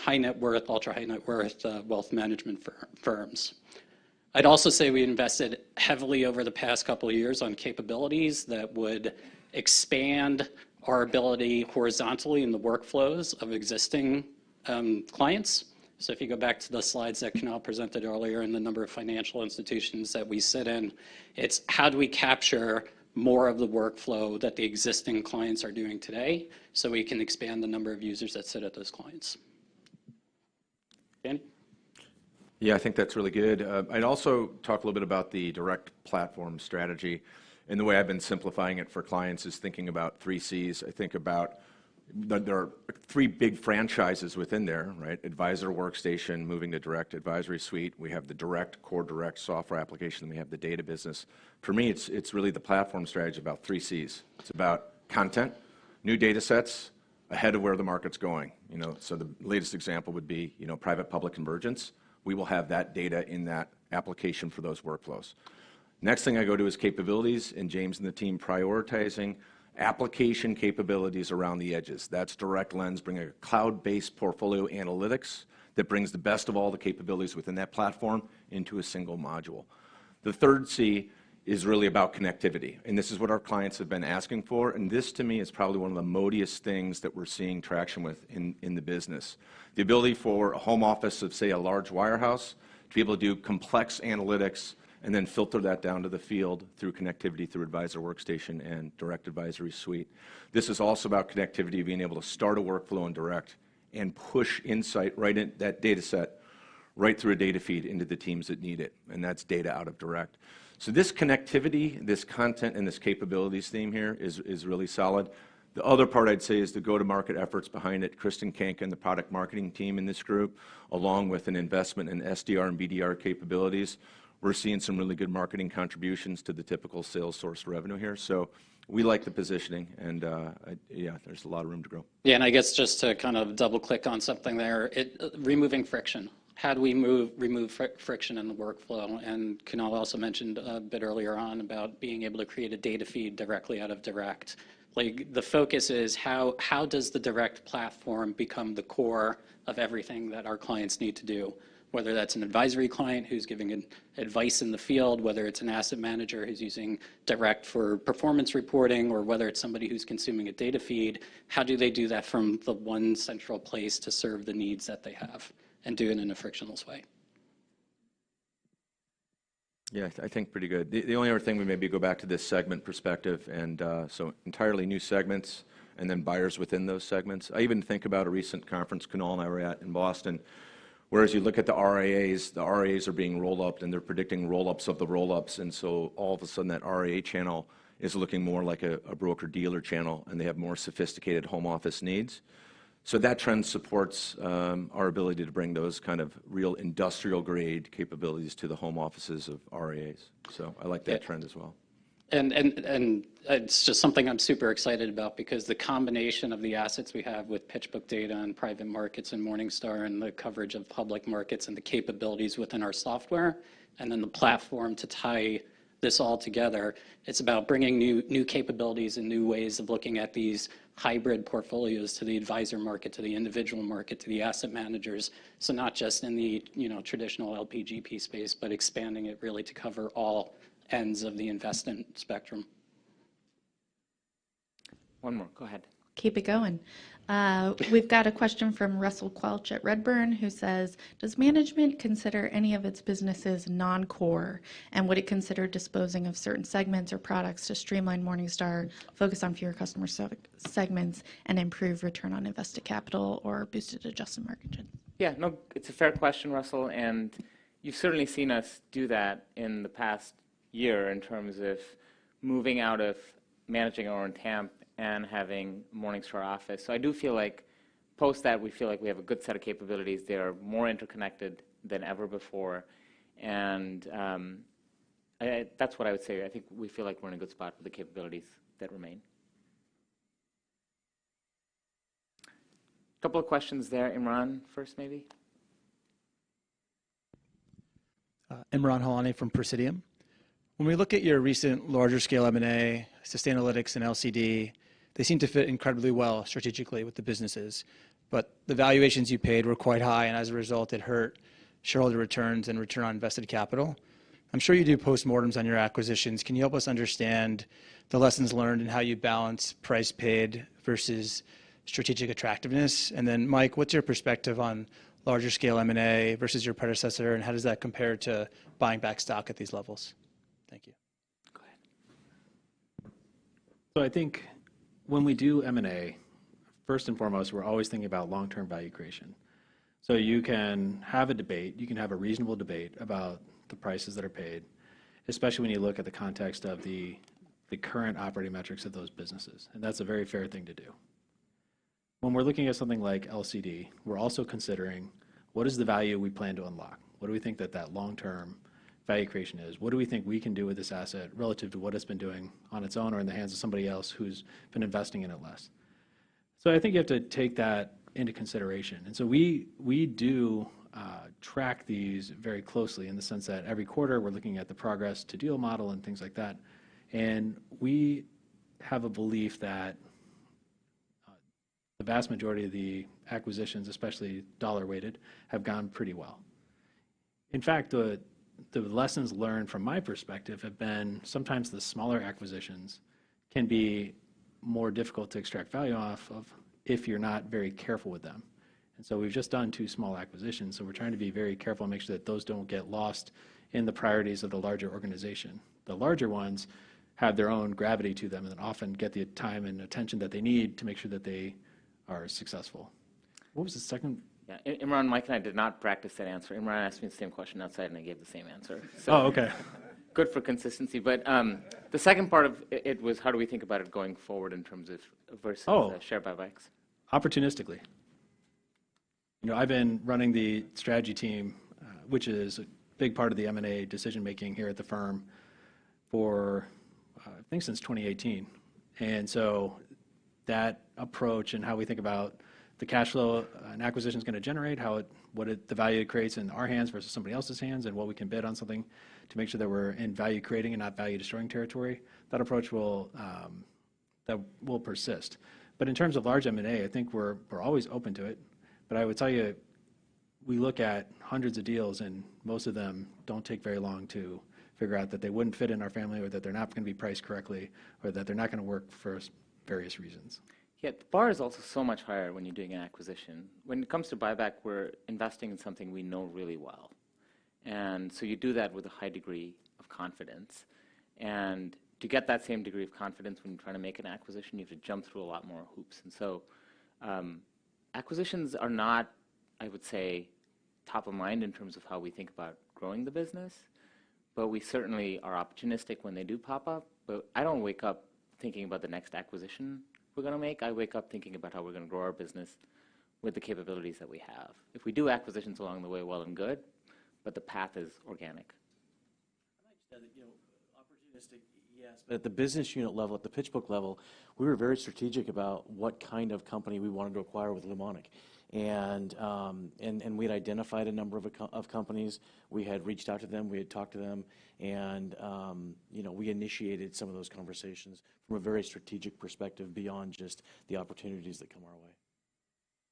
high net worth, ultra high net worth wealth management firms. I'd also say we invested heavily over the past couple of years on capabilities that would expand our ability horizontally in the workflows of existing clients. If you go back to the slides that Kunal presented earlier and the number of financial institutions that we sit in, it's how do we capture more of the workflow that the existing clients are doing today so we can expand the number of users that sit at those clients? Danny? Yeah, I think that's really good. I'd also talk a little bit about the Direct Platform strategy. The way I've been simplifying it for clients is thinking about three Cs. I think about there are three big franchises within there, right? Advisor Workstation, moving to Direct Advisory Suite. We have the Direct core Direct Software application. We have the Data business. For me, it's really the platform strategy about three Cs. It's about content, new datasets, ahead of where the market's going. The latest example would be private-public convergence. We will have that data in that application for those workflows. Next thing I go to is capabilities and James and the team prioritizing application capabilities around the edges. That's Direct Lens, bringing a cloud-based portfolio analytics that brings the best of all the capabilities within that platform into a single module. The third C is really about connectivity. This is what our clients have been asking for. This, to me, is probably one of the modiest things that we're seeing traction with in the business. The ability for a home office of, say, a large wirehouse to be able to do complex analytics and then filter that down to the field through connectivity, through Advisor Workstation and Direct Advisory Suite. This is also about connectivity, being able to start a workflow in Direct and push insight right in that dataset right through a data feed into the teams that need it. That is data out of Direct. This connectivity, this content, and this capabilities theme here is really solid. The other part I'd say is the go-to-market efforts behind it, Kristen Kanka and the product marketing team in this group, along with an investment in SDR and BDR capabilities. We're seeing some really good marketing contributions to the typical sales source revenue here. We like the positioning. Yeah, there's a lot of room to grow. Yeah, and I guess just to kind of double-click on something there, removing friction. How do we remove friction in the workflow? And Kunal also mentioned a bit earlier on about being able to create a data feed directly out of Direct. The focus is how does the Direct platform become the core of everything that our clients need to do, whether that's an advisory client who's giving advice in the field, whether it's an asset manager who's using Direct for performance reporting, or whether it's somebody who's consuming a data feed. How do they do that from the one central place to serve the needs that they have and do it in a frictionless way? Yeah, I think pretty good. The only other thing, we maybe go back to this segment perspective. And so, entirely new segments and then buyers within those segments. I even think about a recent conference Kunal and I were at in Boston, whereas you look at the RIAs, the RIAs are being rolled up and they're predicting roll-ups of the roll-ups. And so, all of a sudden, that RIA channel is looking more like a broker-dealer channel and they have more sophisticated home office needs. That trend supports our ability to bring those kind of real industrial-grade capabilities to the home offices of RIAs. I like that trend as well. It's just something I'm super excited about because the combination of the assets we have with PitchBook data and private markets and Morningstar and the coverage of public markets and the capabilities within our software and then the platform to tie this all together, it's about bringing new capabilities and new ways of looking at these hybrid portfolios to the advisor market, to the individual market, to the asset managers. Not just in the traditional LP, GP space, but expanding it really to cover all ends of the investment spectrum. One more. Go ahead. Keep it going. We've got a question from Russell Quelch at Redburn who says, does management consider any of its businesses non-core? Would it consider disposing of certain segments or products to streamline Morningstar, focus on fewer customer segments, and improve return on invested capital or boost adjusted margin? Yeah, no, it's a fair question, Russell. You've certainly seen us do that in the past year in terms of moving out of managing our own TAMP and having Morningstar Office. I do feel like post that, we feel like we have a good set of capabilities. They are more interconnected than ever before. That's what I would say. I think we feel like we're in a good spot for the capabilities that remain. A couple of questions there. Imran first, maybe. Imran Halani from Praesidium. When we look at your recent larger scale M&A, Sustainalytics and LCD, they seem to fit incredibly well strategically with the businesses. The valuations you paid were quite high. As a result, it hurt shareholder returns and return on invested capital. I'm sure you do postmortems on your acquisitions. Can you help us understand the lessons learned and how you balance price paid versus strategic attractiveness? Mike, what's your perspective on larger scale M&A versus your predecessor? How does that compare to buying back stock at these levels? Thank you. Go ahead. I think when we do M&A, first and foremost, we're always thinking about long-term value creation. You can have a debate. You can have a reasonable debate about the prices that are paid, especially when you look at the context of the current operating metrics of those businesses. That's a very fair thing to do. When we're looking at something like LCD, we're also considering what is the value we plan to unlock? What do we think that long-term value creation is? What do we think we can do with this asset relative to what it's been doing on its own or in the hands of somebody else who's been investing in it less? I think you have to take that into consideration. We do track these very closely in the sense that every quarter we're looking at the progress to deal model and things like that. We have a belief that the vast majority of the acquisitions, especially dollar-weighted, have gone pretty well. In fact, the lessons learned from my perspective have been sometimes the smaller acquisitions can be more difficult to extract value off of if you're not very careful with them. We have just done two small acquisitions. We are trying to be very careful and make sure that those do not get lost in the priorities of the larger organization. The larger ones have their own gravity to them and then often get the time and attention that they need to make sure that they are successful. What was the second? Yeah, Imran, Mike and I did not practice that answer. Imran asked me the same question outside and I gave the same answer. Oh, okay. Good for consistency. The second part of it was how do we think about it going forward in terms of versus share buybacks? Oh, opportunistically. I've been running the strategy team, which is a big part of the M&A decision-making here at the firm for, I think, since 2018. That approach and how we think about the cash flow and acquisitions going to generate, what the value it creates in our hands versus somebody else's hands and what we can bid on something to make sure that we're in value creating and not value destroying territory, that approach will persist. In terms of large M&A, I think we're always open to it. I would tell you, we look at hundreds of deals and most of them do not take very long to figure out that they would not fit in our family or that they're not going to be priced correctly or that they're not going to work for various reasons. Yeah, the bar is also so much higher when you're doing an acquisition. When it comes to buyback, we're investing in something we know really well. You do that with a high degree of confidence. To get that same degree of confidence when you're trying to make an acquisition, you have to jump through a lot more hoops. Acquisitions are not, I would say, top of mind in terms of how we think about growing the business. We certainly are opportunistic when they do pop up. I do not wake up thinking about the next acquisition we're going to make. I wake up thinking about how we're going to grow our business with the capabilities that we have. If we do acquisitions along the way, well and good, but the path is organic. I'd like to add that opportunistic, yes, but at the business unit level, at the PitchBook level, we were very strategic about what kind of company we wanted to acquire with Lumonic. We had identified a number of companies. We had reached out to them. We had talked to them. We initiated some of those conversations from a very strategic perspective beyond just the opportunities that come our way.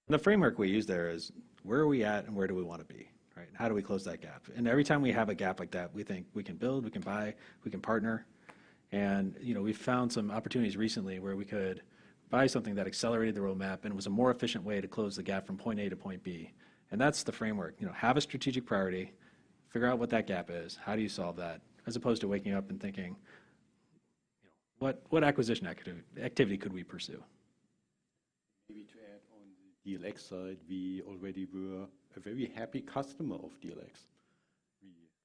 The framework we use there is where are we at and where do we want to be, right? How do we close that gap? Every time we have a gap like that, we think we can build, we can buy, we can partner. We found some opportunities recently where we could buy something that accelerated the roadmap and it was a more efficient way to close the gap from point A to point B. That is the framework. Have a strategic priority, figure out what that gap is, how do you solve that, as opposed to waking up and thinking, what acquisition activity could we pursue? Maybe to add on the DLX side, we already were a very happy customer of DLX.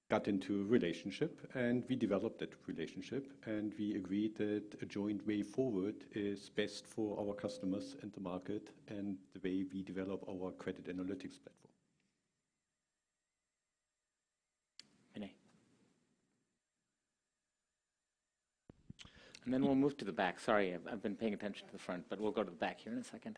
We got into a relationship and we developed that relationship. We agreed that a joint way forward is best for our customers and the market and the way we develop our credit analytics platform. Sorry, I've been paying attention to the front, but we'll go to the back here in a second.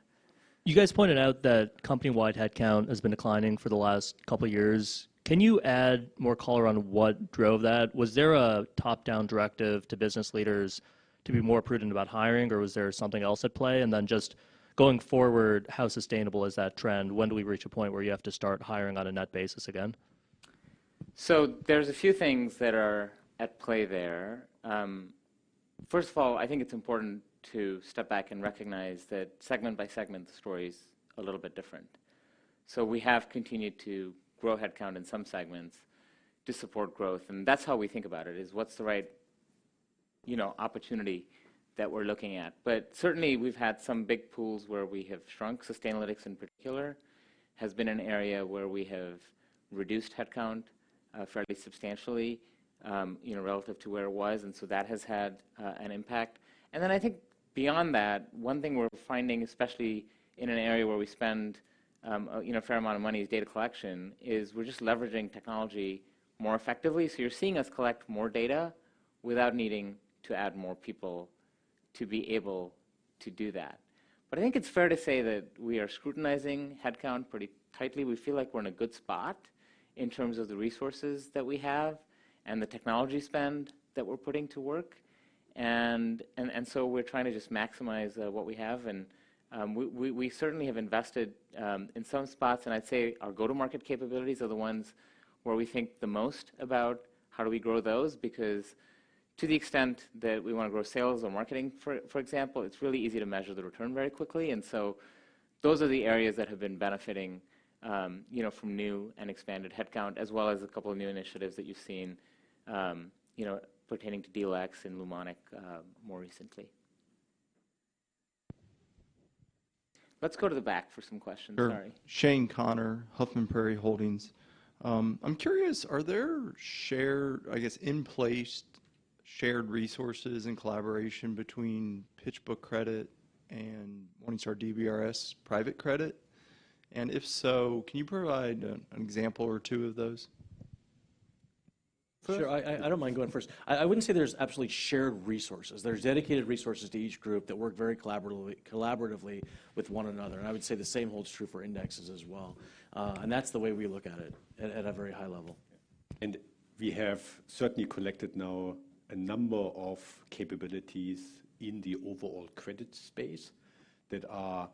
You guys pointed out that company-wide headcount has been declining for the last couple of years. Can you add more color on what drove that? Was there a top-down directive to business leaders to be more prudent about hiring, or was there something else at play? Just going forward, how sustainable is that trend? When do we reach a point where you have to start hiring on a net basis again? There are a few things that are at play there. First of all, I think it's important to step back and recognize that segment-by-segment, the story is a little bit different. We have continued to grow headcount in some segments to support growth. That's how we think about it, is what's the right opportunity that we're looking at. Certainly, we've had some big pools where we have shrunk. Sustainalytics in particular has been an area where we have reduced headcount fairly substantially relative to where it was. That has had an impact. I think beyond that, one thing we're finding, especially in an area where we spend a fair amount of money is data collection, is we're just leveraging technology more effectively. You're seeing us collect more data without needing to add more people to be able to do that. I think it's fair to say that we are scrutinizing headcount pretty tightly. We feel like we're in a good spot in terms of the resources that we have and the technology spend that we're putting to work. We're trying to just maximize what we have. We certainly have invested in some spots. I'd say our go-to-market capabilities are the ones where we think the most about how do we grow those? To the extent that we want to grow sales or marketing, for example, it's really easy to measure the return very quickly. Those are the areas that have been benefiting from new and expanded headcount, as well as a couple of new initiatives that you've seen pertaining to DLX and Lumonic more recently. Let's go to the back for some questions. Sorry. Shane Connor Huffman Prairie Holdings. I'm curious, are there shared, I guess, in-place shared resources and collaboration between PitchBook Credit and Morningstar DBRS private credit? And if so, can you provide an example or two of those? Sure. I do not mind going first. I would not say there is absolutely shared resources. There are dedicated resources to each group that work very collaboratively with one another. I would say the same holds true for indexes as well. That is the way we look at it at a very high level. We have certainly collected now a number of capabilities in the overall credit space that are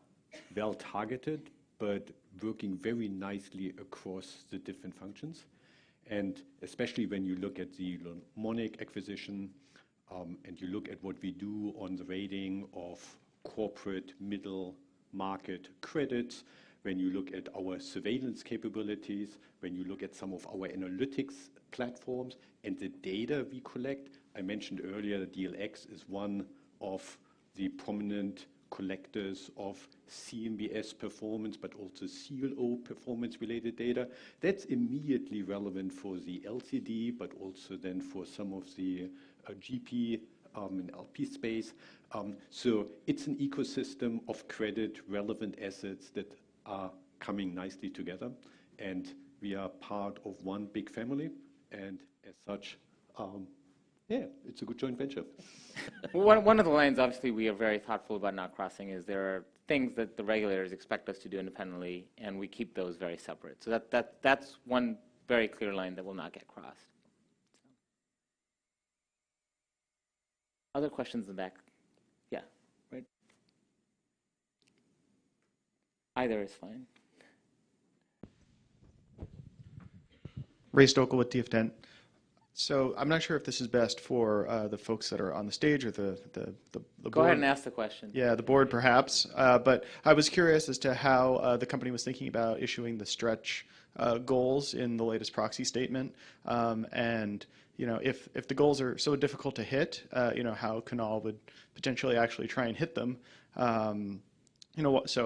well-targeted, but working very nicely across the different functions. Especially when you look at the Lumonic acquisition and you look at what we do on the rating of corporate middle market credits, when you look at our surveillance capabilities, when you look at some of our analytics platforms and the data we collect. I mentioned earlier that DLX is one of the prominent collectors of CMBS performance, but also CLO performance-related data. That is immediately relevant for the LCD, but also then for some of the GP and LP space. It is an ecosystem of credit-relevant assets that are coming nicely together. We are part of one big family. As such, yeah, it is a good joint venture. One of the lines, obviously, we are very thoughtful about not crossing is there are things that the regulators expect us to do independently, and we keep those very separate. That is one very clear line that will not get crossed. Other questions in the back? Yeah. Either is fine. Ray Stochel with DF Dent. I'm not sure if this is best for the folks that are on the stage or the board. Go ahead and ask the question. Yeah, the board, perhaps. I was curious as to how the company was thinking about issuing the stretch goals in the latest proxy statement. If the goals are so difficult to hit, how Kunal would potentially actually try and hit them.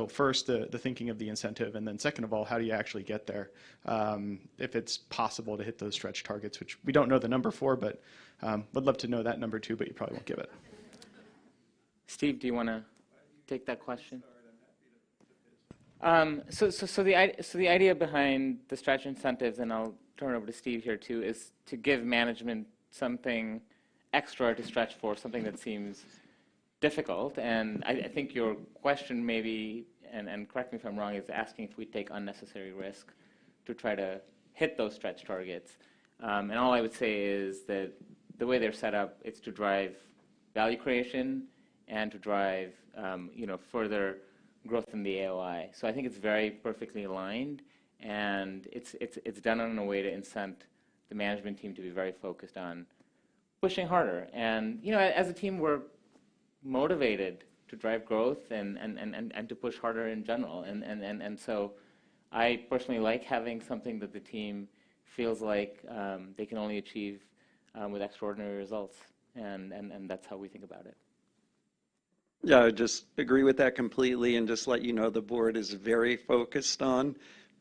First, the thinking of the incentive. Second of all, how do you actually get there if it is possible to hit those stretch targets, which we do not know the number for, but would love to know that number too, but you probably will not give it. Steve, do you want to take that question? The idea behind the stretch incentives, and I'll turn it over to Steve here too, is to give management something extra to stretch for, something that seems difficult. I think your question maybe, and correct me if I'm wrong, is asking if we take unnecessary risk to try to hit those stretch targets. All I would say is that the way they're set up, it's to drive value creation and to drive further growth in the AOI. I think it's very perfectly aligned. It's done in a way to incent the management team to be very focused on pushing harder. As a team, we're motivated to drive growth and to push harder in general. I personally like having something that the team feels like they can only achieve with extraordinary results. That is how we think about it. Yeah, I just agree with that completely. Just to let you know, the board is very focused on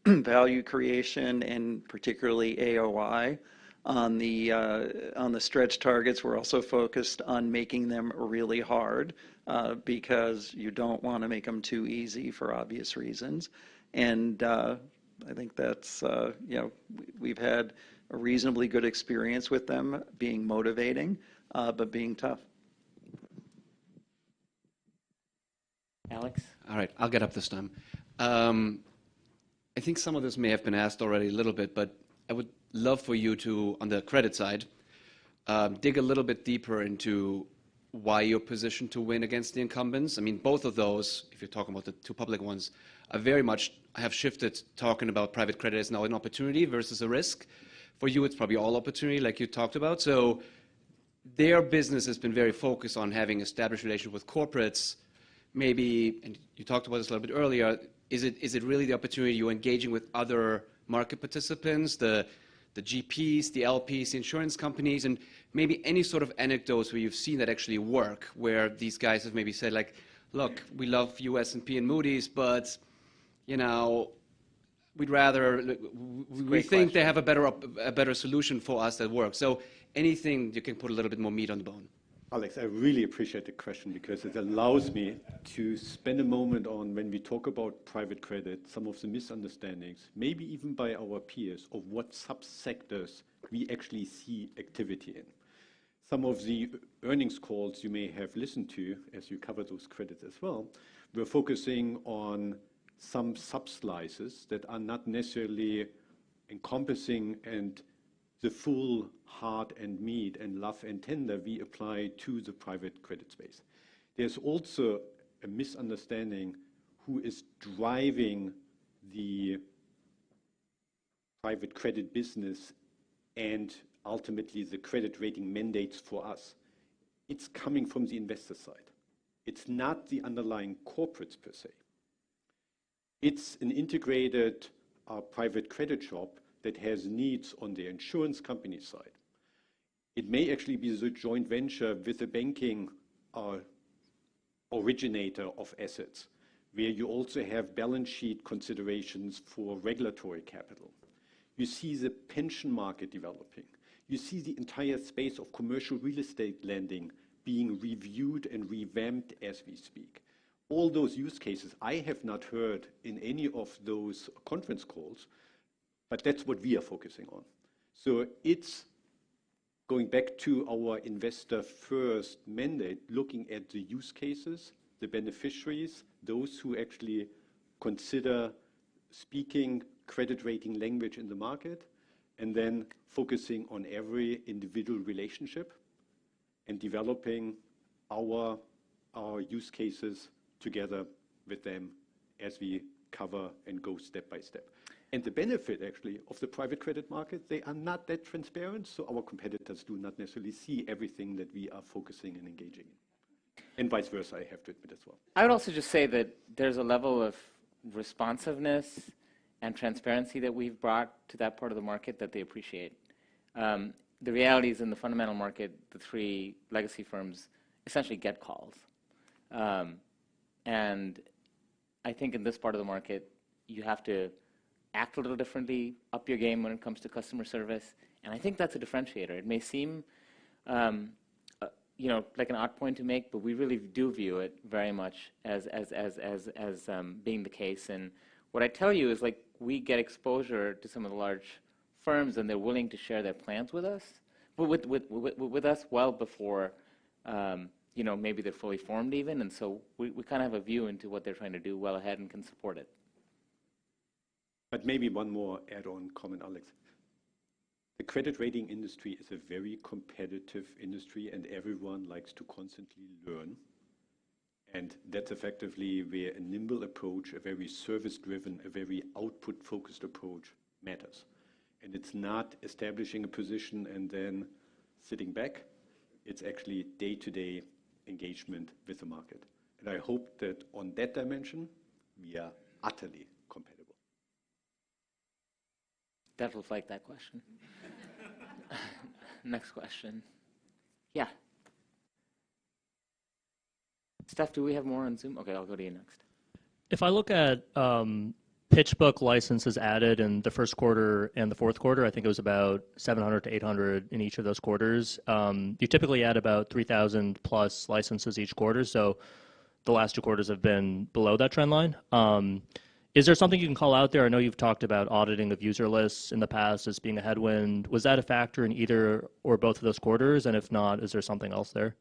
value creation and particularly AOI. On the stretch targets, we're also focused on making them really hard because you do not want to make them too easy for obvious reasons. I think that we've had a reasonably good experience with them being motivating, but being tough. Alex? All right. I'll get up this time. I think some of this may have been asked already a little bit, but I would love for you to, on the credit side, dig a little bit deeper into why you're positioned to win against the incumbents. I mean, both of those, if you're talking about the two public ones, I very much have shifted talking about private credit as now an opportunity versus a risk. For you, it's probably all opportunity, like you talked about. Their business has been very focused on having established relations with corporates. Maybe, and you talked about this a little bit earlier, is it really the opportunity you're engaging with other market participants, the GPs, the LPs, the insurance companies, and maybe any sort of anecdotes where you've seen that actually work, where these guys have maybe said, like, look, we love you S&P and Moody's, but we'd rather we think they have a better solution for us that works. Anything you can put a little bit more meat on the bone. Alex, I really appreciate the question because it allows me to spend a moment on when we talk about private credit, some of the misunderstandings, maybe even by our peers, of what subsectors we actually see activity in. Some of the earnings calls you may have listened to as you cover those credits as well were focusing on some sub-slices that are not necessarily encompassing the full heart and meat and love and tender we apply to the private credit space. There is also a misunderstanding who is driving the private credit business and ultimately the credit rating mandates for us. It is coming from the investor side. It is not the underlying corporates per se. It is an integrated private credit shop that has needs on the insurance company side. It may actually be the joint venture with the banking originator of assets, where you also have balance sheet considerations for regulatory capital. You see the pension market developing. You see the entire space of commercial real estate lending being reviewed and revamped as we speak. All those use cases I have not heard in any of those conference calls, but that's what we are focusing on. It is going back to our investor-first mandate, looking at the use cases, the beneficiaries, those who actually consider speaking credit rating language in the market, and then focusing on every individual relationship and developing our use cases together with them as we cover and go step-by-step. The benefit, actually, of the private credit market is they are not that transparent. Our competitors do not necessarily see everything that we are focusing and engaging in. Vice versa, I have to admit as well. I would also just say that there's a level of responsiveness and transparency that we've brought to that part of the market that they appreciate. The reality is in the fundamental market, the three legacy firms essentially get calls. I think in this part of the market, you have to act a little differently, up your game when it comes to customer service. I think that's a differentiator. It may seem like an odd point to make, but we really do view it very much as being the case. What I tell you is we get exposure to some of the large firms, and they're willing to share their plans with us, with us well before maybe they're fully formed even. We kind of have a view into what they're trying to do well ahead and can support it. Maybe one more add-on comment, Alex. The credit rating industry is a very competitive industry, and everyone likes to constantly learn. That is effectively where a nimble approach, a very service-driven, a very output-focused approach matters. It is not establishing a position and then sitting back. It is actually day-to-day engagement with the market. I hope that on that dimension, we are utterly compatible. Detlef liked that question. Next question. Yeah. Steph, do we have more on Zoom? Okay, I'll go to you next. If I look at PitchBook licenses added in the first quarter and the fourth quarter, I think it was about 700-800 in each of those quarters. You typically add about 3,000 plus licenses each quarter. The last two quarters have been below that trend line. Is there something you can call out there? I know you've talked about auditing of user lists in the past as being a headwind. Was that a factor in either or both of those quarters? If not, is there something else there?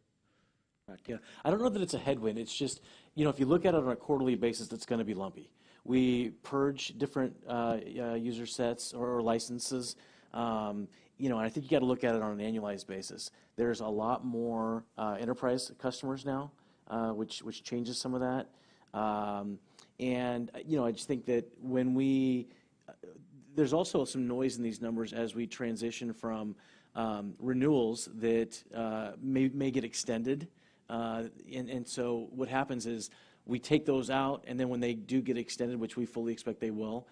Yeah. I don't know that it's a headwind. It's just, you know, if you look at it on a quarterly basis, it's going to be lumpy. We purge different user sets or licenses. And I think you got to look at it on an annualized basis. There's a lot more enterprise customers now, which changes some of that. I just think that when we there's also some noise in these numbers as we transition from renewals that may get extended. What happens is we take those out, and then when they do get extended, which we fully expect they will,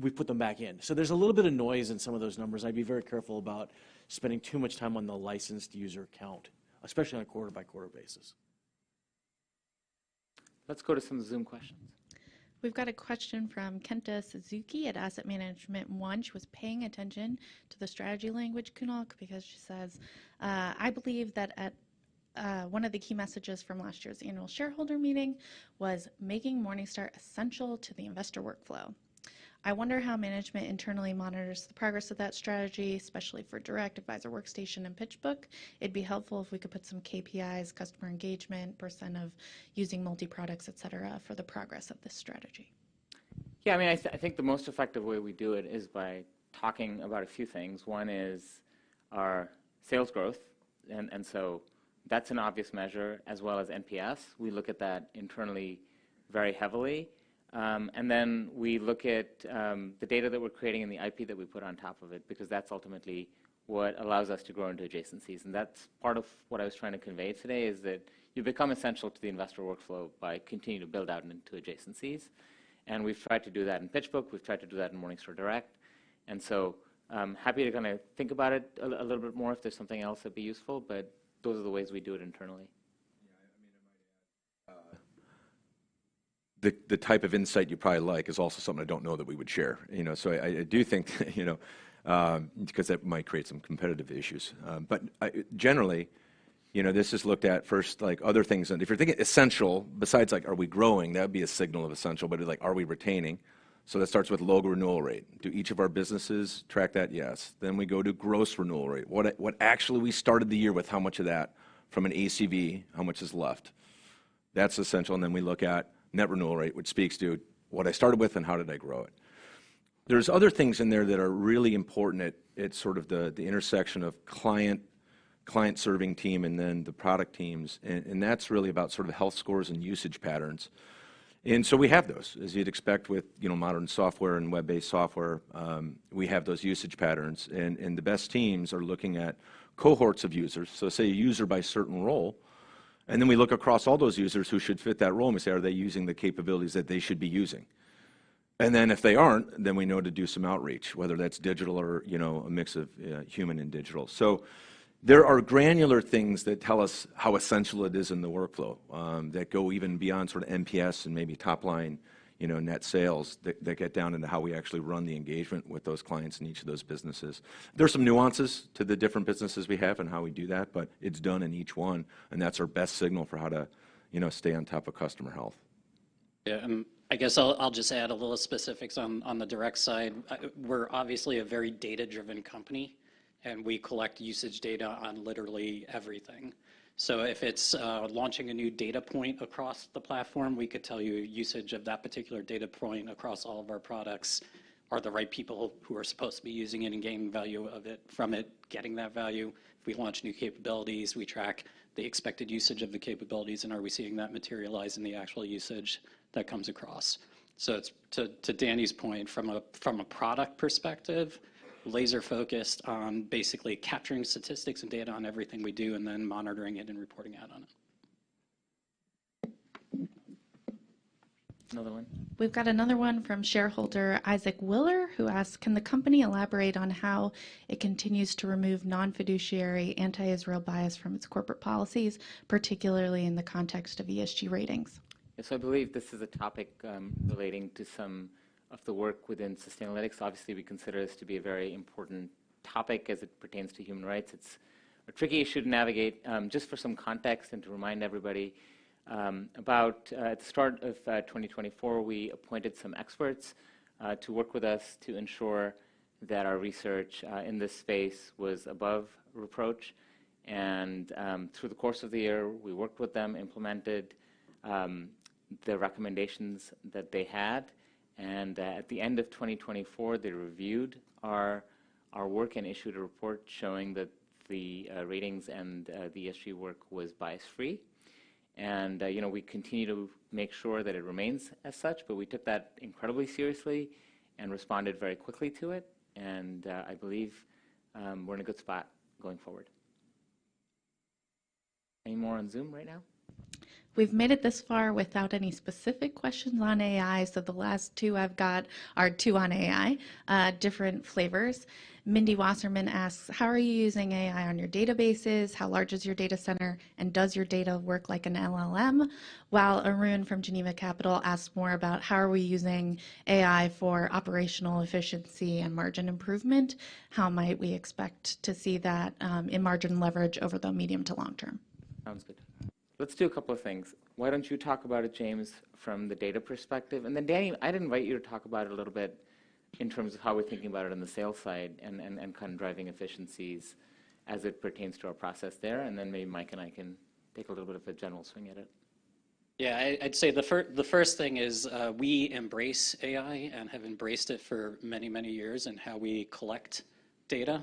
we put them back in. There's a little bit of noise in some of those numbers. I'd be very careful about spending too much time on the licensed user account, especially on a quarter-by-quarter basis. Let's go to some Zoom questions. We've got a question from Kenta Suzuki at Asset Management One. She was paying attention to the strategy language, Kunal, because she says, "I believe that one of the key messages from last year's annual shareholder meeting was making Morningstar essential to the investor workflow. I wonder how management internally monitors the progress of that strategy, especially for Direct Advisor Workstation and PitchBook. It'd be helpful if we could put some KPIs, customer engagement, percent of using multi-products, et cetera, for the progress of this strategy. Yeah, I mean, I think the most effective way we do it is by talking about a few things. One is our sales growth. That is an obvious measure, as well as NPS. We look at that internally very heavily. Then we look at the data that we're creating and the IP that we put on top of it, because that's ultimately what allows us to grow into adjacencies. That is part of what I was trying to convey today, that you become essential to the investor workflow by continuing to build out into adjacencies. We've tried to do that in PitchBook. We've tried to do that in Morningstar Direct. I am happy to kind of think about it a little bit more if there's something else that would be useful, but those are the ways we do it internally. The type of insight you probably like is also something I don't know that we would share. I do think, because that might create some competitive issues. Generally, this is looked at first like other things. If you're thinking essential, besides like, are we growing, that would be a signal of essential, but are we retaining? That starts with low renewal rate. Do each of our businesses track that? Yes. We go to gross renewal rate. What actually we started the year with, how much of that from an ACV, how much is left? That's essential. We look at net renewal rate, which speaks to what I started with and how did I grow it. There are other things in there that are really important at sort of the intersection of client, client-serving team, and then the product teams. That is really about sort of health scores and usage patterns. We have those, as you'd expect with modern software and web-based software. We have those usage patterns. The best teams are looking at cohorts of users, say a user by certain role. We look across all those users who should fit that role, and we say, are they using the capabilities that they should be using? If they are not, then we know to do some outreach, whether that is digital or a mix of human and digital. There are granular things that tell us how essential it is in the workflow that go even beyond sort of NPS and maybe top-line net sales that get down into how we actually run the engagement with those clients in each of those businesses. There's some nuances to the different businesses we have and how we do that, but it's done in each one. That's our best signal for how to stay on top of customer health. Yeah, and I guess I'll just add a little specifics on the direct side. We're obviously a very data-driven company, and we collect usage data on literally everything. If it's launching a new data point across the platform, we could tell you usage of that particular data point across all of our products. Are the right people who are supposed to be using it and gaining value from it getting that value? If we launch new capabilities, we track the expected usage of the capabilities, and are we seeing that materialize in the actual usage that comes across? To Danny's point, from a product perspective, laser-focused on basically capturing statistics and data on everything we do and then monitoring it and reporting out on it. Another one. We've got another one from shareholder Isaac Willer who asks, "Can the company elaborate on how it continues to remove non-fiduciary anti-Israel bias from its corporate policies, particularly in the context of ESG ratings? Yes, I believe this is a topic relating to some of the work within Sustainalytics. Obviously, we consider this to be a very important topic as it pertains to human rights. It's a tricky issue to navigate. Just for some context and to remind everybody about, at the start of 2024, we appointed some experts to work with us to ensure that our research in this space was above reproach. Through the course of the year, we worked with them, implemented the recommendations that they had. At the end of 2024, they reviewed our work and issued a report showing that the ratings and the ESG work was bias-free. We continue to make sure that it remains as such, but we took that incredibly seriously and responded very quickly to it. I believe we're in a good spot going forward. Any more on Zoom right now? We've made it this far without any specific questions on AI. The last two I've got are two on AI, different flavors. Mindy Wasserman asks, "How are you using AI on your databases? How large is your data center? And does your data work like an LLM?" While Arun from Geneva Capital asks more about, "How are we using AI for operational efficiency and margin improvement? How might we expect to see that in margin leverage over the medium to long term? Sounds good. Let's do a couple of things. Why don't you talk about it, James, from the data perspective? Then, Danny, I'd invite you to talk about it a little bit in terms of how we're thinking about it on the sales side and kind of driving efficiencies as it pertains to our process there. Maybe Mike and I can take a little bit of a general swing at it. Yeah, I'd say the first thing is we embrace AI and have embraced it for many, many years in how we collect data.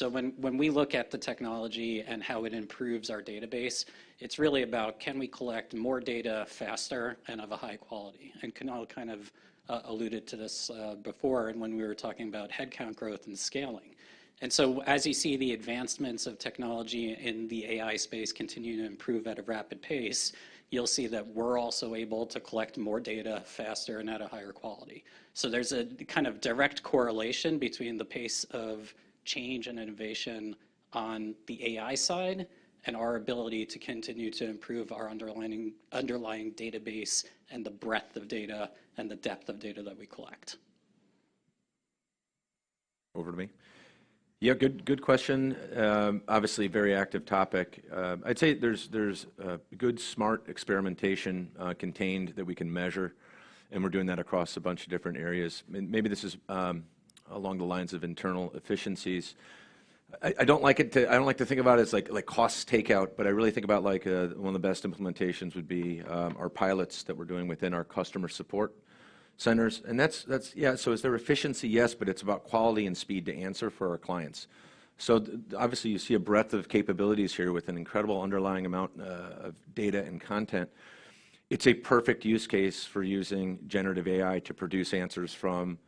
When we look at the technology and how it improves our database, it's really about can we collect more data faster and of a high quality? Kunal kind of alluded to this before when we were talking about headcount growth and scaling. As you see the advancements of technology in the AI space continue to improve at a rapid pace, you'll see that we're also able to collect more data faster and at a higher quality. There's a kind of direct correlation between the pace of change and innovation on the AI side and our ability to continue to improve our underlying database and the breadth of data and the depth of data that we collect. Over to me. Yeah, good question. Obviously, very active topic. I'd say there's good smart experimentation contained that we can measure, and we're doing that across a bunch of different areas. Maybe this is along the lines of internal efficiencies. I don't like to think about it as like cost takeout, but I really think about like one of the best implementations would be our pilots that we're doing within our customer support centers. And that's, yeah, is there efficiency? Yes, but it's about quality and speed to answer for our clients. Obviously, you see a breadth of capabilities here with an incredible underlying amount of data and content. It's a perfect use case for using generative AI to produce answers from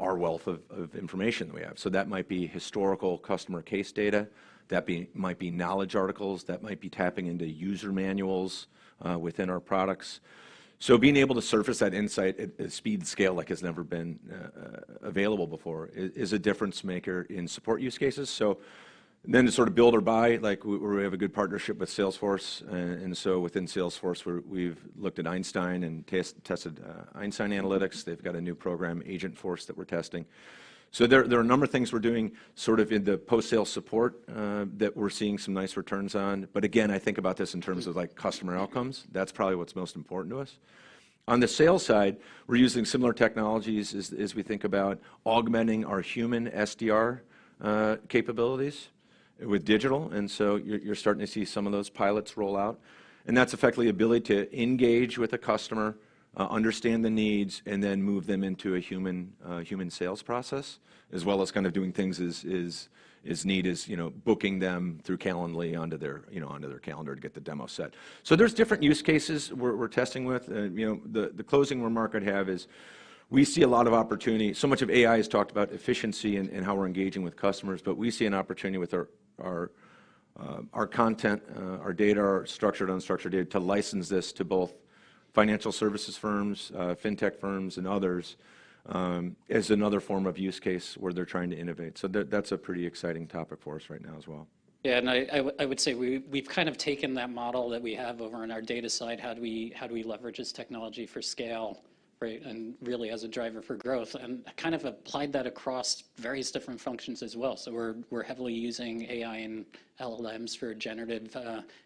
our wealth of information that we have. That might be historical customer case data. That might be knowledge articles. That might be tapping into user manuals within our products. Being able to surface that insight at a speed and scale like has never been available before is a difference maker in support use cases. Then to sort of build or buy, like we have a good partnership with Salesforce. Within Salesforce, we have looked at Einstein and tested Einstein Analytics. They have a new program, Agentforce, that we are testing. There are a number of things we are doing in the post-sales support that we are seeing some nice returns on. Again, I think about this in terms of customer outcomes. That is probably what is most important to us. On the sales side, we are using similar technologies as we think about augmenting our human SDR capabilities with digital. You are starting to see some of those pilots roll out. That is effectively the ability to engage with a customer, understand the needs, and then move them into a human sales process, as well as kind of doing things as neat as booking them through Calendly onto their calendar to get the demo set. There are different use cases we are testing with. The closing remark I would have is we see a lot of opportunity. So much of AI has talked about efficiency and how we are engaging with customers, but we see an opportunity with our content, our data, our structured, unstructured data to license this to both financial services firms, fintech firms, and others as another form of use case where they are trying to innovate. That is a pretty exciting topic for us right now as well. Yeah, and I would say we've kind of taken that model that we have over on our data side, how do we leverage this technology for scale, right, and really as a driver for growth, and kind of applied that across various different functions as well. We're heavily using AI and LLMs for generative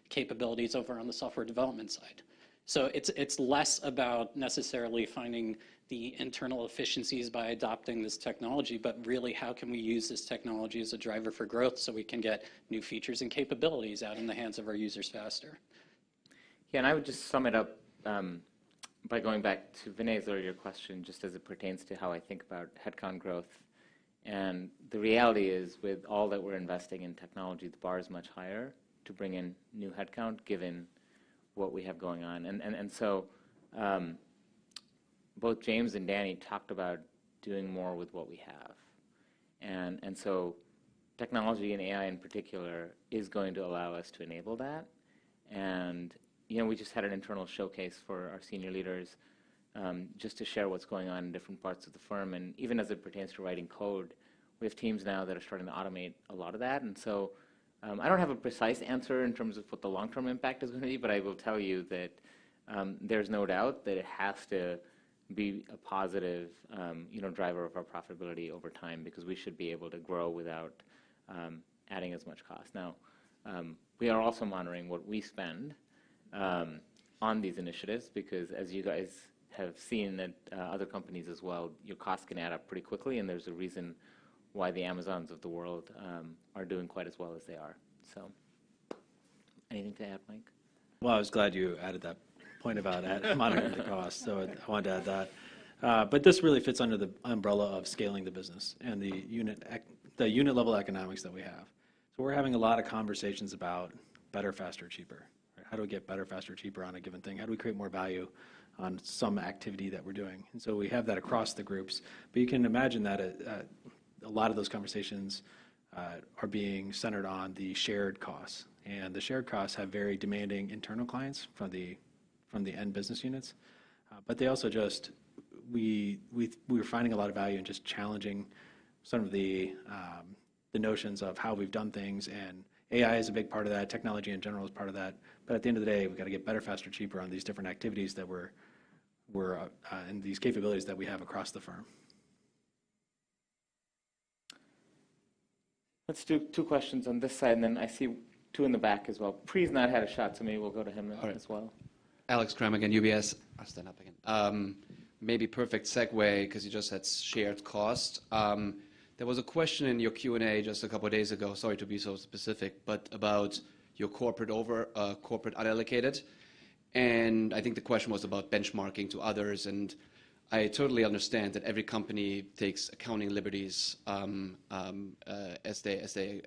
capabilities over on the software development side. It's less about necessarily finding the internal efficiencies by adopting this technology, but really how can we use this technology as a driver for growth so we can get new features and capabilities out in the hands of our users faster. Yeah, and I would just sum it up by going back to Vinay's earlier question just as it pertains to how I think about headcount growth. The reality is with all that we're investing in technology, the bar is much higher to bring in new headcount given what we have going on. Both James and Danny talked about doing more with what we have. Technology and AI in particular is going to allow us to enable that. We just had an internal showcase for our senior leaders just to share what's going on in different parts of the firm. Even as it pertains to writing code, we have teams now that are starting to automate a lot of that. I do not have a precise answer in terms of what the long-term impact is going to be, but I will tell you that there is no doubt that it has to be a positive driver of our profitability over time because we should be able to grow without adding as much cost. We are also monitoring what we spend on these initiatives because as you guys have seen at other companies as well, your cost can add up pretty quickly. There is a reason why the Amazons of the world are doing quite as well as they are. Anything to add, Mike? I was glad you added that point about monitoring the cost. I wanted to add that. This really fits under the umbrella of scaling the business and the unit-level economics that we have. We're having a lot of conversations about better, faster, cheaper. How do we get better, faster, cheaper on a given thing? How do we create more value on some activity that we're doing? We have that across the groups. You can imagine that a lot of those conversations are being centered on the shared costs. The shared costs have very demanding internal clients from the end business units. We were finding a lot of value in just challenging some of the notions of how we've done things. AI is a big part of that. Technology in general is part of that. At the end of the day, we've got to get better, faster, cheaper on these different activities that we're in, these capabilities that we have across the firm. Let's do two questions on this side. Then I see two in the back as well. Pri's not had a shot, so maybe we'll go to him as well. Alex Kram again, UBS. I'll stand up again. Maybe perfect segue because you just had shared cost. There was a question in your Q&A just a couple of days ago, sorry to be so specific, but about your corporate over corporate unallocated. I think the question was about benchmarking to others. I totally understand that every company takes accounting liberties as they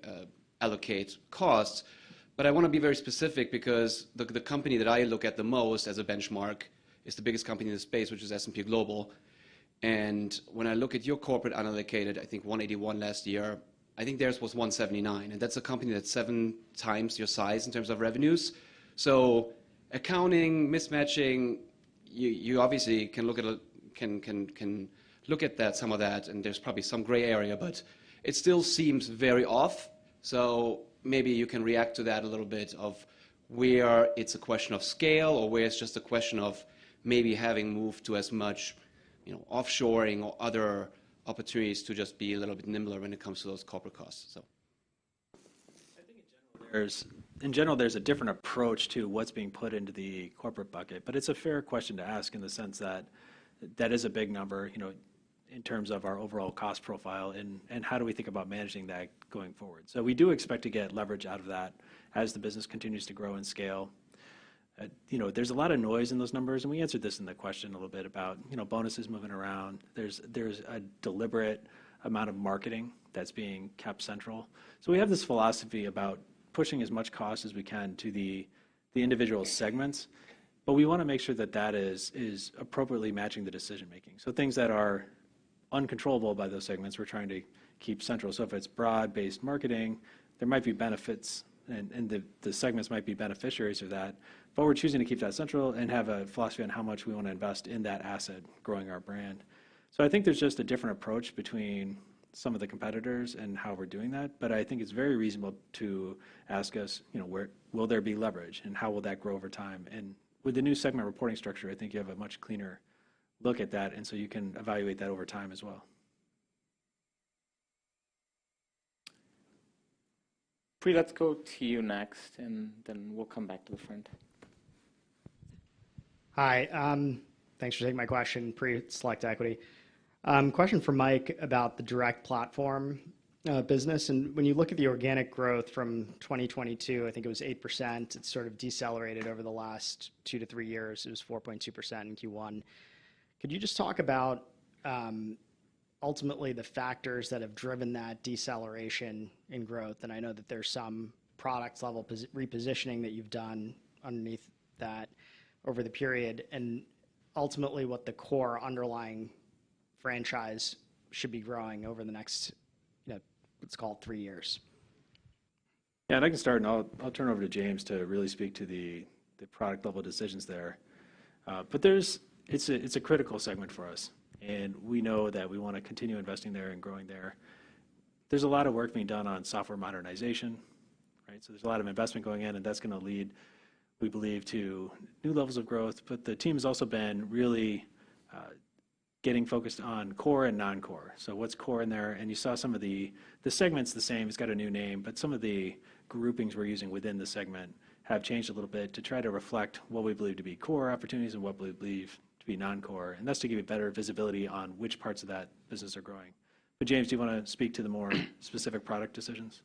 allocate costs. I want to be very specific because the company that I look at the most as a benchmark is the biggest company in the space, which is S&P Global. When I look at your corporate unallocated, I think $181 million last year, I think theirs was $179 million. That's a company that's seven times your size in terms of revenues. Accounting mismatching, you obviously can look at that, some of that, and there's probably some gray area, but it still seems very off. Maybe you can react to that a little bit of where it's a question of scale or where it's just a question of maybe having moved to as much offshoring or other opportunities to just be a little bit nimbler when it comes to those corporate costs. I think in general, there's a different approach to what's being put into the corporate bucket, but it's a fair question to ask in the sense that that is a big number in terms of our overall cost profile and how do we think about managing that going forward. We do expect to get leverage out of that as the business continues to grow and scale. There's a lot of noise in those numbers, and we answered this in the question a little bit about bonuses moving around. There's a deliberate amount of marketing that's being kept central. We have this philosophy about pushing as much cost as we can to the individual segments, but we want to make sure that that is appropriately matching the decision-making. Things that are uncontrollable by those segments, we're trying to keep central. If it's broad-based marketing, there might be benefits, and the segments might be beneficiaries of that. We are choosing to keep that central and have a philosophy on how much we want to invest in that asset growing our brand. I think there's just a different approach between some of the competitors and how we're doing that. I think it's very reasonable to ask us, will there be leverage and how will that grow over time? With the new segment reporting structure, I think you have a much cleaner look at that. You can evaluate that over time as well. Pri, let's go to you next, and then we'll come back to the front. Hi. Thanks for taking my question. Pri, Select Equity. Question for Mike about the Direct Platform business. When you look at the organic growth from 2022, I think it was 8%. It's sort of decelerated over the last two to three years. It was 4.2% in Q1. Could you just talk about ultimately the factors that have driven that deceleration in growth? I know that there's some product-level repositioning that you've done underneath that over the period. Ultimately, what the core underlying franchise should be growing over the next, let's call it three years. Yeah, and I can start, and I'll turn over to James to really speak to the product-level decisions there. It is a critical segment for us, and we know that we want to continue investing there and growing there. There is a lot of work being done on software modernization, right? There is a lot of investment going in, and that is going to lead, we believe, to new levels of growth. The team has also been really getting focused on core and non-core. What is core in there? You saw some of the segments the same. It has a new name, but some of the groupings we are using within the segment have changed a little bit to try to reflect what we believe to be core opportunities and what we believe to be non-core. That is to give you better visibility on which parts of that business are growing. James, do you want to speak to the more specific product decisions?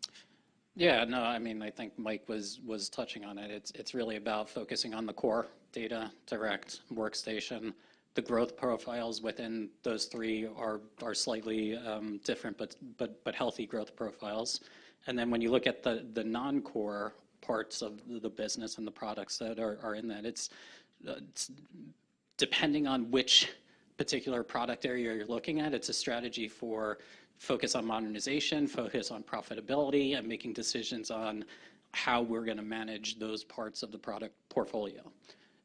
Yeah, no, I mean, I think Mike was touching on it. It's really about focusing on the core data, Direct, Workstation. The growth profiles within those three are slightly different, but healthy growth profiles. When you look at the non-core parts of the business and the products that are in that, it's depending on which particular product area you're looking at. It's a strategy for focus on modernization, focus on profitability, and making decisions on how we're going to manage those parts of the product portfolio.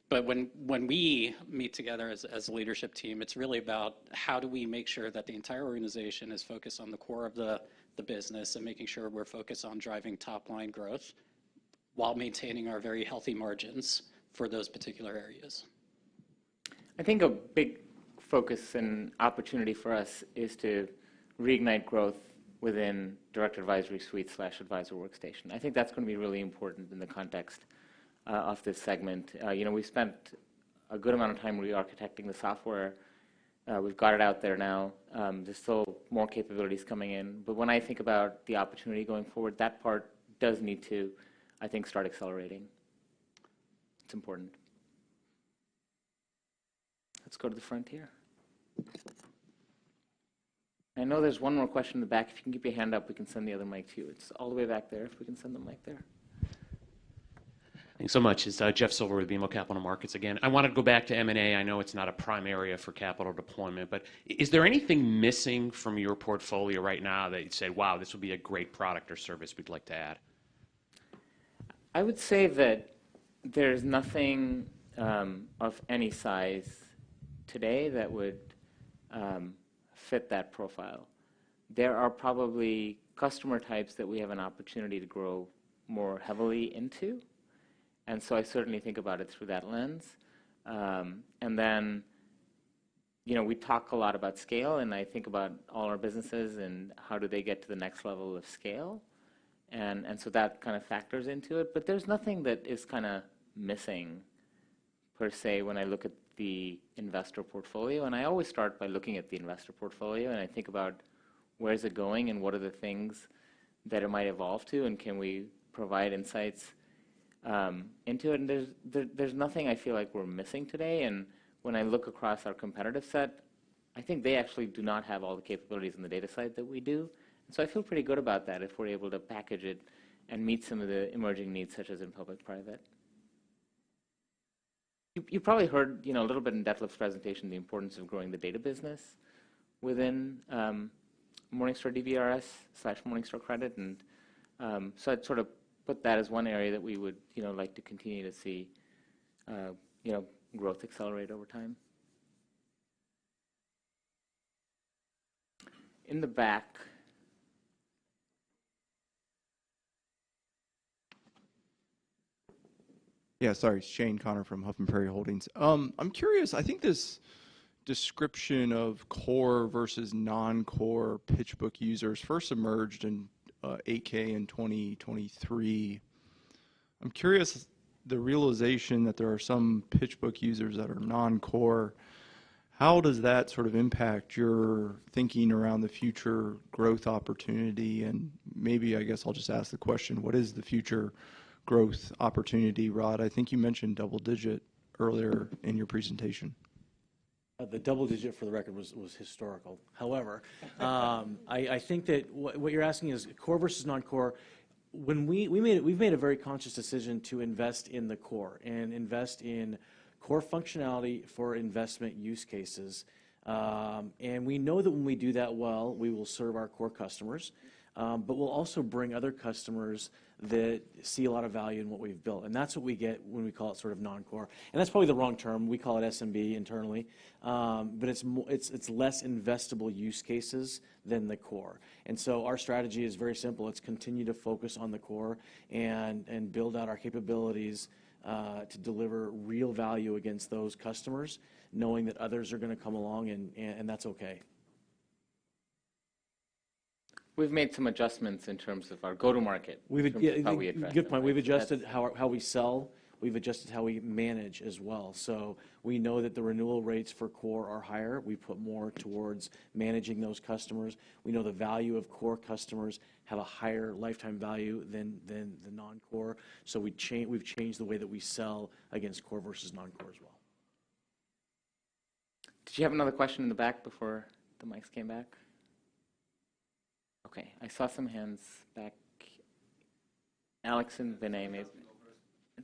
When we meet together as a leadership team, it's really about how do we make sure that the entire organization is focused on the core of the business and making sure we're focused on driving top-line growth while maintaining our very healthy margins for those particular areas. I think a big focus and opportunity for us is to reignite growth within Direct Advisory Suite/Advisor Workstation. I think that's going to be really important in the context of this segment. We've spent a good amount of time re-architecting the software. We've got it out there now. There's still more capabilities coming in. When I think about the opportunity going forward, that part does need to, I think, start accelerating. It's important. Let's go to the front here. I know there's one more question in the back. If you can keep your hand up, we can send the other mic to you. It's all the way back there. If we can send the mic there. Thanks so much. It's Jeff Silber with BMO Capital Markets again. I want to go back to M&A. I know it's not a prime area for capital deployment, but is there anything missing from your portfolio right now that you'd say, "Wow, this would be a great product or service we'd like to add? I would say that there's nothing of any size today that would fit that profile. There are probably customer types that we have an opportunity to grow more heavily into. I certainly think about it through that lens. We talk a lot about scale, and I think about all our businesses and how do they get to the next level of scale. That kind of factors into it. There is nothing that is kind of missing per se when I look at the investor portfolio. I always start by looking at the investor portfolio, and I think about where is it going and what are the things that it might evolve to, and can we provide insights into it. There is nothing I feel like we're missing today. When I look across our competitive set, I think they actually do not have all the capabilities on the data side that we do. I feel pretty good about that if we're able to package it and meet some of the emerging needs such as in public-private. You probably heard a little bit in Detlef's presentation the importance of growing the data business within Morningstar DBRS/Morningstar Credit. I would sort of put that as one area that we would like to continue to see growth accelerate over time. In the back. Yeah, sorry, Shane Connor from Huffman Prairie Holdings. I'm curious, I think this description of core versus non-core PitchBook users first emerged in 8K in 2023. I'm curious, the realization that there are some PitchBook users that are non-core, how does that sort of impact your thinking around the future growth opportunity? And maybe I guess I'll just ask the question, what is the future growth opportunity, Rod? I think you mentioned double-digit earlier in your presentation. The double-digit for the record was historical. However, I think that what you're asking is core versus non-core. We've made a very conscious decision to invest in the core and invest in core functionality for investment use cases. We know that when we do that well, we will serve our core customers, but we'll also bring other customers that see a lot of value in what we've built. That is what we get when we call it sort of non-core. That is probably the wrong term. We call it SMB internally, but it is less investable use cases than the core. Our strategy is very simple. It is continue to focus on the core and build out our capabilities to deliver real value against those customers, knowing that others are going to come along, and that is okay. We've made some adjustments in terms of our go-to-market. We've adjusted how we sell. We've adjusted how we manage as well. We know that the renewal rates for core are higher. We put more towards managing those customers. We know the value of core customers have a higher lifetime value than the non-core. We've changed the way that we sell against core versus non-core as well. Did you have another question in the back before the mics came back? Okay, I saw some hands back. Alex and Vinay, maybe.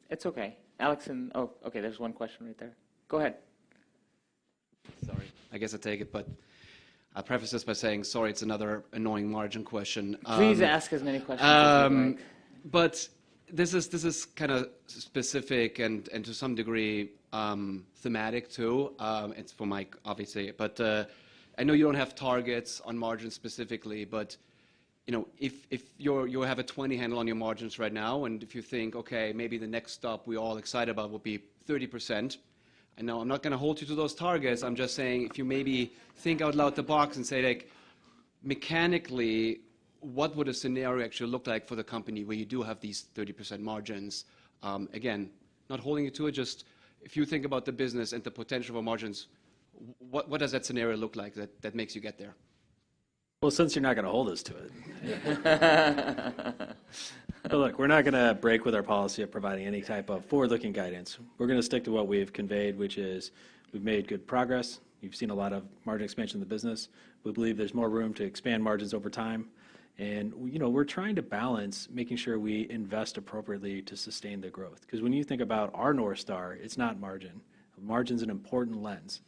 It's okay. Alex and, oh, okay, there's one question right there. Go ahead. Sorry, I guess I'll take it, but I'll preface this by saying, sorry, it's another annoying margin question. Please ask as many questions as you like. This is kind of specific and to some degree thematic too. It is for Mike, obviously. I know you do not have targets on margin specifically, but if you have a 20 handle on your margins right now, and if you think, okay, maybe the next stop we are all excited about will be 30%. I know I am not going to hold you to those targets. I am just saying if you maybe think out loud the box and say, like, mechanically, what would a scenario actually look like for the company where you do have these 30% margins? Again, not holding you to it, just if you think about the business and the potential for margins, what does that scenario look like that makes you get there? Well, since you're not going to hold us to it. Look, we're not going to break with our policy of providing any type of forward-looking guidance. We're going to stick to what we've conveyed, which is we've made good progress. You've seen a lot of margin expansion in the business. We believe there's more room to expand margins over time. We're trying to balance making sure we invest appropriately to sustain the growth. Because when you think about our North Star, it's not margin. Margin's an important lens.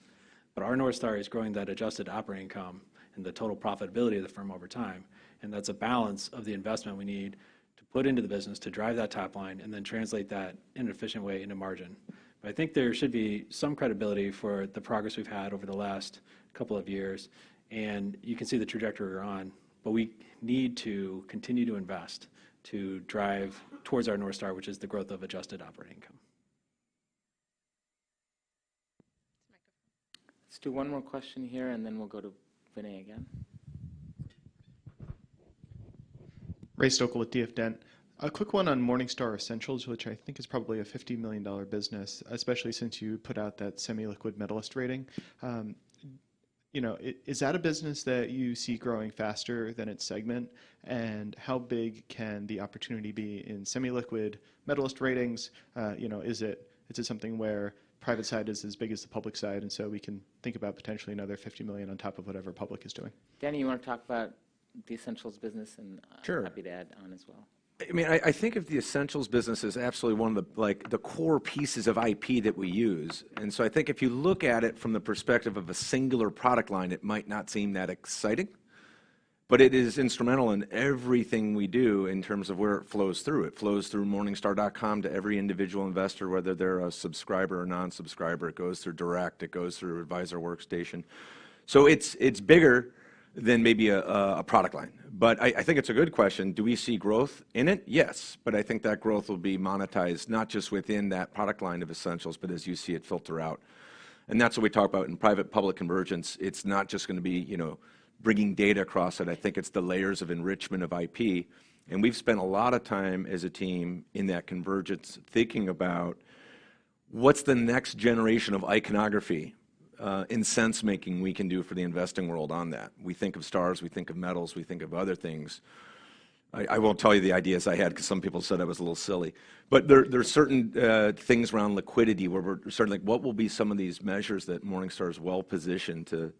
Our North Star is growing that adjusted operating income and the total profitability of the firm over time. That's a balance of the investment we need to put into the business to drive that top line and then translate that in an efficient way into margin. I think there should be some credibility for the progress we've had over the last couple of years. You can see the trajectory we're on. We need to continue to invest to drive towards our North Star, which is the growth of adjusted operating income. Let's do one more question here, and then we'll go to Vinay again. Ray Stochel at DF Dent. A quick one on Morningstar Essentials, which I think is probably a $50 million business, especially since you put out that semi-liquid Medalist Rating. Is that a business that you see growing faster than its segment? How big can the opportunity be in semi-liquid Medalist Ratings? Is it something where private side is as big as the public side? We can think about potentially another $50 million on top of whatever public is doing. Danny, you want to talk about the Essentials business? Sure. I'm happy to add on as well. I mean, I think of the Essentials business as absolutely one of the core pieces of IP that we use. I think if you look at it from the perspective of a singular product line, it might not seem that exciting. It is instrumental in everything we do in terms of where it flows through. It flows through morningstar.com to every individual investor, whether they're a subscriber or non-subscriber. It goes through Direct. It goes through Advisor Workstation. It is bigger than maybe a product line. I think it's a good question. Do we see growth in it? Yes. I think that growth will be monetized not just within that product line of Essentials, but as you see it filter out. That is what we talk about in private-public convergence. It's not just going to be bringing data across, and I think it's the layers of enrichment of IP. And we've spent a lot of time as a team in that convergence thinking about what's the next generation of iconography in sense-making we can do for the investing world on that. We think of stars. We think of medals. We think of other things. I won't tell you the ideas I had because some people said I was a little silly. But there are certain things around liquidity where we're sort of like, what will be some of these measures that Morningstar is well-positioned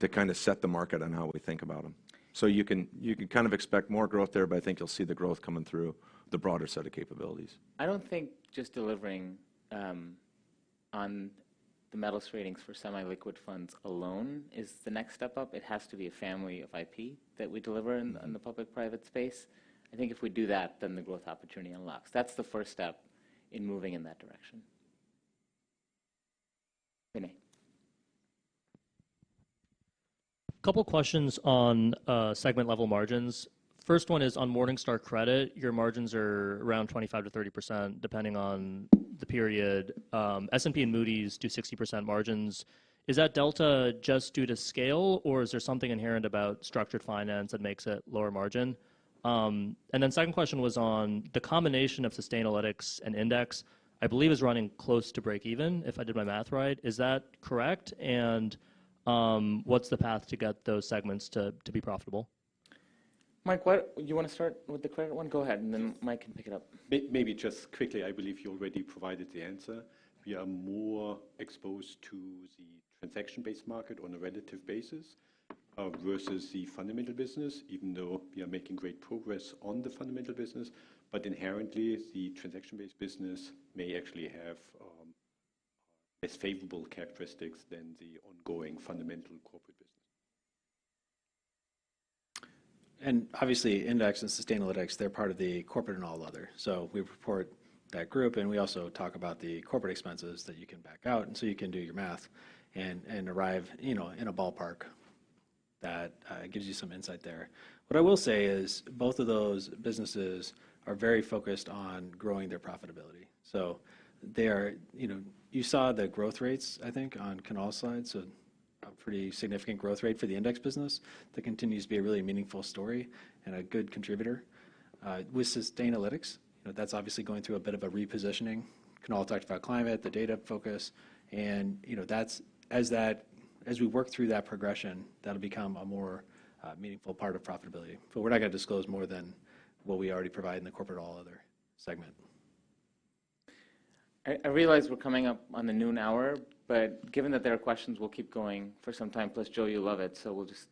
to kind of set the market on how we think about them? You can kind of expect more growth there, but I think you'll see the growth coming through the broader set of capabilities. I don't think just delivering on the Medalist Ratings for semi-liquid funds alone is the next step up. It has to be a family of IP that we deliver in the public-private space. I think if we do that, then the growth opportunity unlocks. That's the first step in moving in that direction. A couple of questions on segment-level margins. First one is on Morningstar Credit. Your margins are around 25%-30%, depending on the period. S&P and Moody's do 60% margins. Is that delta just due to scale, or is there something inherent about structured finance that makes it lower margin? The second question was on the combination of Sustainalytics and Index. I believe it's running close to break-even, if I did my math right. Is that correct? What is the path to get those segments to be profitable? Mike, do you want to start with the credit one? Go ahead, and then Mike can pick it up. Maybe just quickly, I believe you already provided the answer. We are more exposed to the transaction-based market on a relative basis versus the fundamental business, even though we are making great progress on the fundamental business. Inherently, the transaction-based business may actually have less favorable characteristics than the ongoing fundamental corporate business. Obviously, Index and Sustainalytics, they're part of the corporate and all other. We report that group, and we also talk about the corporate expenses that you can back out. You can do your math and arrive in a ballpark that gives you some insight there. What I will say is both of those businesses are very focused on growing their profitability. You saw the growth rates, I think, on Kunal's side. A pretty significant growth rate for the index business that continues to be a really meaningful story and a good contributor. With Sustainalytics, that's obviously going through a bit of a repositioning. Kunal talked about climate, the data focus. As we work through that progression, that'll become a more meaningful part of profitability. We're not going to disclose more than what we already provide in the corporate all-other segment. I realize we're coming up on the noon hour, but given that there are questions, we'll keep going for some time. Plus, Joe, you love it. We'll just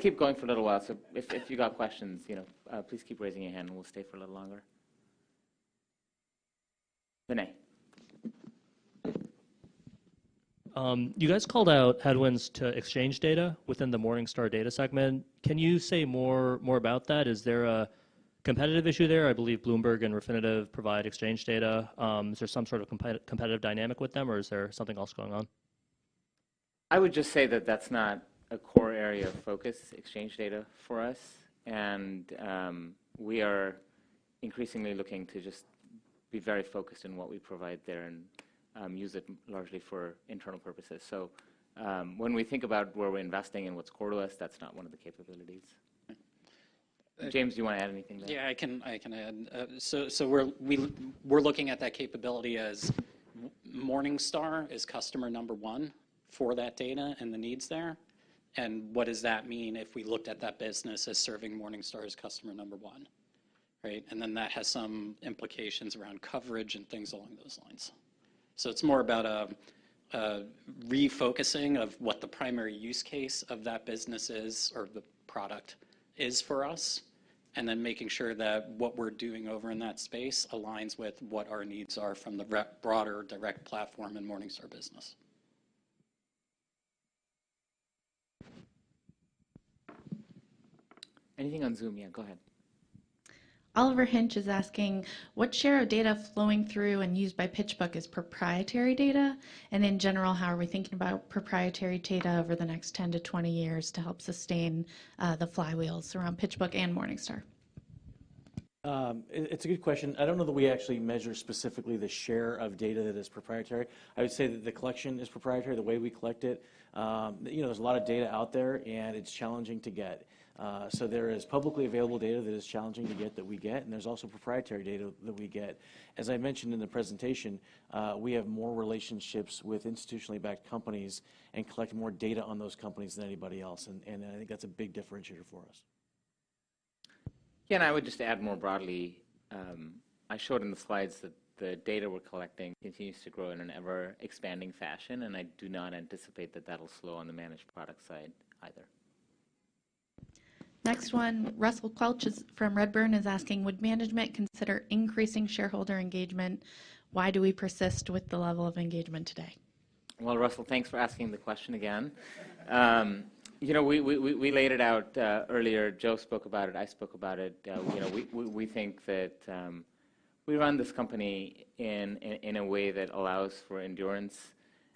keep going for a little while. If you got questions, please keep raising your hand, and we'll stay for a little longer. Vinay. You guys called out headwinds to exchange data within the Morningstar Data segment. Can you say more about that? Is there a competitive issue there? I believe Bloomberg and Refinitiv provide exchange data. Is there some sort of competitive dynamic with them, or is there something else going on? I would just say that that's not a core area of focus, exchange data for us. We are increasingly looking to just be very focused in what we provide there and use it largely for internal purposes. When we think about where we're investing and what's core to us, that's not one of the capabilities. James, do you want to add anything there? Yeah, I can add. We are looking at that capability as Morningstar is customer number one for that data and the needs there. What does that mean if we looked at that business as serving Morningstar as customer number one? That has some implications around coverage and things along those lines. It is more about refocusing of what the primary use case of that business is or the product is for us, and then making sure that what we are doing over in that space aligns with what our needs are from the broader Direct platform and Morningstar business. Anything on Zoom? Yeah, go ahead. Oliver Hinch is asking, what share of data flowing through and used by PitchBook is proprietary data? In general, how are we thinking about proprietary data over the next 10 to 20 years to help sustain the flywheels around PitchBook and Morningstar? It's a good question. I don't know that we actually measure specifically the share of data that is proprietary. I would say that the collection is proprietary, the way we collect it. There's a lot of data out there, and it's challenging to get. There is publicly available data that is challenging to get that we get, and there's also proprietary data that we get. As I mentioned in the presentation, we have more relationships with institutionally backed companies and collect more data on those companies than anybody else. I think that's a big differentiator for us. Yeah, and I would just add more broadly. I showed in the slides that the data we are collecting continues to grow in an ever-expanding fashion, and I do not anticipate that that will slow on the managed product side either. Next one, Russell Quelch from Redburn is asking, would management consider increasing shareholder engagement? Why do we persist with the level of engagement today? Russell, thanks for asking the question again. We laid it out earlier. Joe spoke about it. I spoke about it. We think that we run this company in a way that allows for endurance.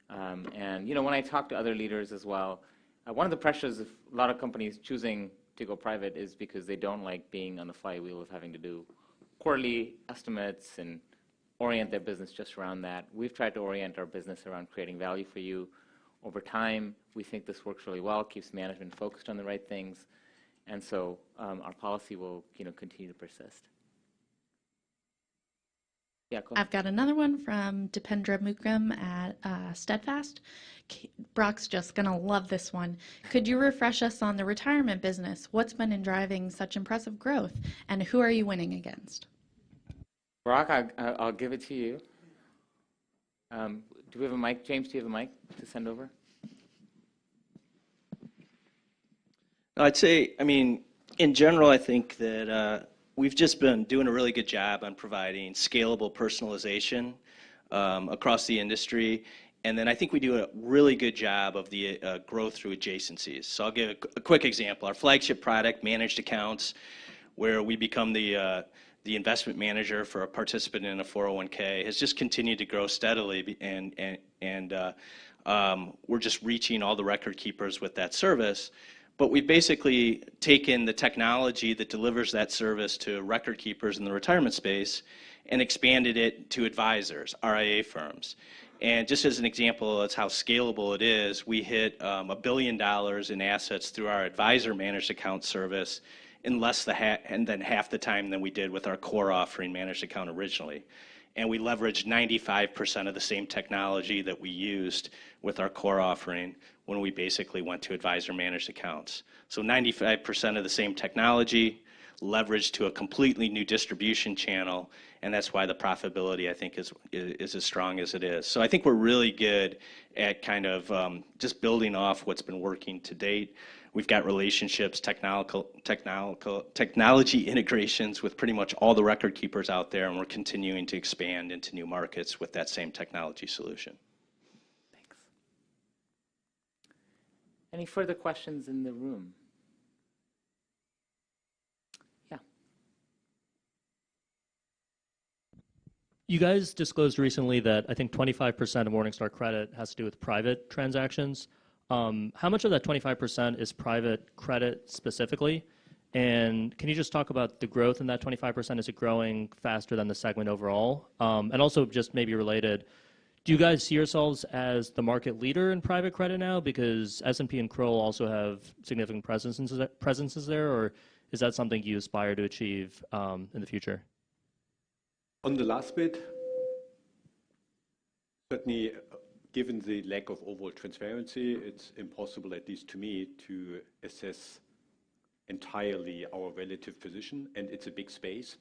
When I talk to other leaders as well, one of the pressures of a lot of companies choosing to go private is because they do not like being on the flywheel of having to do quarterly estimates and orient their business just around that. We have tried to orient our business around creating value for you over time. We think this works really well, keeps management focused on the right things. Our policy will continue to persist. Yeah, go ahead. I've got another one from Deependra Mookim at Steadfast. Brock's just going to love this one. Could you refresh us on the Retirement business? What's been driving such impressive growth, and who are you winning against? Brock, I'll give it to you. Do we have a mic? James, do you have a mic to send over? I'd say, I mean, in general, I think that we've just been doing a really good job on providing scalable personalization across the industry. I think we do a really good job of the growth through adjacencies. I'll give a quick example. Our flagship product, Managed Accounts, where we become the investment manager for a participant in a 401(k), has just continued to grow steadily. We're just reaching all the record keepers with that service. We've basically taken the technology that delivers that service to record keepers in the retirement space and expanded it to advisors, RIA firms. Just as an example of how scalable it is, we hit $1 billion in assets through our advisor managed account service in less than half the time than we did with our core offering managed account originally. We leveraged 95% of the same technology that we used with our core offering when we basically went to Advisor Managed Accounts. 95% of the same technology leveraged to a completely new distribution channel. That is why the profitability, I think, is as strong as it is. I think we are really good at kind of just building off what has been working to date. We have got relationships, technology integrations with pretty much all the record keepers out there, and we are continuing to expand into new markets with that same technology solution. Thanks. Any further questions in the room? Yeah. You guys disclosed recently that I think 25% of Morningstar Credit has to do with private transactions. How much of that 25% is private credit specifically? Can you just talk about the growth in that 25%? Is it growing faster than the segment overall? Also, maybe related, do you guys see yourselves as the market leader in private credit now? Because S&P and Kroll also have significant presences there. Is that something you aspire to achieve in the future? On the last bit, certainly given the lack of overall transparency, it's impossible, at least to me, to assess entirely our relative position. It's a big space.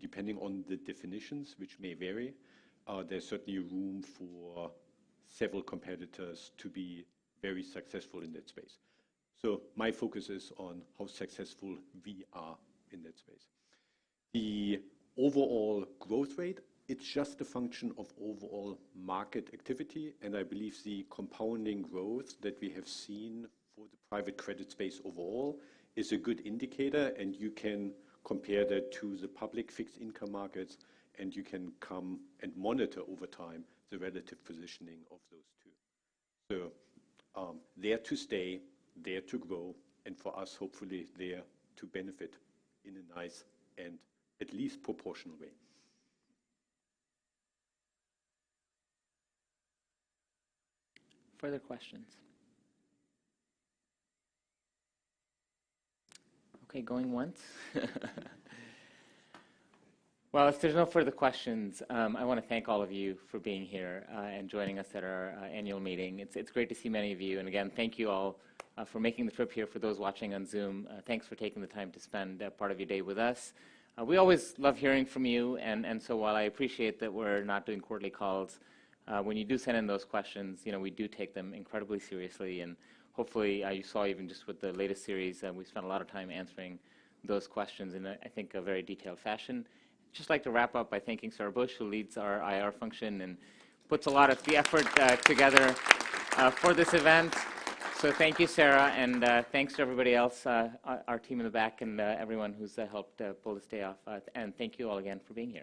Depending on the definitions, which may vary, there's certainly room for several competitors to be very successful in that space. My focus is on how successful we are in that space. The overall growth rate is just a function of overall market activity. I believe the compounding growth that we have seen for the private credit space overall is a good indicator. You can compare that to the public fixed income markets, and you can monitor over time the relative positioning of those two. They are there to stay, there to grow, and for us, hopefully, there to benefit in a nice and at least proportional way. Further questions? Okay, going once. If there's no further questions, I want to thank all of you for being here and joining us at our annual meeting. It's great to see many of you. Again, thank you all for making the trip here. For those watching on Zoom, thanks for taking the time to spend part of your day with us. We always love hearing from you. While I appreciate that we're not doing quarterly calls, when you do send in those questions, we do take them incredibly seriously. Hopefully, you saw even just with the latest series, we spent a lot of time answering those questions in, I think, a very detailed fashion. I would just like to wrap up by thanking Sarah Bush, who leads our IR function and puts a lot of the effort together for this event. Thank you, Sarah. Thanks to everybody else, our team in the back, and everyone who has helped pull this day off. Thank you all again for being here.